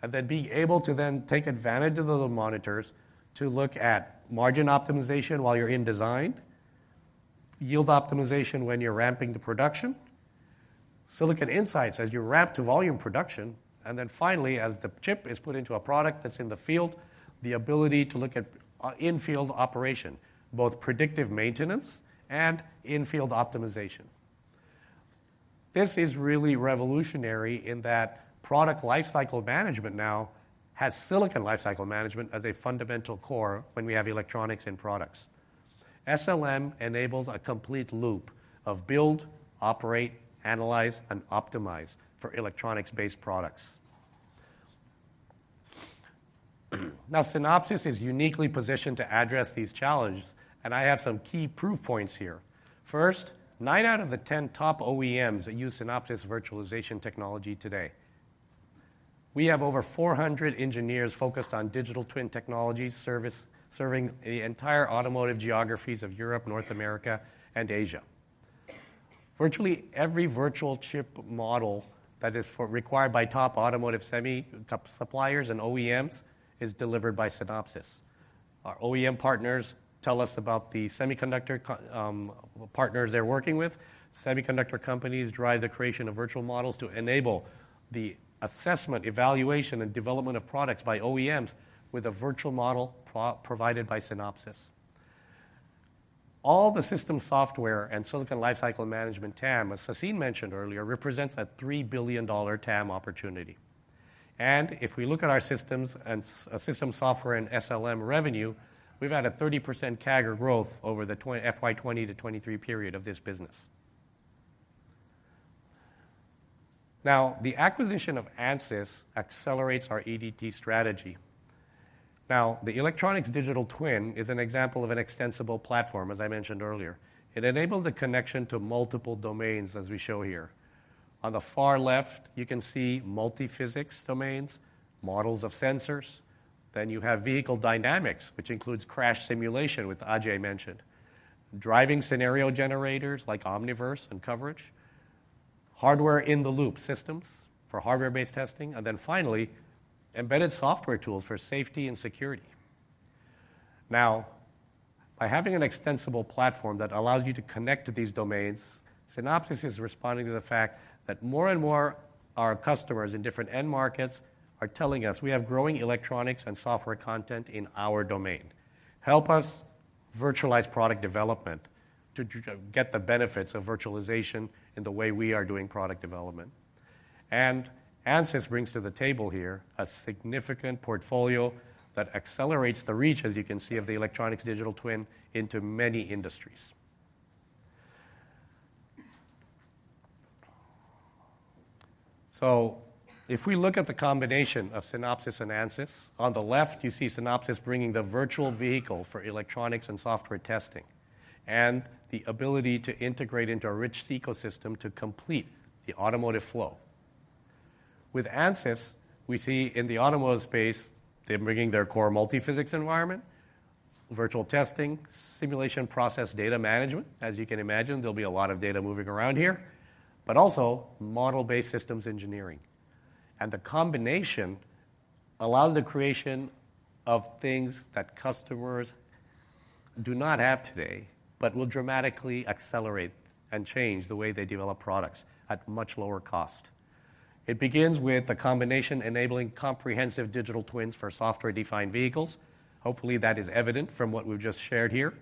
and then being able to then take advantage of those monitors to look at margin optimization while you're in design, yield optimization when you're ramping the production, silicon insights as you ramp to volume production, and then finally, as the chip is put into a product that's in the field, the ability to look at in-field operation, both predictive maintenance and in-field optimization. This is really revolutionary in that product lifecycle management now has Silicon Lifecycle Management as a fundamental core when we have electronics and products. SLM enables a complete loop of build, operate, analyze, and optimize for electronics-based products. Now, Synopsys is uniquely positioned to address these challenges, and I have some key proof points here. First, nine out of the 10 top OEMs use Synopsys virtualization technology today. We have over 400 engineers focused on digital twin technology service, serving the entire automotive geographies of Europe, North America, and Asia. Virtually every virtual chip model that is required by top automotive semi, top suppliers and OEMs is delivered by Synopsys. Our OEM partners tell us about the semiconductor co, partners they're working with. Semiconductor companies drive the creation of virtual models to enable the assessment, evaluation, and development of products by OEMs with a virtual model provided by Synopsys. All the system software and Silicon Lifecycle Management TAM, as Sassine mentioned earlier, represents a $3 billion TAM opportunity. If we look at our systems and system software and SLM revenue, we've had a 30% CAGR growth over the FY 2020-2023 period of this business. Now, the acquisition of Ansys accelerates our EDT strategy. Now, the Electronics Digital Twin is an example of an extensible platform, as I mentioned earlier. It enables a connection to multiple domains, as we show here. On the far left, you can see multiphysics domains, models of sensors. Then you have vehicle dynamics, which includes crash simulation, which Ajei mentioned. Driving scenario generators like Omniverse and coverage, hardware-in-the-loop systems for hardware-based testing, and then finally, embedded software tools for safety and security. Now, by having an extensible platform that allows you to connect to these domains, Synopsys is responding to the fact that more and more our customers in different end markets are telling us, "We have growing electronics and software content in our domain. Help us virtualize product development to get the benefits of virtualization in the way we are doing product development." And Ansys brings to the table here a significant portfolio that accelerates the reach, as you can see, of the Electronics Digital Twin into many industries. So if we look at the combination of Synopsys and Ansys, on the left, you see Synopsys bringing the virtual vehicle for electronics and software testing, and the ability to integrate into a rich ecosystem to complete the automotive flow. With Ansys, we see in the automotive space, they're bringing their core multiphysics environment, virtual testing, simulation process data management. As you can imagine, there'll be a lot of data moving around here, but also model-based systems engineering. And the combination allows the creation of things that customers do not have today, but will dramatically accelerate and change the way they develop products at much lower cost. It begins with the combination enabling comprehensive digital twins for software-defined vehicles. Hopefully, that is evident from what we've just shared here,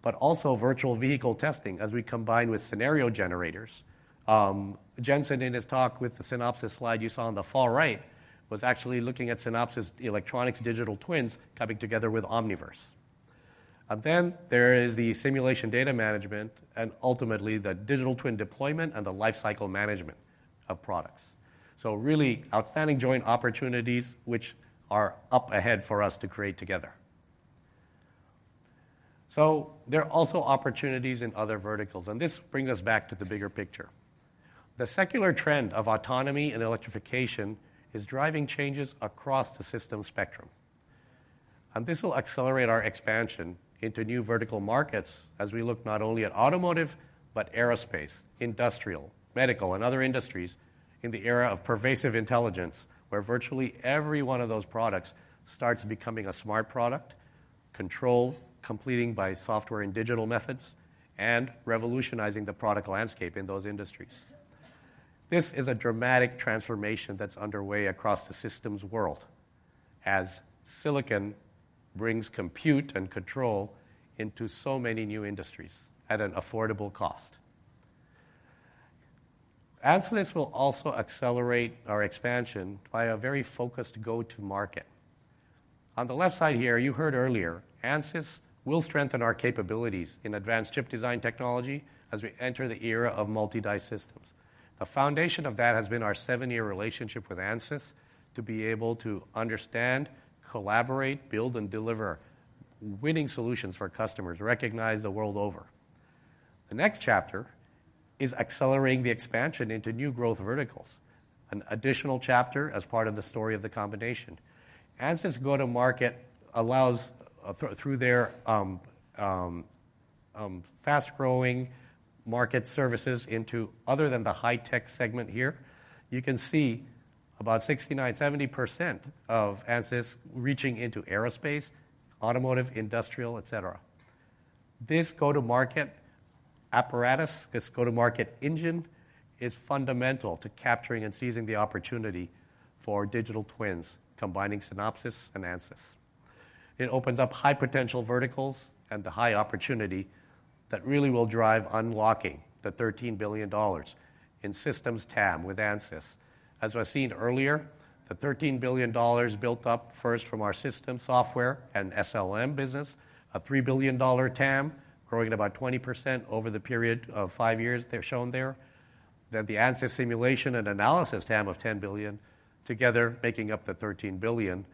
but also virtual vehicle testing as we combine with scenario generators. Jensen, in his talk with the Synopsys slide you saw on the far right, was actually looking at Synopsys Electronics Digital Twins coming together with Omniverse. And then there is the simulation data management and ultimately, the digital twin deployment and the lifecycle management of products. So really outstanding joint opportunities, which are up ahead for us to create together. So there are also opportunities in other verticals, and this brings us back to the bigger picture. The secular trend of autonomy and electrification is driving changes across the system spectrum, and this will accelerate our expansion into new vertical markets as we look not only at automotive, but aerospace, industrial, medical, and other industries in the era of pervasive intelligence, where virtually every one of those products starts becoming a smart product, controlled completely by software and digital methods, and revolutionizing the product landscape in those industries. This is a dramatic transformation that's underway across the systems world as silicon brings compute and control into so many new industries at an affordable cost. Ansys will also accelerate our expansion by a very focused go-to-market. On the left side here, you heard earlier, Ansys will strengthen our capabilities in advanced chip design technology as we enter the era of multi-die systems. The foundation of that has been our seven-year relationship with Ansys to be able to understand, collaborate, build, and deliver winning solutions for customers recognized the world over. The next chapter is accelerating the expansion into new growth verticals, an additional chapter as part of the story of the combination. Ansys go-to-market allows through their fast-growing market services into other than the high-tech segment here. You can see about 69%-70% of Ansys reaching into aerospace, automotive, industrial, et cetera. This go-to-market apparatus, this go-to-market engine, is fundamental to capturing and seizing the opportunity for digital twins, combining Synopsys and Ansys. It opens up high-potential verticals and the high opportunity that really will drive unlocking the $13 billion in systems TAM with Ansys. As was seen earlier, the $13 billion built up first from our system software and SLM business, a $3 billion TAM, growing at about 20% over the period of 5 years they've shown there. Then the Ansys simulation and analysis TAM of $10 billion, together making up the $13 billion,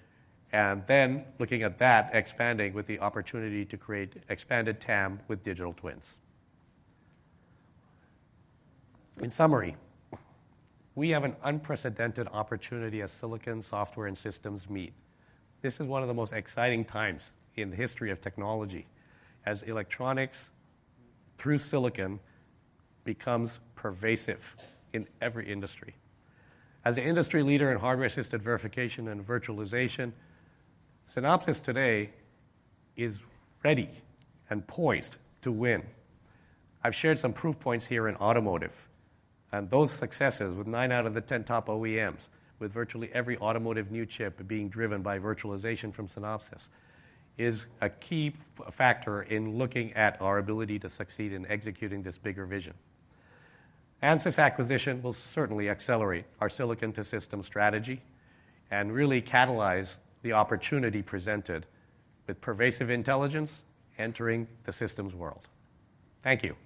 and then looking at that, expanding with the opportunity to create expanded TAM with digital twins. In summary, we have an unprecedented opportunity as silicon, software, and systems meet. This is one of the most exciting times in the history of technology, as electronics, through silicon, becomes pervasive in every industry. As an industry leader in hardware-assisted verification and virtualization, Synopsys today is ready and poised to win. I've shared some proof points here in automotive, and those successes, with nine out of the 10 top OEMs, with virtually every automotive new chip being driven by virtualization from Synopsys, is a key factor in looking at our ability to succeed in executing this bigger vision. Ansys acquisition will certainly accelerate our silicon-to-system strategy and really catalyze the opportunity presented with pervasive intelligence entering the systems world. Thank you.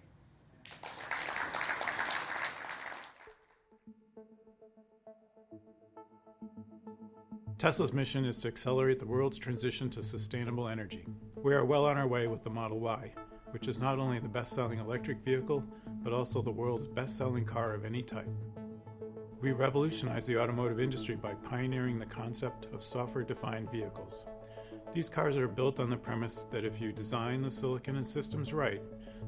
Tesla's mission is to accelerate the world's transition to sustainable energy. We are well on our way with the Model Y, which is not only the best-selling electric vehicle, but also the world's best-selling car of any type. We revolutionized the automotive industry by pioneering the concept of software-defined vehicles. These cars are built on the premise that if you design the silicon and systems right,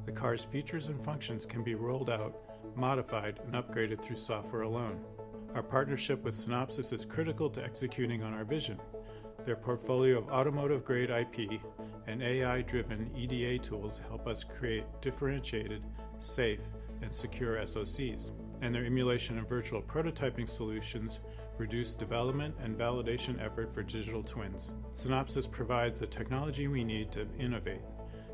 the car's features and functions can be rolled out, modified, and upgraded through software alone. Our partnership with Synopsys is critical to executing on our vision. Their portfolio of automotive-grade IP and AI-driven EDA tools help us create differentiated, safe, and secure SoCs, and their emulation and virtual prototyping solutions reduce development and validation effort for digital twins. Synopsys provides the technology we need to innovate,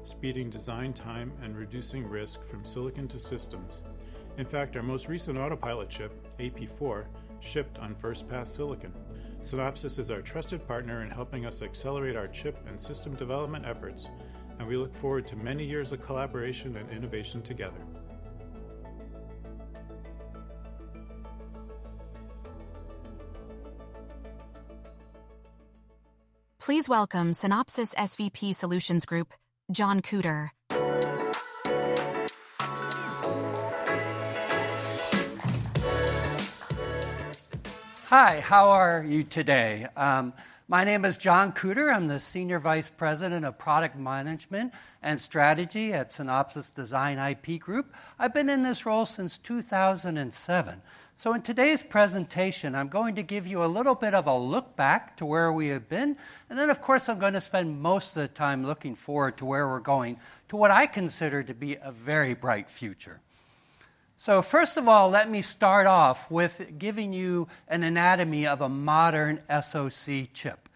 speeding design time and reducing risk from Silicon to Systems. In fact, our most recent autopilot chip, AP4, shipped on first-pass silicon. Synopsys is our trusted partner in helping us accelerate our chip and system development efforts, and we look forward to many years of collaboration and innovation together. Please welcome Synopsys SVP Solutions Group, John Koeter. Hi, how are you today? My name is John Koeter. I'm the Senior Vice President of Product Management and Strategy at Synopsys Design IP Group. I've been in this role since 2007. So in today's presentation, I'm going to give you a little bit of a look back to where we have been, and then, of course, I'm going to spend most of the time looking forward to where we're going, to what I consider to be a very bright future. So first of all, let me start off with giving you an anatomy of a modern SoC chip.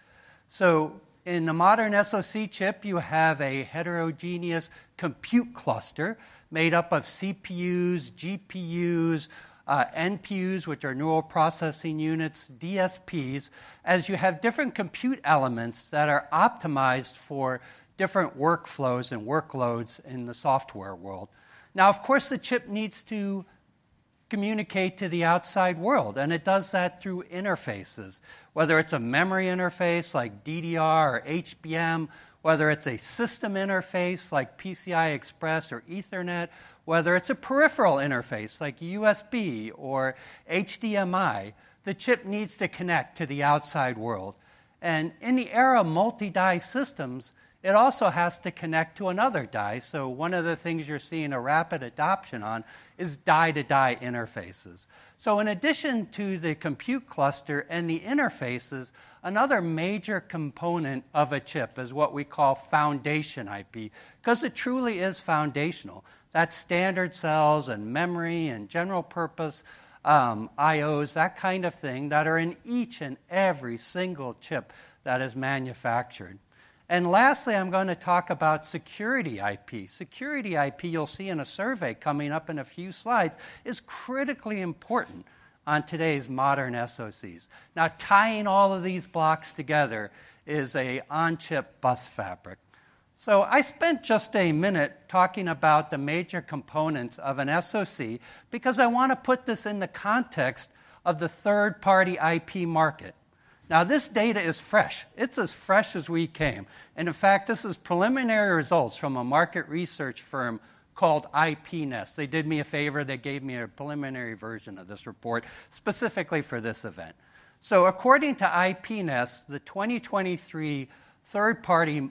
So in a modern SoC chip, you have a heterogeneous compute cluster made up of CPUs, GPUs, NPUs, which are neural processing units, DSPs, as you have different compute elements that are optimized for different workflows and workloads in the software world. Now, of course, the chip needs to communicate to the outside world, and it does that through interfaces, whether it's a memory interface like DDR or HBM, whether it's a system interface like PCI Express or Ethernet, whether it's a peripheral interface like USB or HDMI, the chip needs to connect to the outside world. And in the era of multi-die systems, it also has to connect to another die. So one of the things you're seeing a rapid adoption on is die-to-die interfaces. So in addition to the compute cluster and the interfaces, another major component of a chip is what we call foundation IP, 'cause it truly is foundational. That's standard cells and memory and general-purpose I/Os, that kind of thing, that are in each and every single chip that is manufactured. And lastly, I'm going to talk about security IP. Security IP, you'll see in a survey coming up in a few slides, is critically important on today's modern SoCs. Now, tying all of these blocks together is an on-chip bus fabric. So I spent just a minute talking about the major components of an SoC because I want to put this in the context of the third-party IP market. Now, this data is fresh. It's as fresh as we came, and in fact, this is preliminary results from a market research firm called IPnest. They did me a favor. They gave me a preliminary version of this report, specifically for this event. So according to IPnest, the 2023 third-party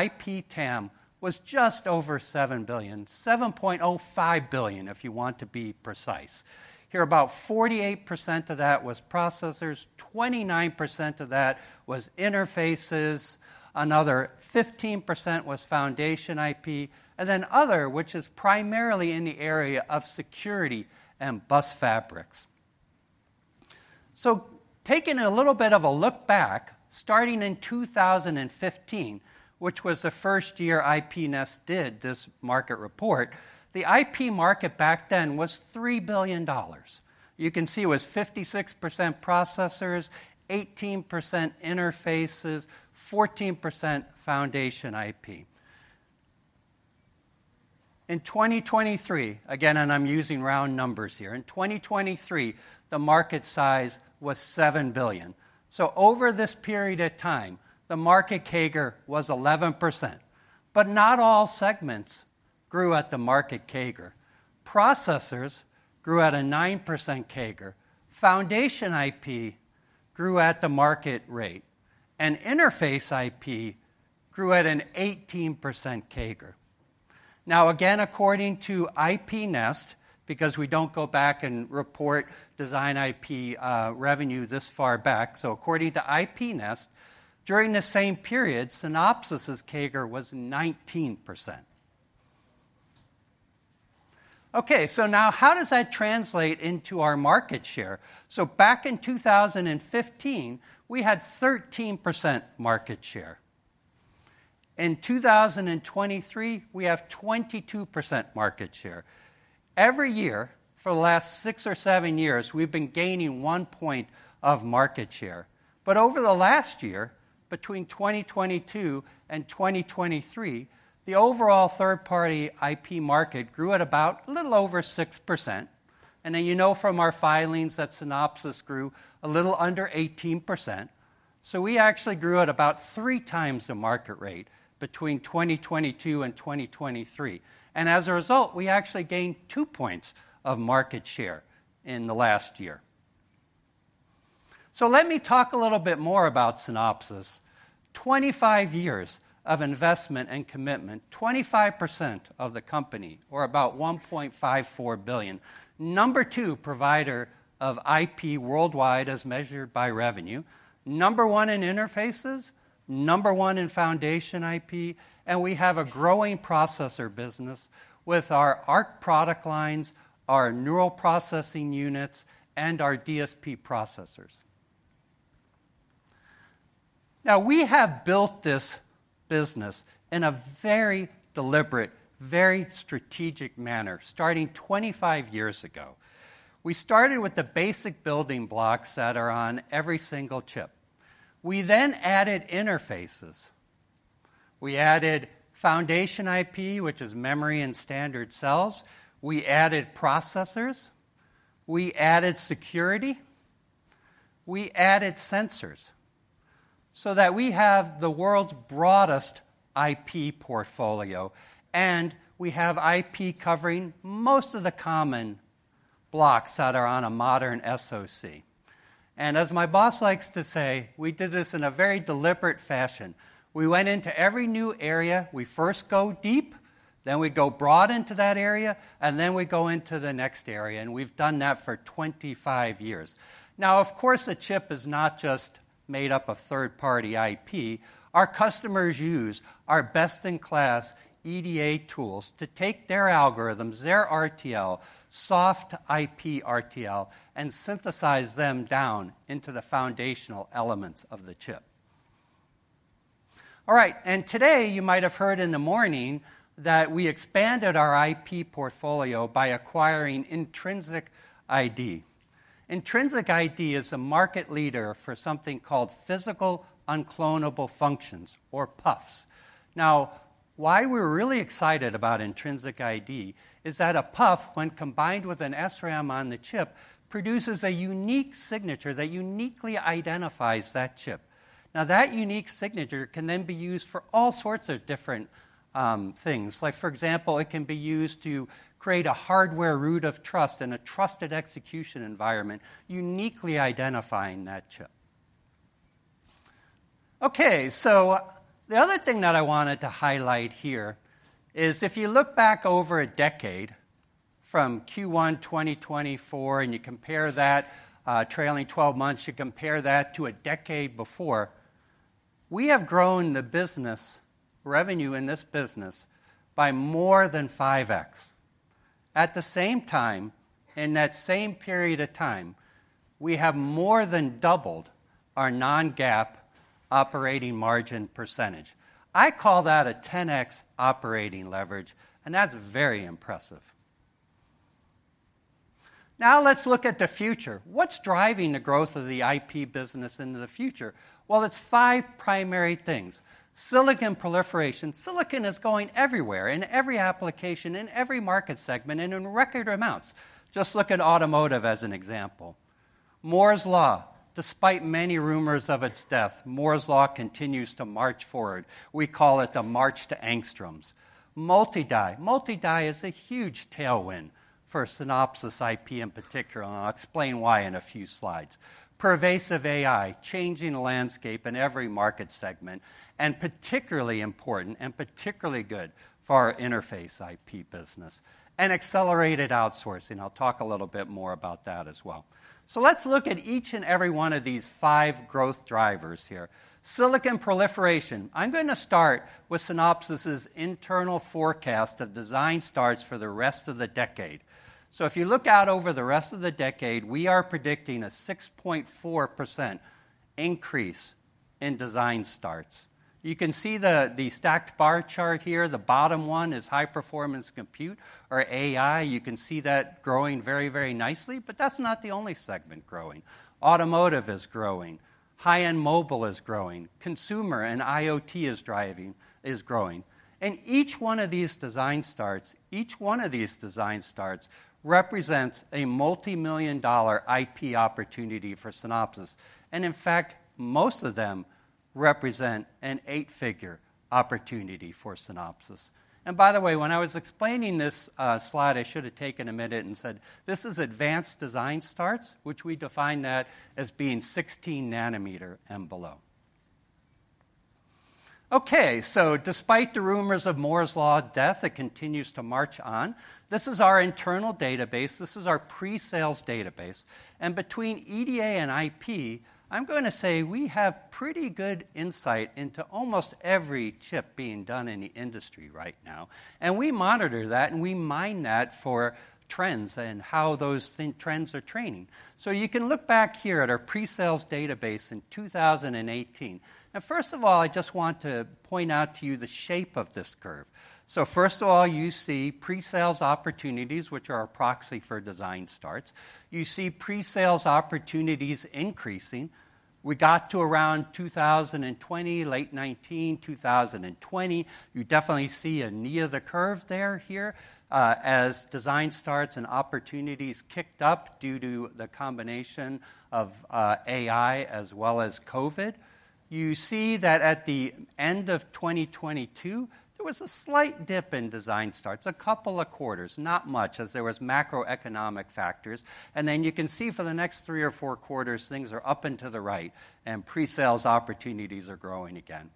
IP TAM was just over $7 billion, $7.05 billion, if you want to be precise. Here, about 48% of that was processors, 29% of that was interfaces, another 15% was foundation IP, and then other, which is primarily in the area of security and bus fabrics. So taking a little bit of a look back, starting in 2015, which was the first year IPnest did this market report, the IP market back then was $3 billion. You can see it was 56% processors, 18% interfaces, 14% foundation IP. In 2023, again, and I'm using round numbers here, in 2023, the market size was $7 billion. So over this period of time, the market CAGR was 11%, but not all segments grew at the market CAGR. Processors grew at a 9% CAGR, foundation IP grew at the market rate, and interface IP grew at an 18% CAGR. Now, again, according to IPnest, because we don't go back and report Design IP revenue this far back, so according to IPnest, during the same period, Synopsys' CAGR was 19%. Okay, so now how does that translate into our market share? So back in 2015, we had 13% market share. In 2023, we have 22% market share. Every year for the last six or seven years, we've been gaining one point of market share. But over the last year, between 2022 and 2023, the overall third-party IP market grew at about a little over 6%, and then, you know from our filings that Synopsys grew a little under 18%. So we actually grew at about three times the market rate between 2022 and 2023, and as a result, we actually gained two points of market share in the last year. So let me talk a little bit more about Synopsys. 25 years of investment and commitment, 25% of the company, or about $1.54 billion. No. two provider of IP worldwide, as measured by revenue, Number one in interfaces, Number one in foundation IP, and we have a growing processor business with our ARC product lines, our neural processing units, and our DSP processors. Now, we have built this business in a very deliberate, very strategic manner, starting 25 years ago. We started with the basic building blocks that are on every single chip. We then added interfaces. We added foundation IP, which is memory and standard cells. We added processors, we added security, we added sensors, so that we have the world's broadest IP portfolio, and we have IP covering most of the common blocks that are on a modern SoC. And as my boss likes to say, we did this in a very deliberate fashion. We went into every new area. We first go deep, then we go broad into that area, and then we go into the next area, and we've done that for 25 years. Now, of course, a chip is not just made up of third-party IP. Our customers use our best-in-class EDA tools to take their algorithms, their RTL, soft IP RTL, and synthesize them down into the foundational elements of the chip. All right, and today, you might have heard in the morning that we expanded our IP portfolio by acquiring Intrinsic ID. Intrinsic ID is a market leader for something called Physical Unclonable Functions, or PUFs. Now, why we're really excited about Intrinsic ID is that a PUF, when combined with an SRAM on the chip, produces a unique signature that uniquely identifies that chip. Now, that unique signature can then be used for all sorts of different things. Like, for example, it can be used to create a hardware root of trust and a trusted execution environment, uniquely identifying that chip. Okay, so the other thing that I wanted to highlight here is if you look back over a decade from Q1 2024, and you compare that, trailing twelve months, you compare that to a decade before, we have grown the business, revenue in this business by more than 5x. At the same time, in that same period of time, we have more than doubled our non-GAAP operating margin percentage. I call that a 10x operating leverage, and that's very impressive. Now, let's look at the future. What's driving the growth of the IP business into the future? Well, it's five primary things. Silicon proliferation. Silicon is going everywhere, in every application, in every market segment, and in record amounts. Just look at automotive as an example.... Moore's Law, despite many rumors of its death, Moore's Law continues to march forward. We call it the march to angstroms. Multi-die. Multi-die is a huge tailwind for Synopsys IP in particular, and I'll explain why in a few slides. Pervasive AI, changing the landscape in every market segment, and particularly important and particularly good for our interface IP business. And accelerated outsourcing. I'll talk a little bit more about that as well. So let's look at each and every one of these five growth drivers here. Silicon proliferation. I'm going to start with Synopsys' internal forecast of design starts for the rest of the decade. So if you look out over the rest of the decade, we are predicting a 6.4% increase in design starts. You can see the, the stacked bar chart here. The bottom one is high-performance compute or AI. You can see that growing very, very nicely, but that's not the only segment growing. Automotive is growing, high-end mobile is growing, consumer and IoT is growing. And each one of these design starts, each one of these design starts represents a multimillion-dollar IP opportunity for Synopsys, and in fact, most of them represent an eight-figure opportunity for Synopsys. And by the way, when I was explaining this, slide, I should have taken a minute and said, "This is advanced design starts," which we define that as being 16 nanometer and below. Okay, so despite the rumors of Moore's Law death, it continues to march on. This is our internal database. This is our pre-sales database, and between EDA and IP, I'm going to say we have pretty good insight into almost every chip being done in the industry right now, and we monitor that, and we mine that for trends and how those trends are trending. So you can look back here at our pre-sales database in 2018. Now, first of all, I just want to point out to you the shape of this curve. So first of all, you see pre-sales opportunities, which are a proxy for design starts. You see pre-sales opportunities increasing. We got to around 2020, late 2019, 2020. You definitely see a knee of the curve there, here, as design starts and opportunities kicked up due to the combination of, AI as well as COVID. You see that at the end of 2022, there was a slight dip in design starts, a couple of quarters, not much, as there was macroeconomic factors. And then you can see for the next three or four quarters, things are up and to the right, and pre-sales opportunities are growing again.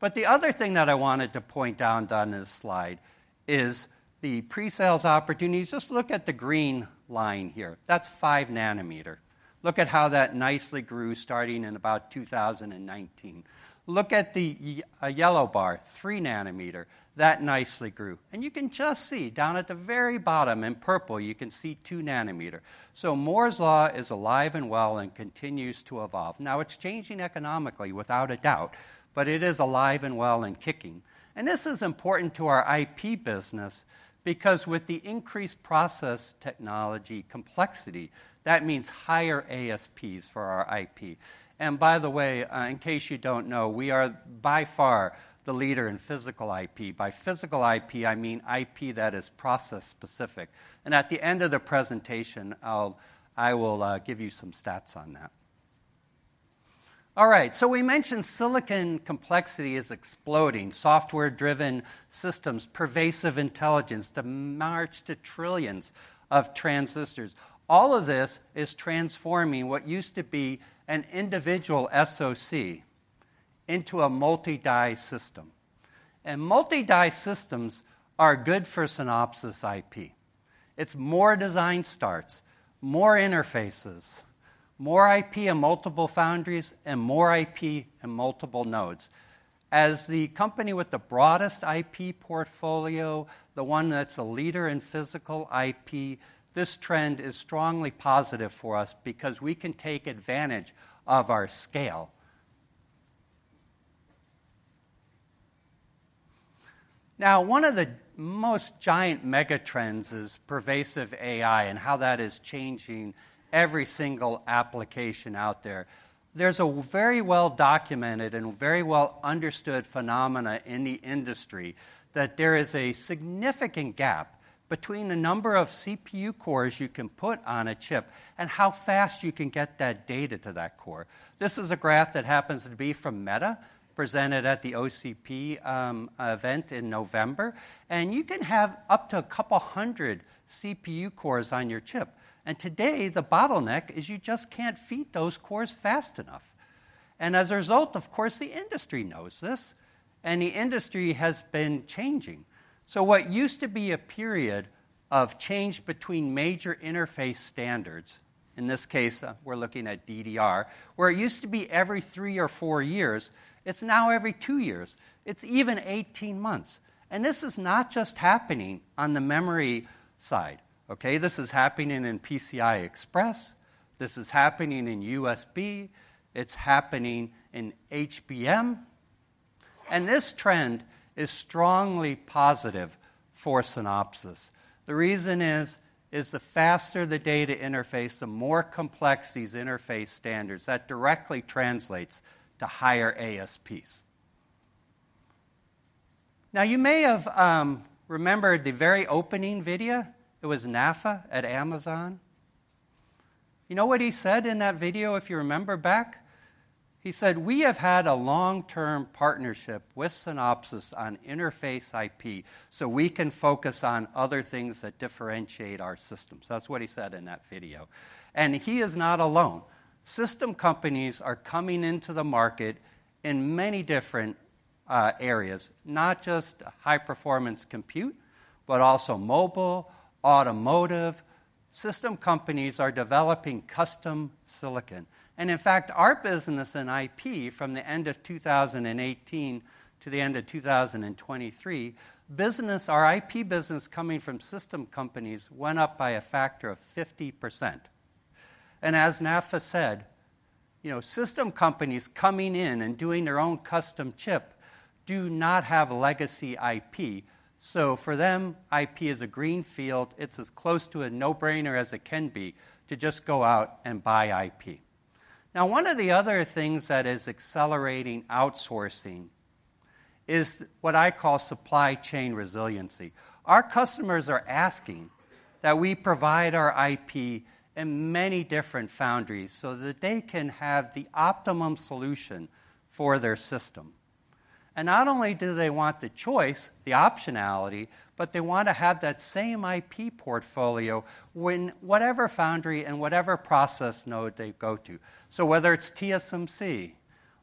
But the other thing that I wanted to point down on this slide is the pre-sales opportunities. Just look at the green line here. That's 5 nanometer. Look at how that nicely grew starting in about 2019. Look at the yellow bar, 3 nanometer. That nicely grew, and you can just see down at the very bottom in purple, you can see 2 nanometer. So Moore's Law is alive and well and continues to evolve. Now, it's changing economically, without a doubt, but it is alive and well and kicking. And this is important to our IP business because with the increased process technology complexity, that means higher ASPs for our IP. And by the way, in case you don't know, we are by far the leader in physical IP. By physical IP, I mean IP that is process-specific, and at the end of the presentation, I'll give you some stats on that. All right, so we mentioned silicon complexity is exploding, software-driven systems, pervasive intelligence, the march to trillions of transistors. All of this is transforming what used to be an individual SoC into a multi-die system, and multi-die systems are good for Synopsys IP. It's more design starts, more interfaces, more IP and multiple foundries, and more IP and multiple nodes. As the company with the broadest IP portfolio, the one that's a leader in physical IP, this trend is strongly positive for us because we can take advantage of our scale. Now, one of the most giant megatrends is pervasive AI and how that is changing every single application out there. There's a very well-documented and very well-understood phenomenon in the industry that there is a significant gap between the number of CPU cores you can put on a chip and how fast you can get that data to that core. This is a graph that happens to be from Meta, presented at the OCP event in November, and you can have up to a couple hundred CPU cores on your chip. Today, the bottleneck is you just can't feed those cores fast enough. As a result, of course, the industry knows this, and the industry has been changing. What used to be a period of change between major interface standards, in this case, we're looking at DDR, where it used to be every three or four years, it's now every two years. It's even 18 months. This is not just happening on the memory side, okay? This is happening in PCI Express, this is happening in USB, it's happening in HBM, and this trend is strongly positive for Synopsys. The reason is, is the faster the data interface, the more complex these interface standards, that directly translates to higher ASPs... Now, you may have remembered the very opening video. It was Nafea at Amazon. You know what he said in that video, if you remember back? He said, "We have had a long-term partnership with Synopsys on interface IP, so we can focus on other things that differentiate our systems." That's what he said in that video, and he is not alone. System companies are coming into the market in many different areas, not just high-performance compute, but also mobile, automotive. System companies are developing custom silicon, and in fact, our business in IP from the end of 2018 to the end of 2023, our IP business coming from system companies went up by a factor of 50%. As Nafea said, you know, system companies coming in and doing their own custom chip do not have legacy IP. So for them, IP is a greenfield. It's as close to a no-brainer as it can be to just go out and buy IP. Now, one of the other things that is accelerating outsourcing is what I call supply chain resiliency. Our customers are asking that we provide our IP in many different foundries so that they can have the optimum solution for their system. And not only do they want the choice, the optionality, but they want to have that same IP portfolio when whatever foundry and whatever process node they go to. So whether it's TSMC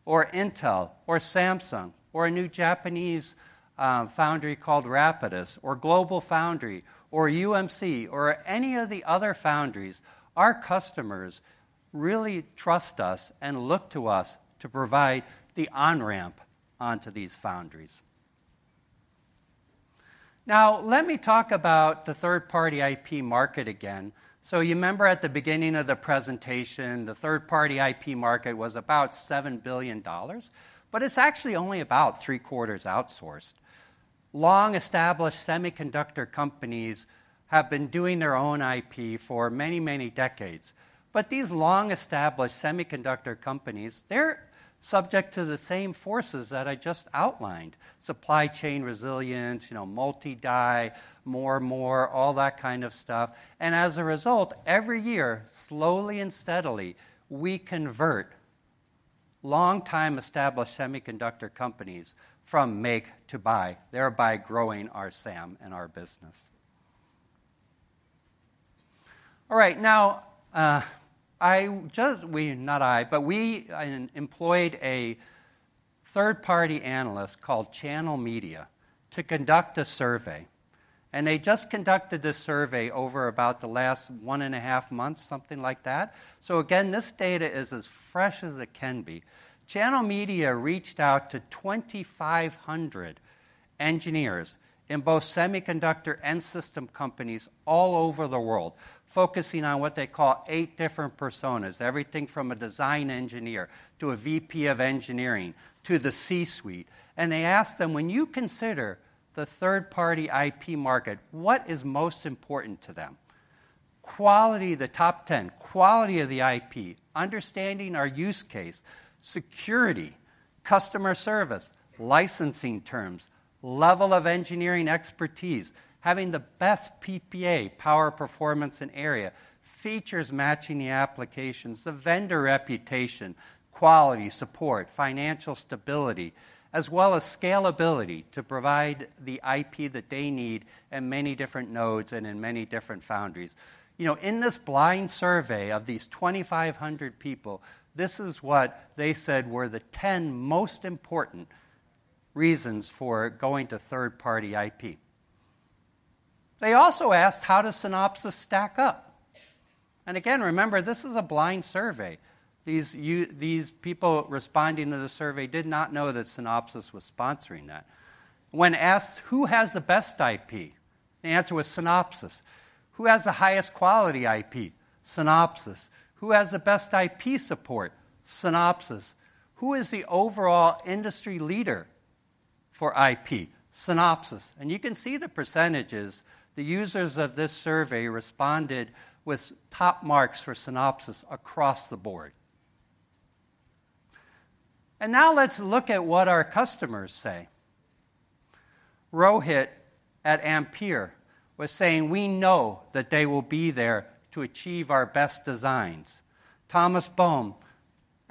or Intel or Samsung, or a new Japanese foundry called Rapidus, or GlobalFoundries, or UMC, or any of the other foundries, our customers really trust us and look to us to provide the on-ramp onto these foundries. Now, let me talk about the third-party IP market again. So you remember at the beginning of the presentation, the third-party IP market was about $7 billion, but it's actually only about three-quarters outsourced. Long-established semiconductor companies have been doing their own IP for many, many decades, but these long-established semiconductor companies, they're subject to the same forces that I just outlined: supply chain resilience, you know, multi-die, more, more, all that kind of stuff. And as a result, every year, slowly and steadily, we convert long-time established semiconductor companies from make to buy, thereby growing our SAM and our business. All right, now, we, not I, but we, employed a third-party analyst called Channel Media to conduct a survey, and they just conducted this survey over about the last 1.5 months, something like that. So again, this data is as fresh as it can be. Channel Media reached out to 2,500 engineers in both semiconductor and system companies all over the world, focusing on what they call eight different personas, everything from a design engineer to a VP of engineering to the C-suite. They asked them, "When you consider the third-party IP market, what is most important to them?" Quality, the top 10, quality of the IP, understanding our use case, security, customer service, licensing terms, level of engineering expertise, having the best PPA, power, performance, and area, features matching the applications, the vendor reputation, quality, support, financial stability, as well as scalability to provide the IP that they need in many different nodes and in many different foundries. You know, in this blind survey of these 2,500 people, this is what they said were the 10 most important reasons for going to third-party IP. They also asked, how does Synopsys stack up? And again, remember, this is a blind survey. These people responding to the survey did not know that Synopsys was sponsoring that. When asked, "Who has the best IP?" The answer was Synopsys. Who has the highest quality IP?" Synopsys. "Who has the best IP support?" Synopsys. "Who is the overall industry leader for IP?" Synopsys. You can see the percentages. The users of this survey responded with top marks for Synopsys across the board. Now let's look at what our customers say. Rohit at Ampere was saying, "We know that they will be there to achieve our best designs." Thomas Boehm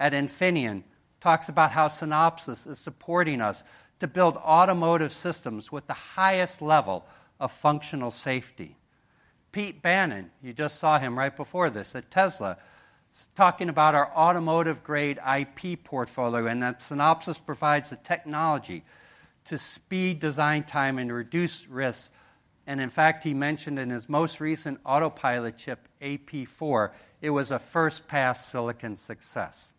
at Infineon talks about how Synopsys is supporting us to build automotive systems with the highest level of functional safety. Pete Bannon, you just saw him right before this, at Tesla, is talking about our automotive-grade IP portfolio, and that Synopsys provides the technology to speed design time and reduce risks. In fact, he mentioned in his most recent autopilot chip, AP4, it was a first-pass silicon success.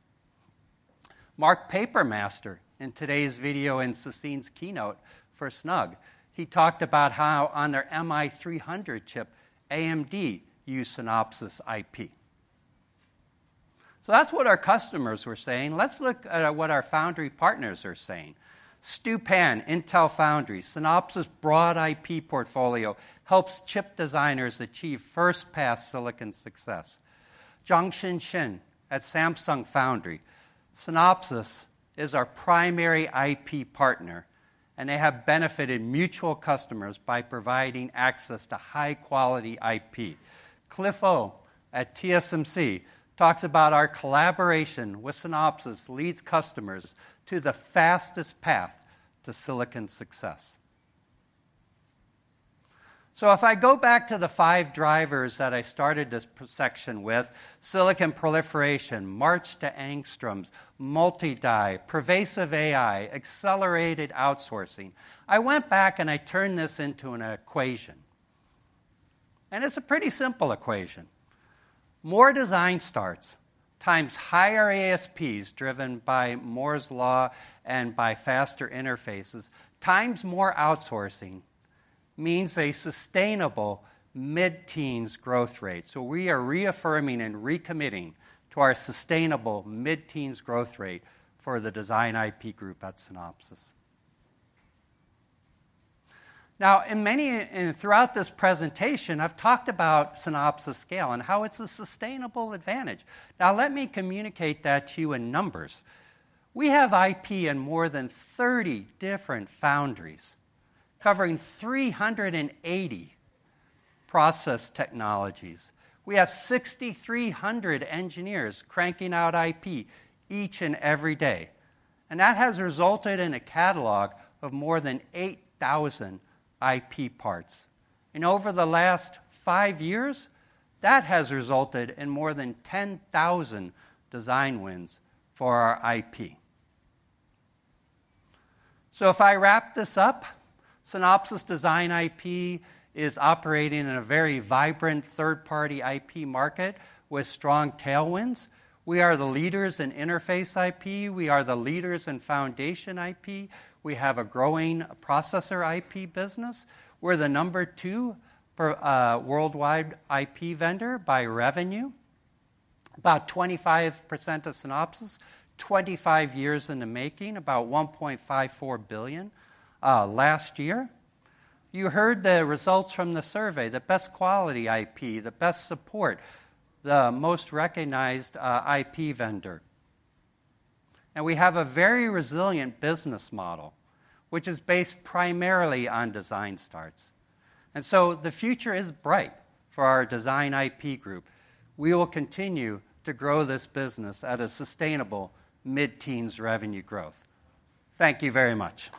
Mark Papermaster, in today's video, in Sassine's keynote for SNUG, he talked about how on their MI300 chip, AMD used Synopsys IP. So that's what our customers were saying. Let's look at what our foundry partners are saying. Stu Pann, Intel Foundry: "Synopsys' broad IP portfolio helps chip designers achieve first-pass silicon success."... Jongshin Shin at Samsung Foundry, "Synopsys is our primary IP partner, and they have benefited mutual customers by providing access to high-quality IP." Cliff Hou at TSMC talks about, "Our collaboration with Synopsys leads customers to the fastest path to silicon success." So if I go back to the five drivers that I started this section with, silicon proliferation, march to Angstroms, multi-die, pervasive AI, accelerated outsourcing, I went back, and I turned this into an equation. And it's a pretty simple equation. More design starts, times higher ASPs, driven by Moore's Law and by faster interfaces, times more outsourcing, means a sustainable mid-teens growth rate. So we are reaffirming and recommitting to our sustainable mid-teens growth rate for the Design IP group at Synopsys. Now, and throughout this presentation, I've talked about Synopsys' scale and how it's a sustainable advantage. Now, let me communicate that to you in numbers. We have IP in more than 30 different foundries, covering 380 process technologies. We have 6,300 engineers cranking out IP each and every day, and that has resulted in a catalog of more than 8,000 IP parts. And over the last 5 years, that has resulted in more than 10,000 design wins for our IP. So if I wrap this up, Synopsys Design IP is operating in a very vibrant third-party IP market with strong tailwinds. We are the leaders in interface IP. We are the leaders in foundation IP. We have a growing processor IP business. We're the number two for worldwide IP vendor by revenue, about 25% of Synopsys, 25 years in the making, about $1.54 billion last year. You heard the results from the survey, the best quality IP, the best support, the most recognized IP vendor. And we have a very resilient business model, which is based primarily on design starts. And so the future is bright for our Design IP group. We will continue to grow this business at a sustainable mid-teens revenue growth. Thank you very much.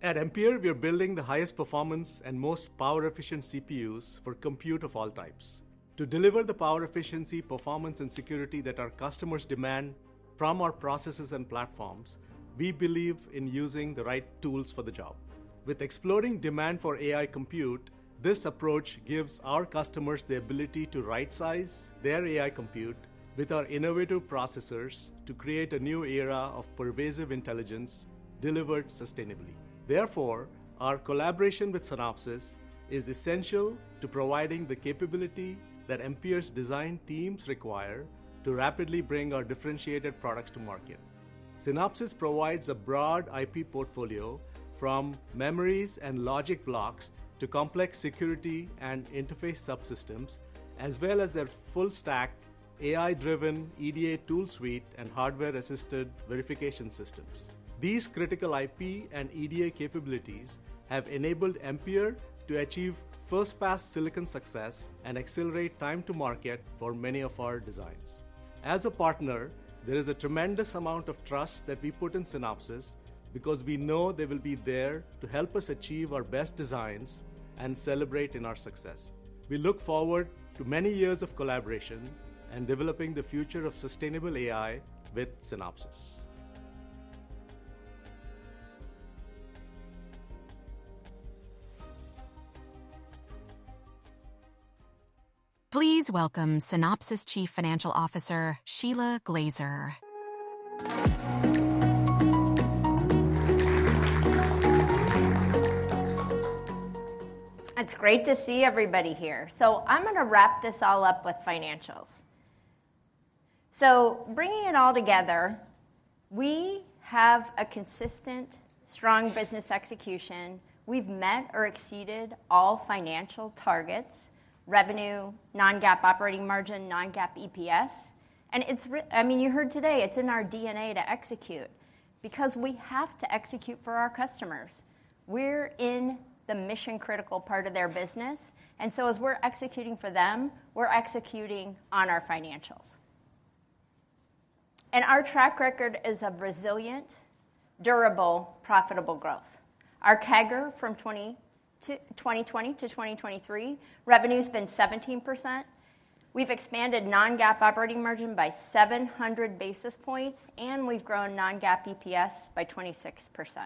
At Ampere, we are building the highest performance and most power-efficient CPUs for compute of all types. To deliver the power efficiency, performance, and security that our customers demand from our processors and platforms, we believe in using the right tools for the job. With exploding demand for AI compute, this approach gives our customers the ability to right-size their AI compute with our innovative processors to create a new era of pervasive intelligence delivered sustainably. Therefore, our collaboration with Synopsys is essential to providing the capability that Ampere's design teams require to rapidly bring our differentiated products to market. Synopsys provides a broad IP portfolio, from memories and logic blocks to complex security and interface subsystems, as well as their full-stack, AI-driven EDA tool suite and hardware-assisted verification systems. These critical IP and EDA capabilities have enabled Ampere to achieve first-pass silicon success and accelerate time to market for many of our designs. As a partner, there is a tremendous amount of trust that we put in Synopsys because we know they will be there to help us achieve our best designs and celebrate in our success. We look forward to many years of collaboration and developing the future of sustainable AI with Synopsys. Please welcome Synopsys Chief Financial Officer, Shelagh Glaser. It's great to see everybody here. So I'm going to wrap this all up with financials. So bringing it all together, we have a consistent, strong business execution. We've met or exceeded all financial targets: revenue, non-GAAP operating margin, non-GAAP EPS. And it's – I mean, you heard today, it's in our DNA to execute because we have to execute for our customers. We're in the mission-critical part of their business, and so as we're executing for them, we're executing on our financials. And our track record is of resilient, durable, profitable growth. Our CAGR from 2020 to 2023, revenue's been 17%. We've expanded non-GAAP operating margin by 700 basis points, and we've grown non-GAAP EPS by 26%,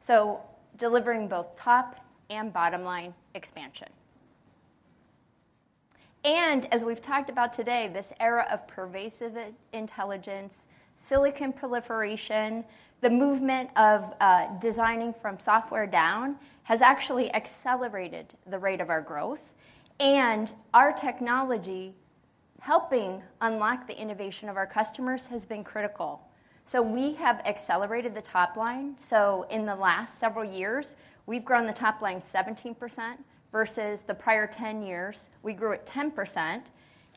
so delivering both top and bottom-line expansion. And as we've talked about today, this era of pervasive intelligence, silicon proliferation, the movement of designing from software down, has actually accelerated the rate of our growth, and our technology helping unlock the innovation of our customers has been critical. So we have accelerated the top line. So in the last several years, we've grown the top line 17%, versus the prior 10 years, we grew at 10%.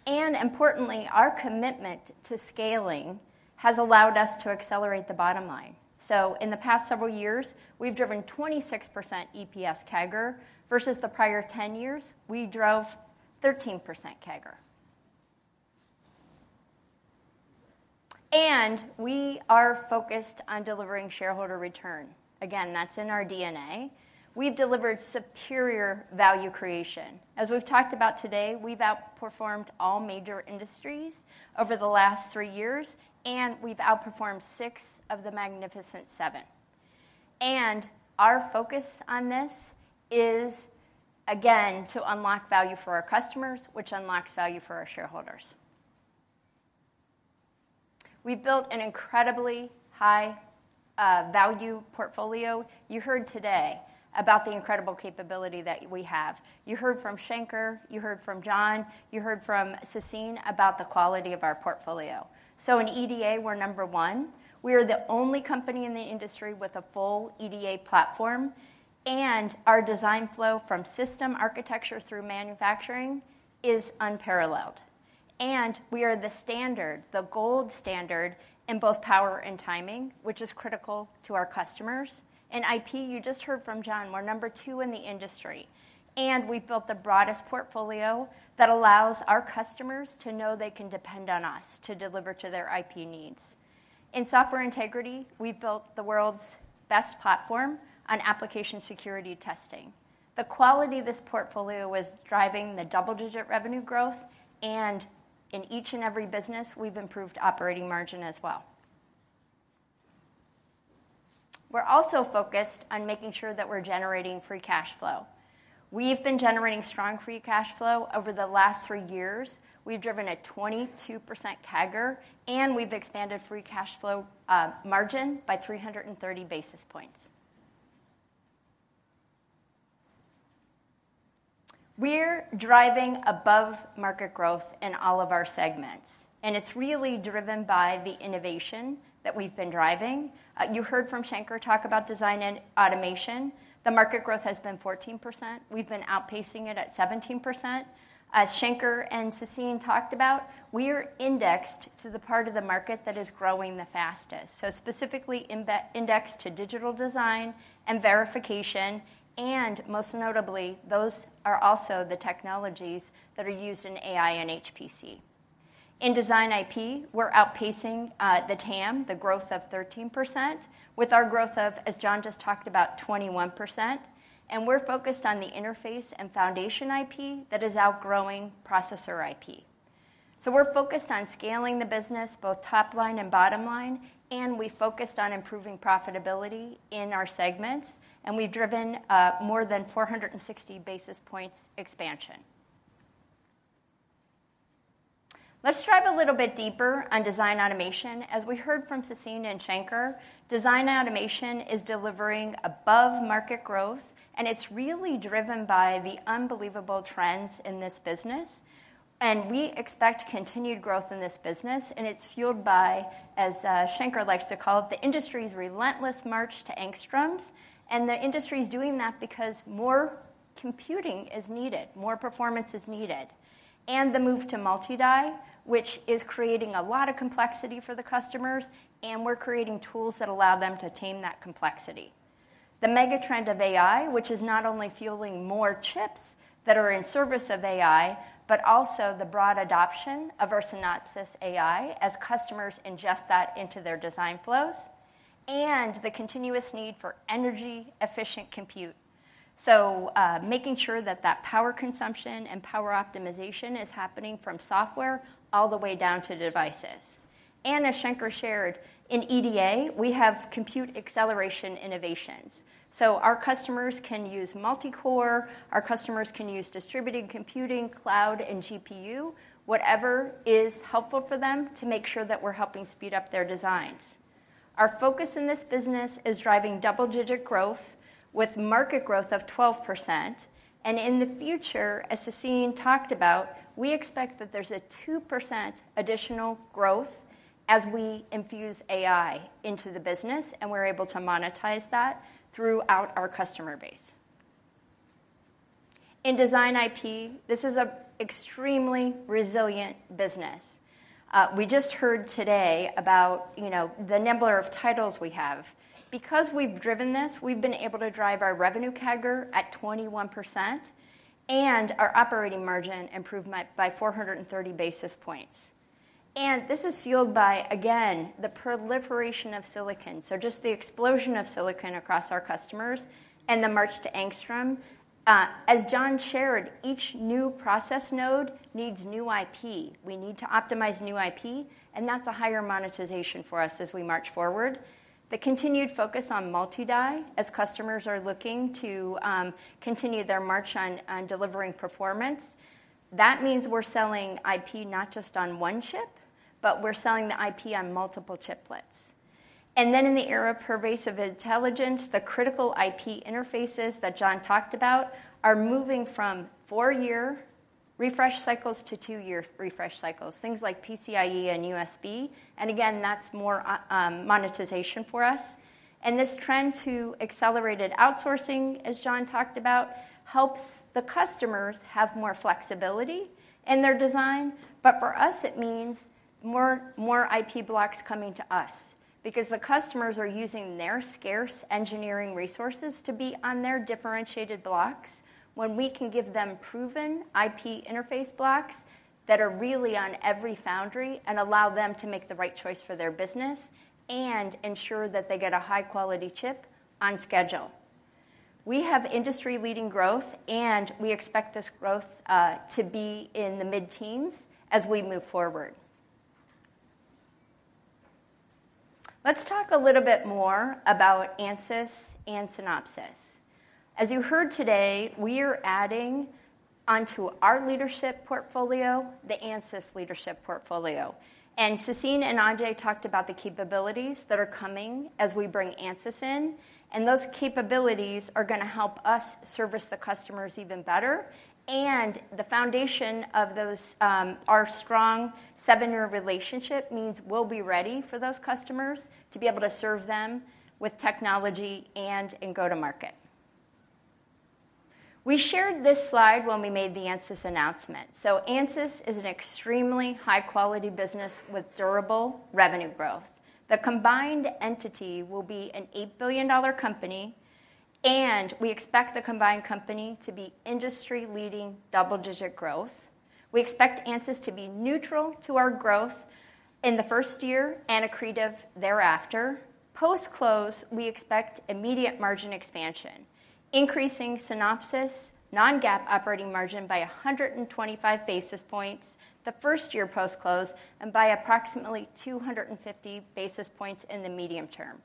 And importantly, our commitment to scaling has allowed us to accelerate the bottom line. So in the past several years, we've driven 26% EPS CAGR, versus the prior 10 years, we drove 13% CAGR. And we are focused on delivering shareholder return. Again, that's in our DNA. We've delivered superior value creation. As we've talked about today, we've outperformed all major industries over the last 3 years, and we've outperformed 6 of the Magnificent Seven. And our focus on this is, again, to unlock value for our customers, which unlocks value for our shareholders. We've built an incredibly high value portfolio. You heard today about the incredible capability that we have. You heard from Shankar, you heard from John, you heard from Sassine about the quality of our portfolio. So in EDA, we're number one. We are the only company in the industry with a full EDA platform, and our design flow from system architecture through manufacturing is unparalleled. And we are the standard, the gold standard, in both power and timing, which is critical to our customers. In IP, you just heard from John, we're number two in the industry, and we've built the broadest portfolio that allows our customers to know they can depend on us to deliver to their IP needs. In Software Integrity we've built the world's best platform on application security testing. The quality of this portfolio is driving the double-digit revenue growth, and in each and every business, we've improved operating margin as well. We're also focused on making sure that we're generating free cash flow. We've been generating strong free cash flow over the last three years. We've driven a 22% CAGR, and we've expanded free cash flow margin by 330 basis points. We're driving above-market growth in all of our segments, and it's really driven by the innovation that we've been driving. You heard from Shankar talk about design and automation. The market growth has been 14%. We've been outpacing it at 17%. As Shankar and Sassine talked about, we are indexed to the part of the market that is growing the fastest, so specifically, indexed to digital design and verification, and most notably, those are also the technologies that are used in AI and HPC. In Design IP, we're outpacing the TAM, the growth of 13%, with our growth of, as John just talked about, 21%, and we're focused on the interface and foundation IP that is outgrowing processor IP. So we're focused on scaling the business, both top line and bottom line, and we focused on improving profitability in our segments, and we've driven more than 460 basis points expansion. Let's dive a little bit deeper on Design Automation. As we heard from Sassine and Shankar, Design Automation is delivering above-market growth, and it's really driven by the unbelievable trends in this business, and we expect continued growth in this business, and it's fueled by, as, Shankar likes to call it, the industry's relentless march to angstroms. And the industry's doing that because more computing is needed, more performance is needed, and the move to multi-die, which is creating a lot of complexity for the customers, and we're creating tools that allow them to tame that complexity. The mega trend of AI, which is not only fueling more chips that are in service of AI, but also the broad adoption of our Synopsys AI as customers ingest that into their design flows, and the continuous need for energy-efficient compute. So, making sure that that power consumption and power optimization is happening from software all the way down to devices. And as Shankar shared, in EDA, we have compute acceleration innovations, so our customers can use multi-core, our customers can use distributed computing, cloud, and GPU, whatever is helpful for them to make sure that we're helping speed up their designs. Our focus in this business is driving double-digit growth with market growth of 12%, and in the future, as Sassine talked about, we expect that there's a 2% additional growth as we infuse AI into the business, and we're able to monetize that throughout our customer base. In Design IP, this is an extremely resilient business. We just heard today about, you know, the number of titles we have. Because we've driven this, we've been able to drive our revenue CAGR at 21% and our operating margin improvement by 430 basis points. This is fueled by, again, the proliferation of silicon, so just the explosion of silicon across our customers and the march to Angstrom. As John shared, each new process node needs new IP. We need to optimize new IP, and that's a higher monetization for us as we march forward. The continued focus on multi-die, as customers are looking to continue their march on delivering performance, that means we're selling IP not just on one chip, but we're selling the IP on multiple chiplets.... Then in the era of pervasive intelligence, the critical IP interfaces that John talked about are moving from four-year refresh cycles to two-year refresh cycles, things like PCIe and USB, and again, that's more, monetization for us. This trend to accelerated outsourcing, as John talked about, helps the customers have more flexibility in their design. But for us, it means more, more IP blocks coming to us because the customers are using their scarce engineering resources to be on their differentiated blocks when we can give them proven IP interface blocks that are really on every foundry and allow them to make the right choice for their business and ensure that they get a high-quality chip on schedule. We have industry-leading growth, and we expect this growth, to be in the mid-teens as we move forward. Let's talk a little bit more about Ansys and Synopsys. As you heard today, we are adding onto our leadership portfolio, the Ansys leadership portfolio, and Sassine and Ajei talked about the capabilities that are coming as we bring Ansys in, and those capabilities are going to help us service the customers even better. And the foundation of those, our strong seven-year relationship means we'll be ready for those customers to be able to serve them with technology and in go-to-market. We shared this slide when we made the Ansys announcement. So Ansys is an extremely high-quality business with durable revenue growth. The combined entity will be an $8 billion company, and we expect the combined company to be industry-leading double-digit growth. We expect Ansys to be neutral to our growth in the first year and accretive thereafter. Post-close, we expect immediate margin expansion, increasing Synopsys non-GAAP operating margin by 125 basis points the first year post-close, and by approximately 250 basis points in the medium term.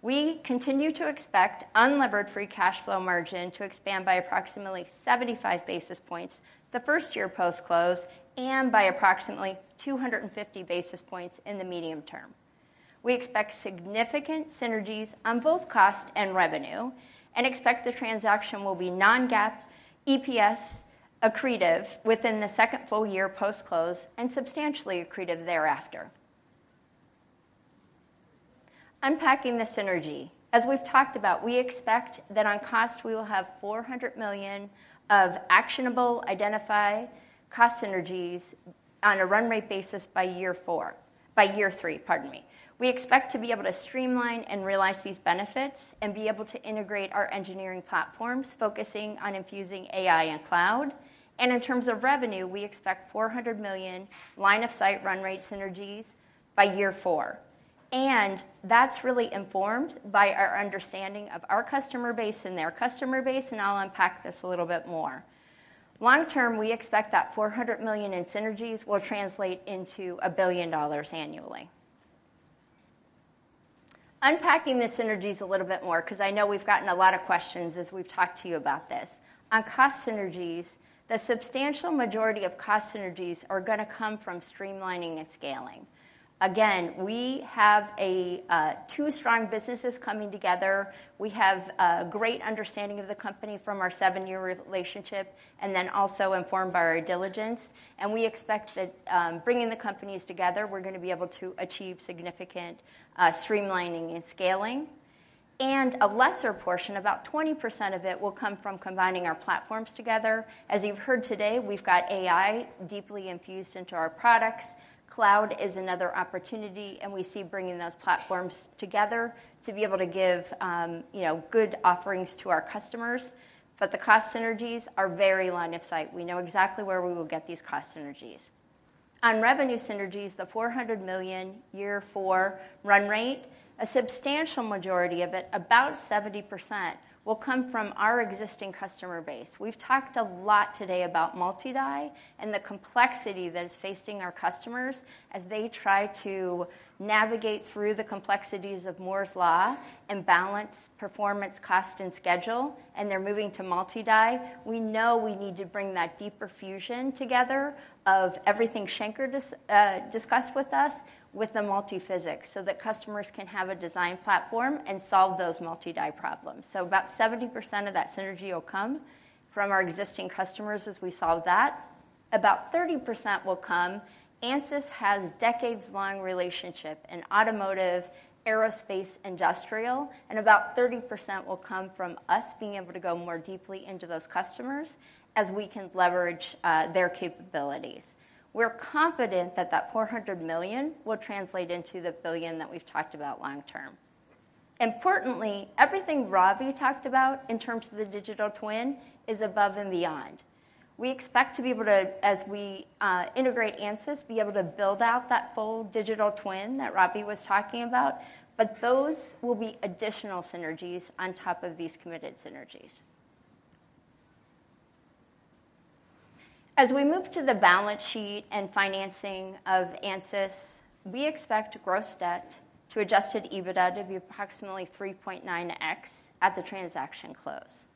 We continue to expect unlevered free cash flow margin to expand by approximately 75 basis points the first year post-close and by approximately 250 basis points in the medium term. We expect significant synergies on both cost and revenue and expect the transaction will be non-GAAP EPS accretive within the second full-year post-close and substantially accretive thereafter. Unpacking the synergy. As we've talked about, we expect that on cost, we will have $400 million of actionable, identified cost synergies on a run-rate basis by year four—by year three, pardon me. We expect to be able to streamline and realize these benefits and be able to integrate our engineering platforms, focusing on infusing AI and cloud. And in terms of revenue, we expect $400 million line-of-sight run-rate synergies by year four, and that's really informed by our understanding of our customer base and their customer base, and I'll unpack this a little bit more. Long term, we expect that $400 million in synergies will translate into $1 billion annually. Unpacking the synergies a little bit more, 'cause I know we've gotten a lot of questions as we've talked to you about this. On cost synergies, the substantial majority of cost synergies are going to come from streamlining and scaling. Again, we have two strong businesses coming together. We have a great understanding of the company from our seven-year relationship and then also informed by our diligence, and we expect that, bringing the companies together, we're going to be able to achieve significant streamlining and scaling. A lesser portion, about 20% of it, will come from combining our platforms together. As you've heard today, we've got AI deeply infused into our products. Cloud is another opportunity, and we see bringing those platforms together to be able to give, you know, good offerings to our customers, but the cost synergies are very line of sight. We know exactly where we will get these cost synergies. On revenue synergies, the $400 million year-four run rate, a substantial majority of it, about 70%, will come from our existing customer base. We've talked a lot today about multi-die and the complexity that is facing our customers as they try to navigate through the complexities of Moore's law and balance performance, cost, and schedule, and they're moving to multi-die. We know we need to bring that deeper fusion together of everything Shankar discussed with us with the multiphysics, so that customers can have a design platform and solve those multi-die problems. So about 70% of that synergy will come from our existing customers as we solve that. About 30% will come... Ansys has decades-long relationship in automotive, aerospace, industrial, and about 30% will come from us being able to go more deeply into those customers as we can leverage their capabilities. We're confident that that $400 million will translate into the $1 billion that we've talked about long-term. Importantly, everything Ravi talked about in terms of the digital twin is above and beyond. We expect to be able to, as we, integrate Ansys, be able to build out that full digital twin that Ravi was talking about, but those will be additional synergies on top of these committed synergies. As we move to the balance sheet and financing of Ansys, we expect gross debt to adjusted EBITDA to be approximately 3.9x at the transaction close.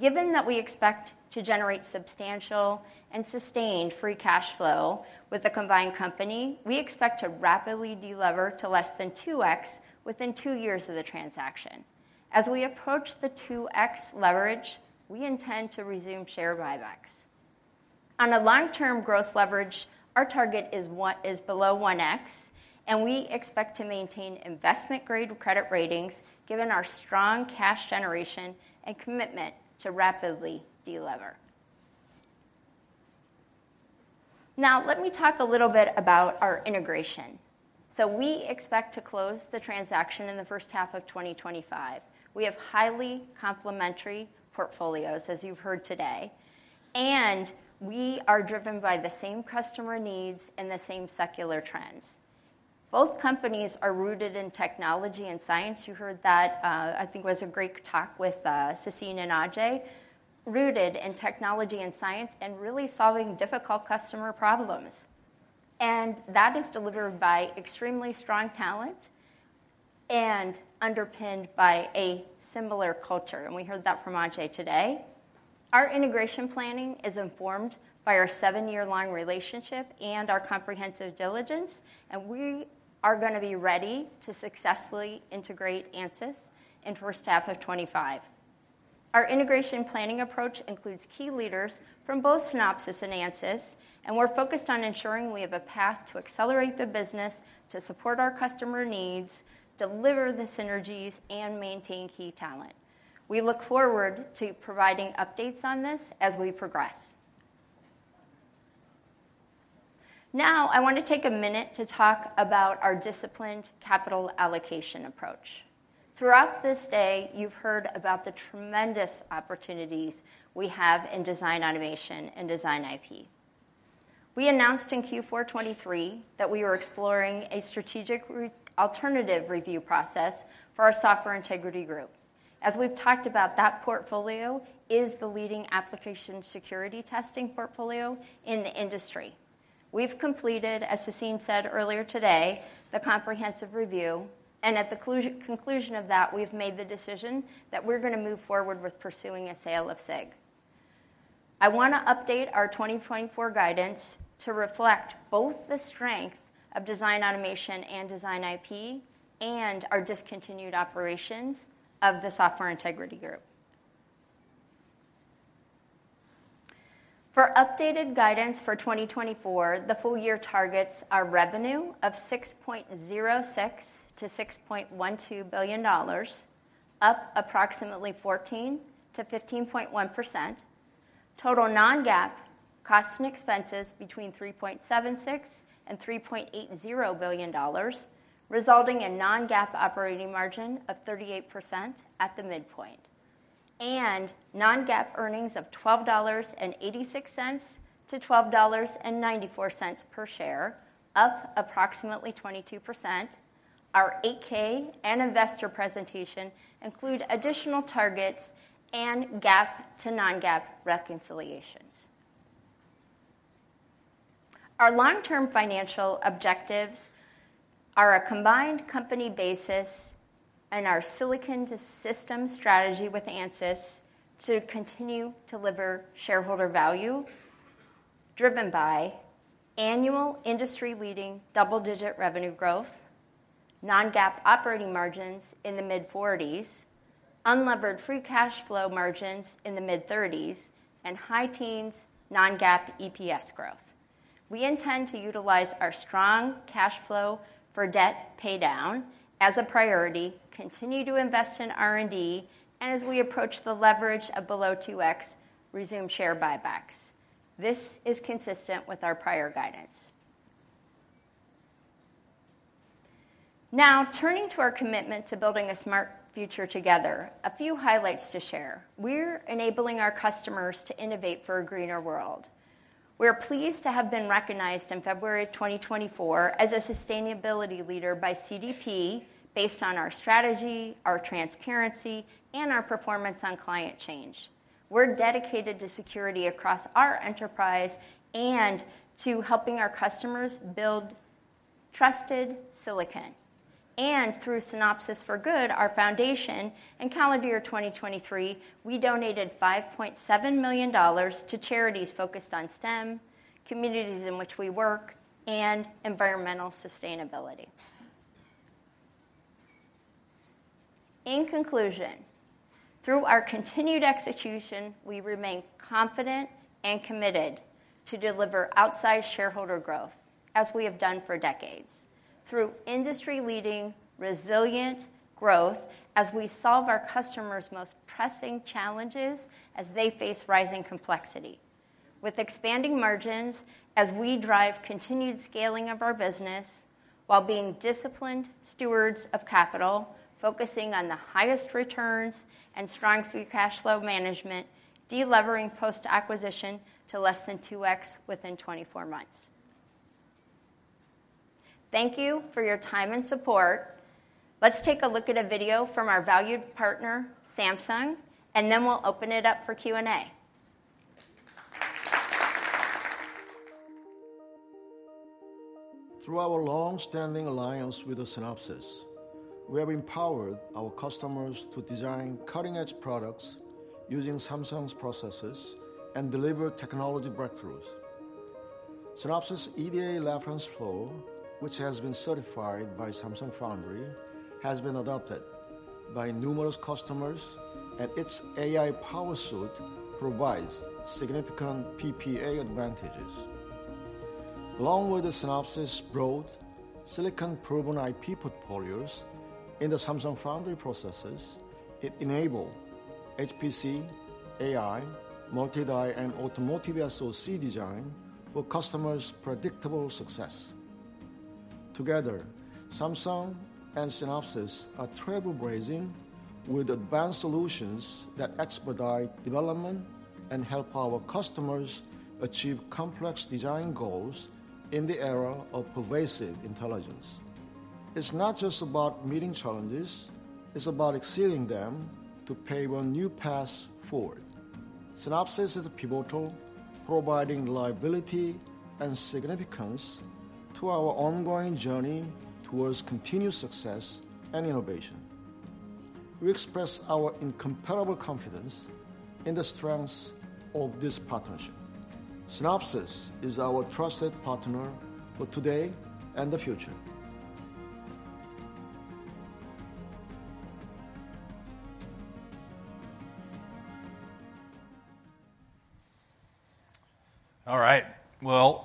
Given that we expect to generate substantial and sustained free cash flow with the combined company, we expect to rapidly delever to less than 2x within two years of the transaction. As we approach the 2x leverage, we intend to resume share buybacks. On a long-term gross leverage, our target is 1, is below 1x, and we expect to maintain investment-grade credit ratings, given our strong cash generation and commitment to rapidly delever. Now, let me talk a little bit about our integration. So we expect to close the transaction in the first half of 2025. We have highly complementary portfolios, as you've heard today, and we are driven by the same customer needs and the same secular trends. Both companies are rooted in technology and science. You heard that, I think, was a great talk with Sassine and Ajei, rooted in technology and science and really solving difficult customer problems, and that is delivered by extremely strong talent and underpinned by a similar culture, and we heard that from Ajei today. Our integration planning is informed by our seven-year-long relationship and our comprehensive diligence, and we are going to be ready to successfully integrate Ansys in first half of 2025. Our integration planning approach includes key leaders from both Synopsys and Ansys, and we're focused on ensuring we have a path to accelerate the business, to support our customer needs, deliver the synergies, and maintain key talent. We look forward to providing updates on this as we progress. Now, I want to take a minute to talk about our disciplined capital allocation approach. Throughout this day, you've heard about the tremendous opportunities we have in design, automation, and Design IP. We announced in Q4 2023 that we were exploring a strategic alternative review process for our Software Integrity Group. As we've talked about, that portfolio is the leading application security testing portfolio in the industry. We've completed, as Sassine said earlier today, the comprehensive review, and at the conclusion of that, we've made the decision that we're going to move forward with pursuing a sale of SIG. I want to update our 2024 guidance to reflect both the strength of Design Automation and Design IP and our discontinued operations of the Software Integrity Group. For updated guidance for 2024, the full-year targets are revenue of $6.06 billion-$6.12 billion, up approximately 14%-15.1%. Total non-GAAP costs and expenses between $3.76 billion-$3.80 billion, resulting in non-GAAP operating margin of 38% at the midpoint, and non-GAAP earnings of $12.86-$12.94 per share, up approximately 22%. 8-K and investor presentation include additional targets and GAAP to non-GAAP reconciliations. Our long-term financial objectives are a combined company basis Silicon to Systems strategy with Ansys to continue to deliver shareholder value, driven by annual industry-leading double-digit revenue growth, non-GAAP operating margins in the mid-40s, unlevered free cash flow margins in the mid-30s, and high teens non-GAAP EPS growth. We intend to utilize our strong cash flow for debt paydown as a priority, continue to invest in R&D, and as we approach the leverage of below 2x, resume share buybacks. This is consistent with our prior guidance. Now, turning to our commitment to building a smart future together, a few highlights to share. We're enabling our customers to innovate for a greener world. We are pleased to have been recognized in February 2024 as a sustainability leader by CDP, based on our strategy, our transparency, and our performance on Climate Change. We're dedicated to security across our enterprise and to helping our customers build trusted silicon. And through Synopsys for Good, our foundation, in calendar year 2023, we donated $5.7 million to charities focused on STEM, communities in which we work, and environmental sustainability. In conclusion, through our continued execution, we remain confident and committed to deliver outsized shareholder growth, as we have done for decades, through industry-leading, resilient growth as we solve our customers' most pressing challenges as they face rising complexity. With expanding margins, as we drive continued scaling of our business while being disciplined stewards of capital, focusing on the highest returns and strong free cash flow management, delevering post-acquisition to less than 2x within 24 months. Thank you for your time and support. Let's take a look at a video from our valued partner, Samsung, and then we'll open it up for Q&A.... Through our long-standing alliance with Synopsys, we have empowered our customers to design cutting-edge products using Samsung's processes and deliver technology breakthroughs. Synopsys' EDA reference flow, which has been certified by Samsung Foundry, has been adopted by numerous customers, and its AI-powered suite provides significant PPA advantages. Along with Synopsys' broad, silicon-proven IP portfolios in the Samsung Foundry processes, it enables HPC, AI, multi-die, and automotive SoC design for customers' predictable success. Together, Samsung and Synopsys are trailblazing with advanced solutions that expedite development and help our customers achieve complex design goals in the era of pervasive intelligence. It's not just about meeting challenges, it's about exceeding them to pave a new path forward. Synopsys is pivotal, providing reliability and significance to our ongoing journey towards continued success and innovation. We express our incomparable confidence in the strengths of this partnership. Synopsys is our trusted partner for today and the future. All right. Well,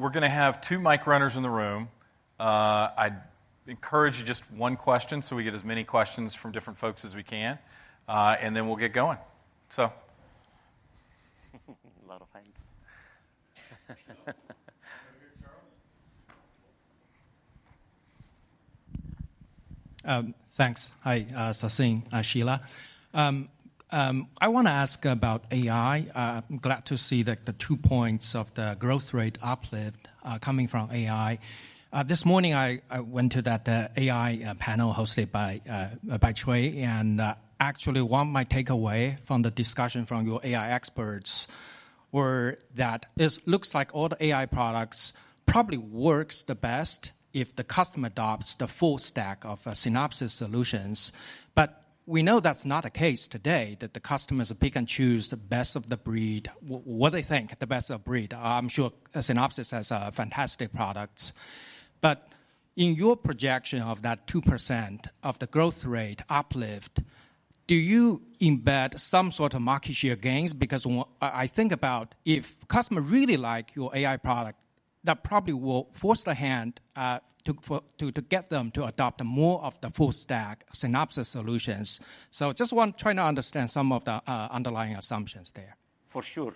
we're gonna have two mic runners in the room. I'd encourage just one question, so we get as many questions from different folks as we can, and then we'll get going. So... A lot of hands. Over here, Charles. Thanks. Hi, Sassine, hi, Shelagh. I wanna ask about AI. I'm glad to see that the two points of the growth rate uplift coming from AI. This morning, I went to that AI panel hosted by Trey, and actually, one my takeaway from the discussion from your AI experts were that it looks like all the AI products probably works the best if the customer adopts the full stack of Synopsys solutions. But we know that's not the case today, that the customers pick and choose the best of the breed, what they think the best of breed. I'm sure Synopsys has fantastic products. But in your projection of that 2% of the growth rate uplift, do you embed some sort of market share gains? Because I think about if customer really like your AI product, that probably will force the hand to get them to adopt more of the full stack Synopsys solutions. So just want trying to understand some of the underlying assumptions there. For sure.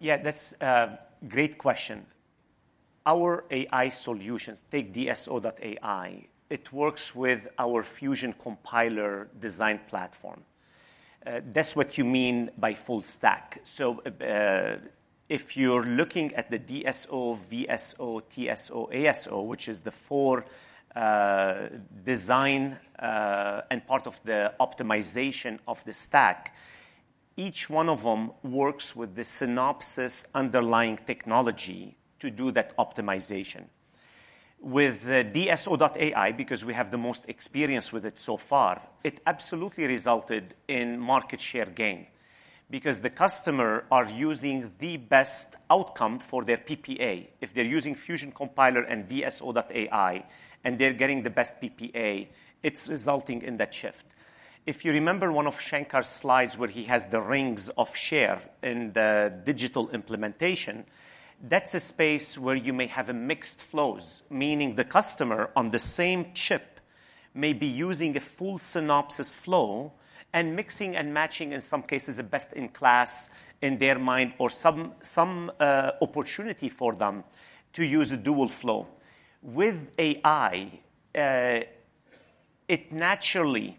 Yeah, that's a great question. Our AI solutions, take DSO.ai, it works with our Fusion Compiler design platform. That's what you mean by full stack. So, if you're looking at the DSO, VSO, TSO, ASO, which is the four, design, and part of the optimization of the stack, each one of them works with the Synopsys underlying technology to do that optimization. With the DSO.ai, because we have the most experience with it so far, it absolutely resulted in market share gain because the customer are using the best outcome for their PPA. If they're using Fusion Compiler and DSO.ai, and they're getting the best PPA, it's resulting in that shift. If you remember one of Shankar's slides where he has the rings of share in the digital implementation, that's a space where you may have a mixed flows, meaning the customer on the same chip may be using a full Synopsys flow and mixing and matching, in some cases, the best-in-class in their mind or some opportunity for them to use a dual flow. With AI, it naturally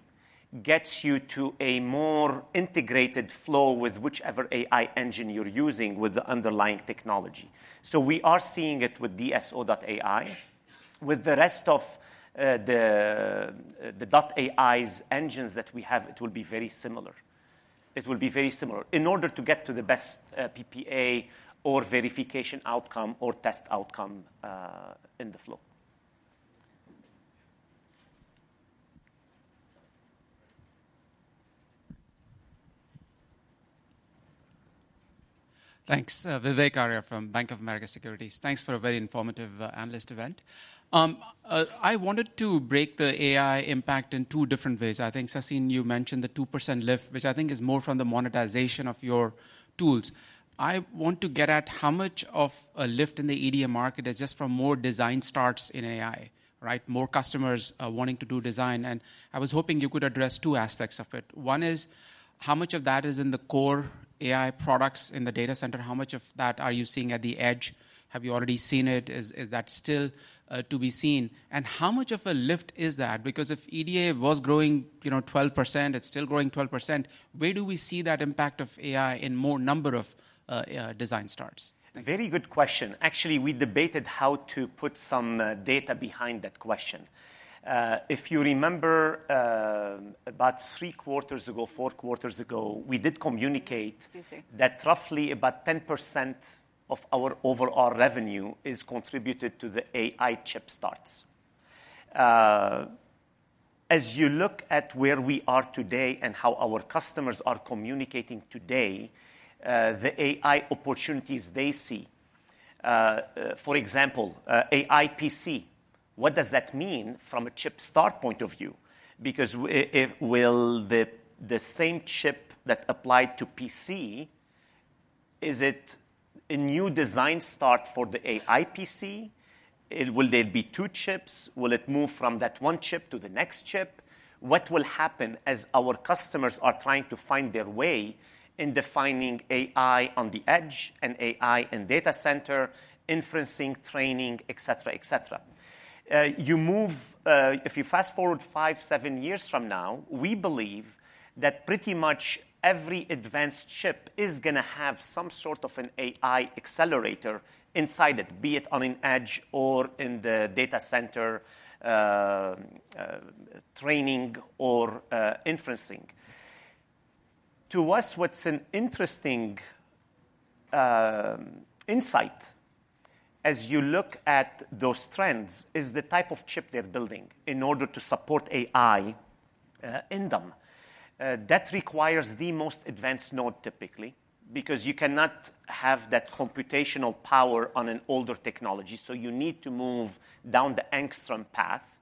gets you to a more integrated flow with whichever AI engine you're using with the underlying technology. So we are seeing it with DSO.ai. With the rest of, the .ai's engines that we have, it will be very similar. It will be very similar. In order to get to the best PPA or verification outcome or test outcome, in the flow. Thanks. Vivek Arya from Bank of America Securities. Thanks for a very informative analyst event. I wanted to break the AI impact in two different ways. I think, Sassine, you mentioned the 2% lift, which I think is more from the monetization of your tools. I want to get at how much of a lift in the EDA market is just from more design starts in AI, right? More customers wanting to do design, and I was hoping you could address two aspects of it. One is, how much of that is in the core AI products in the data center? How much of that are you seeing at the edge? Have you already seen it? Is that still to be seen? And how much of a lift is that? Because if EDA was growing, you know, 12%, it's still growing 12%, where do we see that impact of AI in more number of design starts? Very good question. Actually, we debated how to put some data behind that question. If you remember, about three quarters ago, four quarters ago, we did communicate- Mm-hmm... that roughly about 10% of our overall revenue is contributed to the AI chip starts. As you look at where we are today and how our customers are communicating today, the AI opportunities they see, for example, AI PC, what does that mean from a chip start point of view? Because if the same chip that applied to PC is it a new design start for the AI PC? Will there be two chips? Will it move from that one chip to the next chip? What will happen as our customers are trying to find their way in defining AI on the edge and AI in data center, inferencing, training, et cetera, et cetera? You move, if you fast-forward 5, 7 years from now, we believe that pretty much every advanced chip is going to have some sort of an AI accelerator inside it, be it on an edge or in the data center, training or, inferencing. To us, what's an interesting insight, as you look at those trends, is the type of chip they're building in order to support AI, in them. That requires the most advanced node, typically, because you cannot have that computational power on an older technology, so you need to move down the Angstrom path.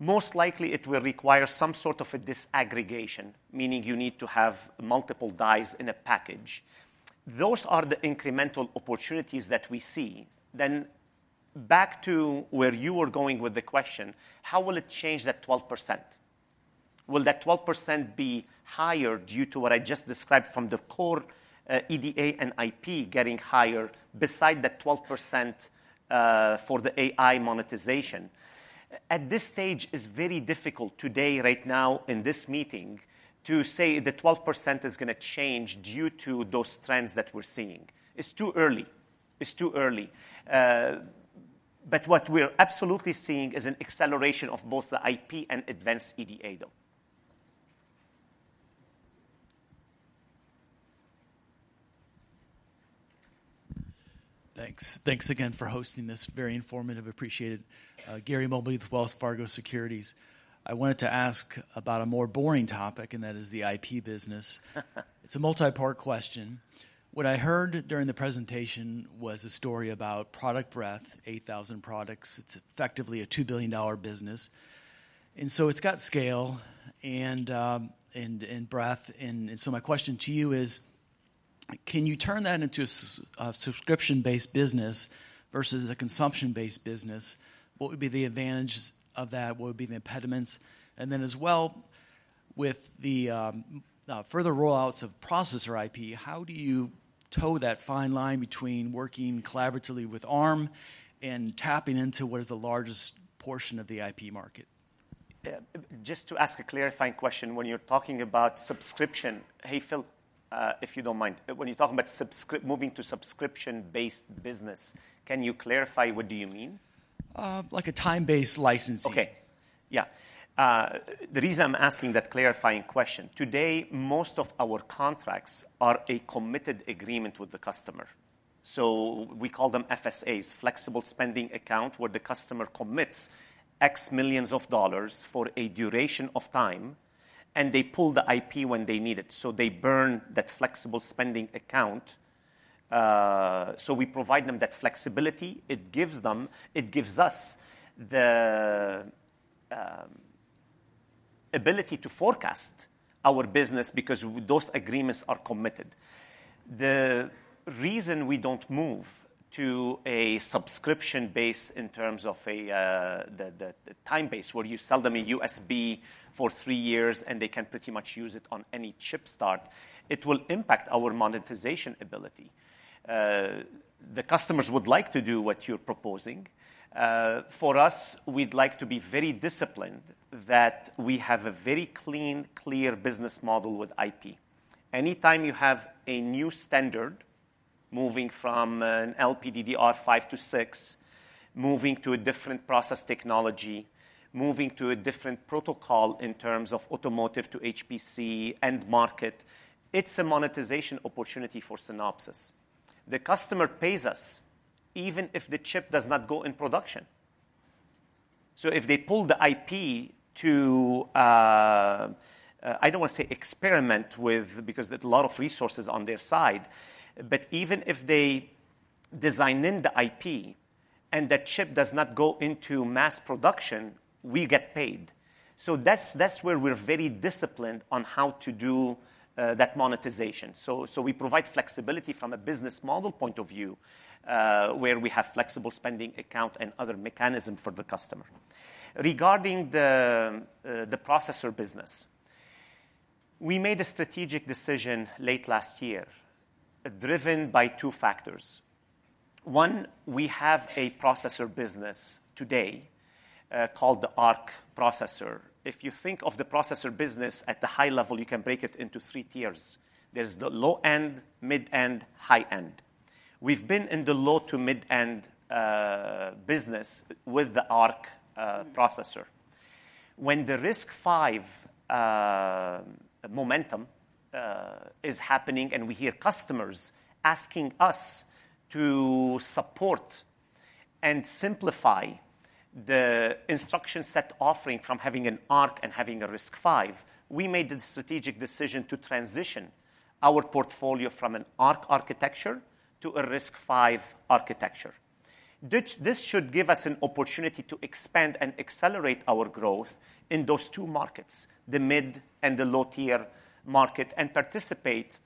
Most likely, it will require some sort of a disaggregation, meaning you need to have multiple dies in a package. Those are the incremental opportunities that we see. Then back to where you were going with the question, how will it change that 12%? Will that 12% be higher due to what I just described from the core, EDA and IP getting higher beside the 12%, for the AI monetization? At this stage, it's very difficult today, right now, in this meeting, to say the 12% is going to change due to those trends that we're seeing. It's too early. It's too early. But what we're absolutely seeing is an acceleration of both the IP and advanced EDA, though. Thanks. Thanks again for hosting this. Very informative. Appreciated. Gary Mobley with Wells Fargo Securities. I wanted to ask about a more boring topic, and that is the IP business. It's a multi-part question. What I heard during the presentation was a story about product breadth, 8,000 products. It's effectively a $2 billion business, and so it's got scale and breadth. And so my question to you is: Can you turn that into a subscription-based business versus a consumption-based business? What would be the advantages of that? What would be the impediments? And then, as well, with the further rollouts of processor IP, how do you toe that fine line between working collaboratively with Arm and tapping into what is the largest portion of the IP market? Yeah, just to ask a clarifying question, when you're talking about subscription... Hey, Phil, if you don't mind, when you're talking about moving to subscription-based business, can you clarify, what do you mean? Like a time-based licensing. Okay. Yeah. The reason I'm asking that clarifying question, today, most of our contracts are a committed agreement with the customer. So we call them FSAs, flexible spending account, where the customer commits $X million for a duration of time, and they pull the IP when they need it, so they burn that flexible spending account. So we provide them that flexibility. It gives them, it gives us the ability to forecast our business because those agreements are committed. The reason we don't move to a subscription base in terms of the time base, where you sell them a USB for three years, and they can pretty much use it on any chip start, it will impact our monetization ability. The customers would like to do what you're proposing. For us, we'd like to be very disciplined that we have a very clean, clear business model with IP. Anytime you have a new standard, moving from an LPDDR5 to 6, moving to a different process technology, moving to a different protocol in terms of automotive to HPC end market, it's a monetization opportunity for Synopsys. The customer pays us even if the chip does not go in production. So if they pull the IP to, I don't want to say experiment with, because there's a lot of resources on their side, but even if they design in the IP and that chip does not go into mass production, we get paid. So that's, that's where we're very disciplined on how to do that monetization. So we provide flexibility from a business model point of view, where we have flexible spending account and other mechanism for the customer. Regarding the processor business, we made a strategic decision late last year, driven by two factors. One, we have a processor business today, called the ARC processor. If you think of the processor business at the high level, you can break it into three tiers. There's the low end, mid-end, high-end. We've been in the low to mid-end business with the ARC processor. When the RISC-V momentum is happening, and we hear customers asking us to support and simplify the instruction set offering from having an ARC and having a RISC-V, we made the strategic decision to transition our portfolio from an ARC architecture to a RISC-V architecture. This, this should give us an opportunity to expand and accelerate our growth in those two markets, the mid and the low-tier market, and participate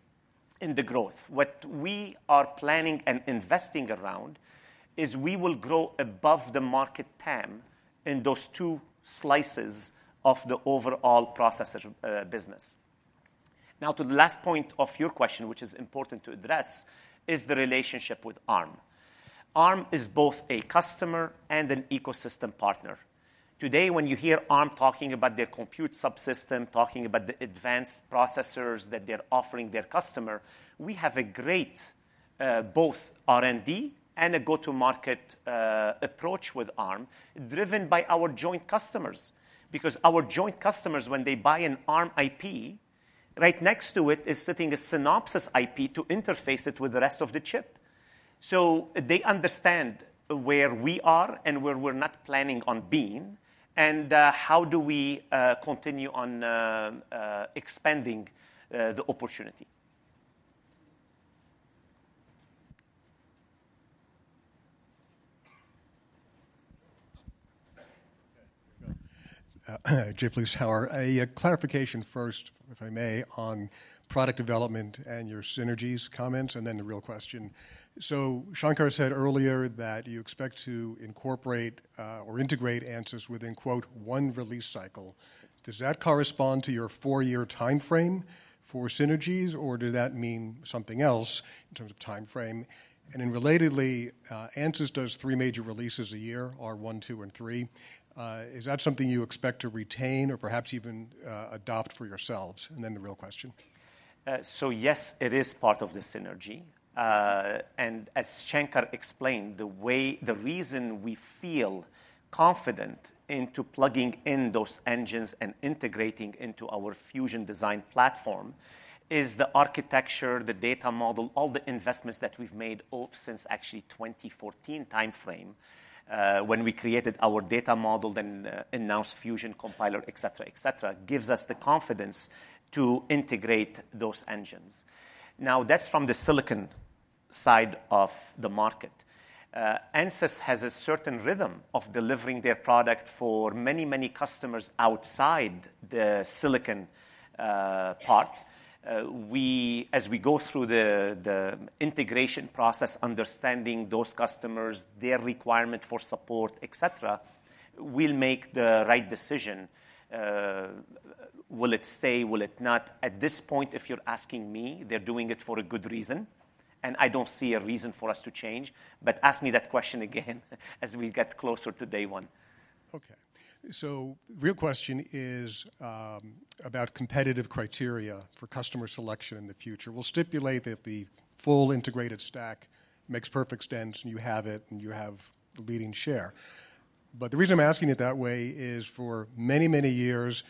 in the growth. What we are planning and investing around is we will grow above the market TAM in those two slices of the overall processor business. Now, to the last point of your question, which is important to address, is the relationship with Arm. Arm is both a customer and an ecosystem partner. Today, when you hear Arm talking about their compute subsystem, talking about the advanced processors that they're offering their customer, we have a great both R&D and a go-to-market approach with Arm, driven by our joint customers. Because our joint customers, when they buy an Arm IP, right next to it is sitting a Synopsys IP to interface it with the rest of the chip. So they understand where we are and where we're not planning on being, and how do we continue on expanding the opportunity? Jay Vleeschhouwer. A clarification first, if I may, on product development and your synergies comments, and then the real question. So Shankar said earlier that you expect to incorporate, or integrate Ansys within, quote, "one release cycle." Does that correspond to your four-year timeframe for synergies, or do that mean something else in terms of timeframe? And then relatedly, Ansys does three major releases a year: R1, 2, and 3. Is that something you expect to retain or perhaps even, adopt for yourselves? And then the real question. So yes, it is part of the synergy. And as Shankar explained, the reason we feel confident into plugging in those engines and integrating into our Fusion design platform is the architecture, the data model, all the investments that we've made since actually 2014 timeframe, when we created our data model, then announced Fusion Compiler, et cetera, et cetera, gives us the confidence to integrate those engines. Now, that's from the silicon side of the market. Ansys has a certain rhythm of delivering their product for many, many customers outside the silicon part. As we go through the integration process, understanding those customers, their requirement for support, et cetera, we'll make the right decision. Will it stay, will it not? At this point, if you're asking me, they're doing it for a good reason, and I don't see a reason for us to change. But ask me that question again as we get closer to day one. Okay. So real question is, about competitive criteria for customer selection in the future. We'll stipulate that the full integrated stack makes perfect sense, and you have it, and you have the leading share. But the reason I'm asking it that way is for many, many years,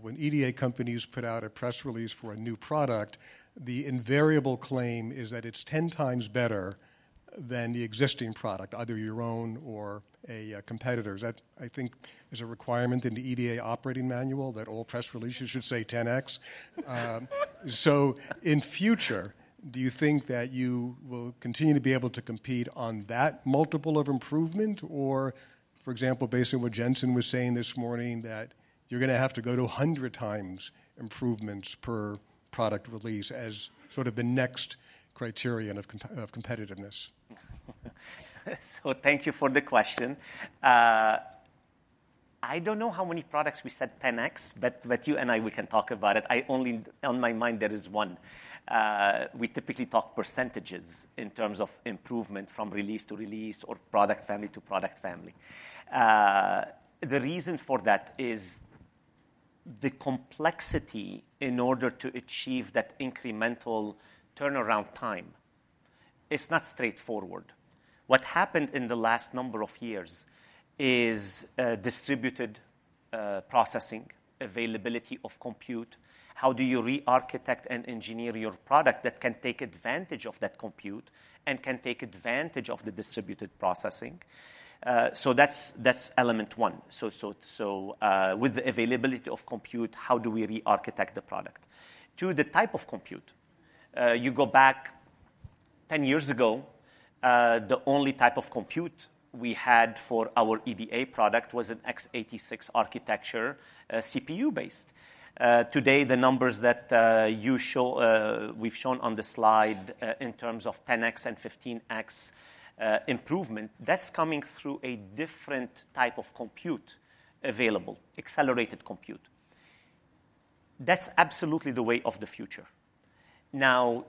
when EDA companies put out a press release for a new product, the invariable claim is that it's ten times better than the existing product, either your own or a, competitor's. That, I think, is a requirement in the EDA operating manual, that all press releases should say 10X. So, in future, do you think that you will continue to be able to compete on that multiple of improvement, or, for example, based on what Jensen was saying this morning, that you're going to have to go to 100 times improvements per product release as sort of the next criterion of competitiveness? So thank you for the question. I don't know how many products we said 10x, but you and I, we can talk about it. On my mind, there is one. We typically talk percentages in terms of improvement from release to release or product family to product family. The reason for that is the complexity in order to achieve that incremental turnaround time is not straightforward. What happened in the last number of years is distributed processing, availability of compute, how do you re-architect and engineer your product that can take advantage of that compute and can take advantage of the distributed processing? So that's element one. With the availability of compute, how do we re-architect the product? Two, the type of compute. You go back 10 years ago, the only type of compute we had for our EDA product was an x86 architecture, CPU-based. Today, the numbers that you show, we've shown on the slide, in terms of 10X and 15X improvement, that's coming through a different type of compute available, accelerated compute. That's absolutely the way of the future. Now,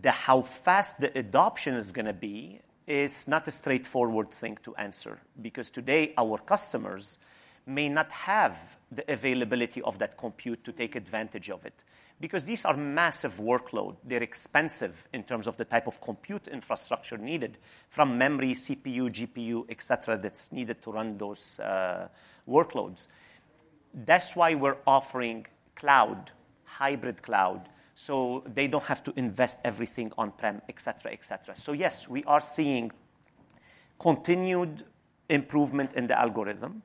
the how fast the adoption is going to be is not a straightforward thing to answer, because today, our customers may not have the availability of that compute to take advantage of it. Because these are massive workload, they're expensive in terms of the type of compute infrastructure needed, from memory, CPU, GPU, et cetera, that's needed to run those, workloads. That's why we're offering cloud, hybrid cloud, so they don't have to invest everything on-prem, et cetera, et cetera. So yes, we are seeing continued improvement in the algorithm,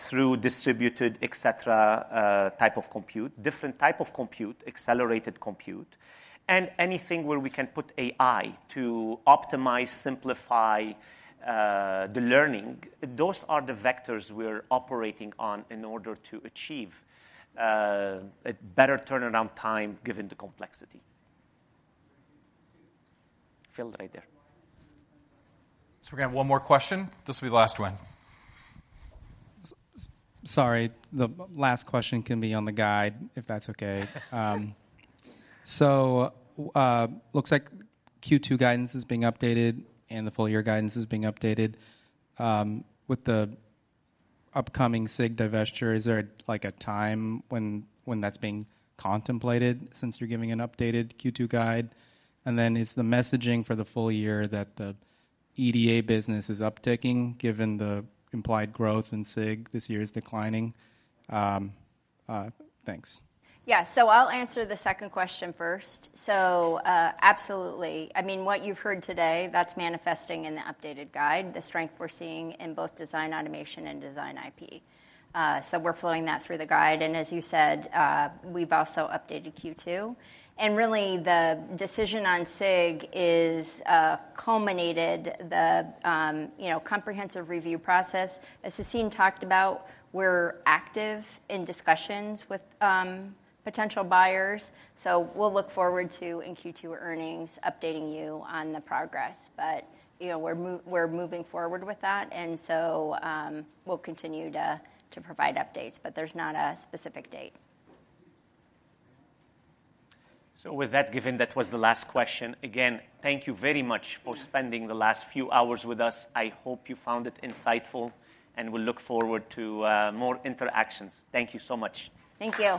through distributed et cetera, type of compute, different type of compute, accelerated compute, and anything where we can put AI to optimize, simplify, the learning. Those are the vectors we're operating on in order to achieve, a better turnaround time given the complexity. Phil, right there. We're gonna have one more question. This will be the last one. Sorry, the last question can be on the guide, if that's okay. So, looks like Q2 guidance is being updated, and the full-year guidance is being updated. With the upcoming SIG divestiture, is there, like, a time when that's being contemplated since you're giving an updated Q2 guide? And then is the messaging for the full-year that the EDA business is upticking, given the implied growth in SIG this year is declining? Thanks. Yeah, so I'll answer the second question first. So, absolutely. I mean, what you've heard today, that's manifesting in the updated guide, the strength we're seeing in both Design Automation and Design IP. So we're flowing that through the guide, and as you said, we've also updated Q2. And really, the decision on SIG is culminated the, you know, comprehensive review process. As Sassine talked about, we're active in discussions with potential buyers, so we'll look forward to, in Q2 earnings, updating you on the progress. But, you know, we're moving forward with that, and so, we'll continue to provide updates, but there's not a specific date. So with that, given that was the last question, again, thank you very much for spending the last few hours with us. I hope you found it insightful, and we look forward to more interactions. Thank you so much. Thank you.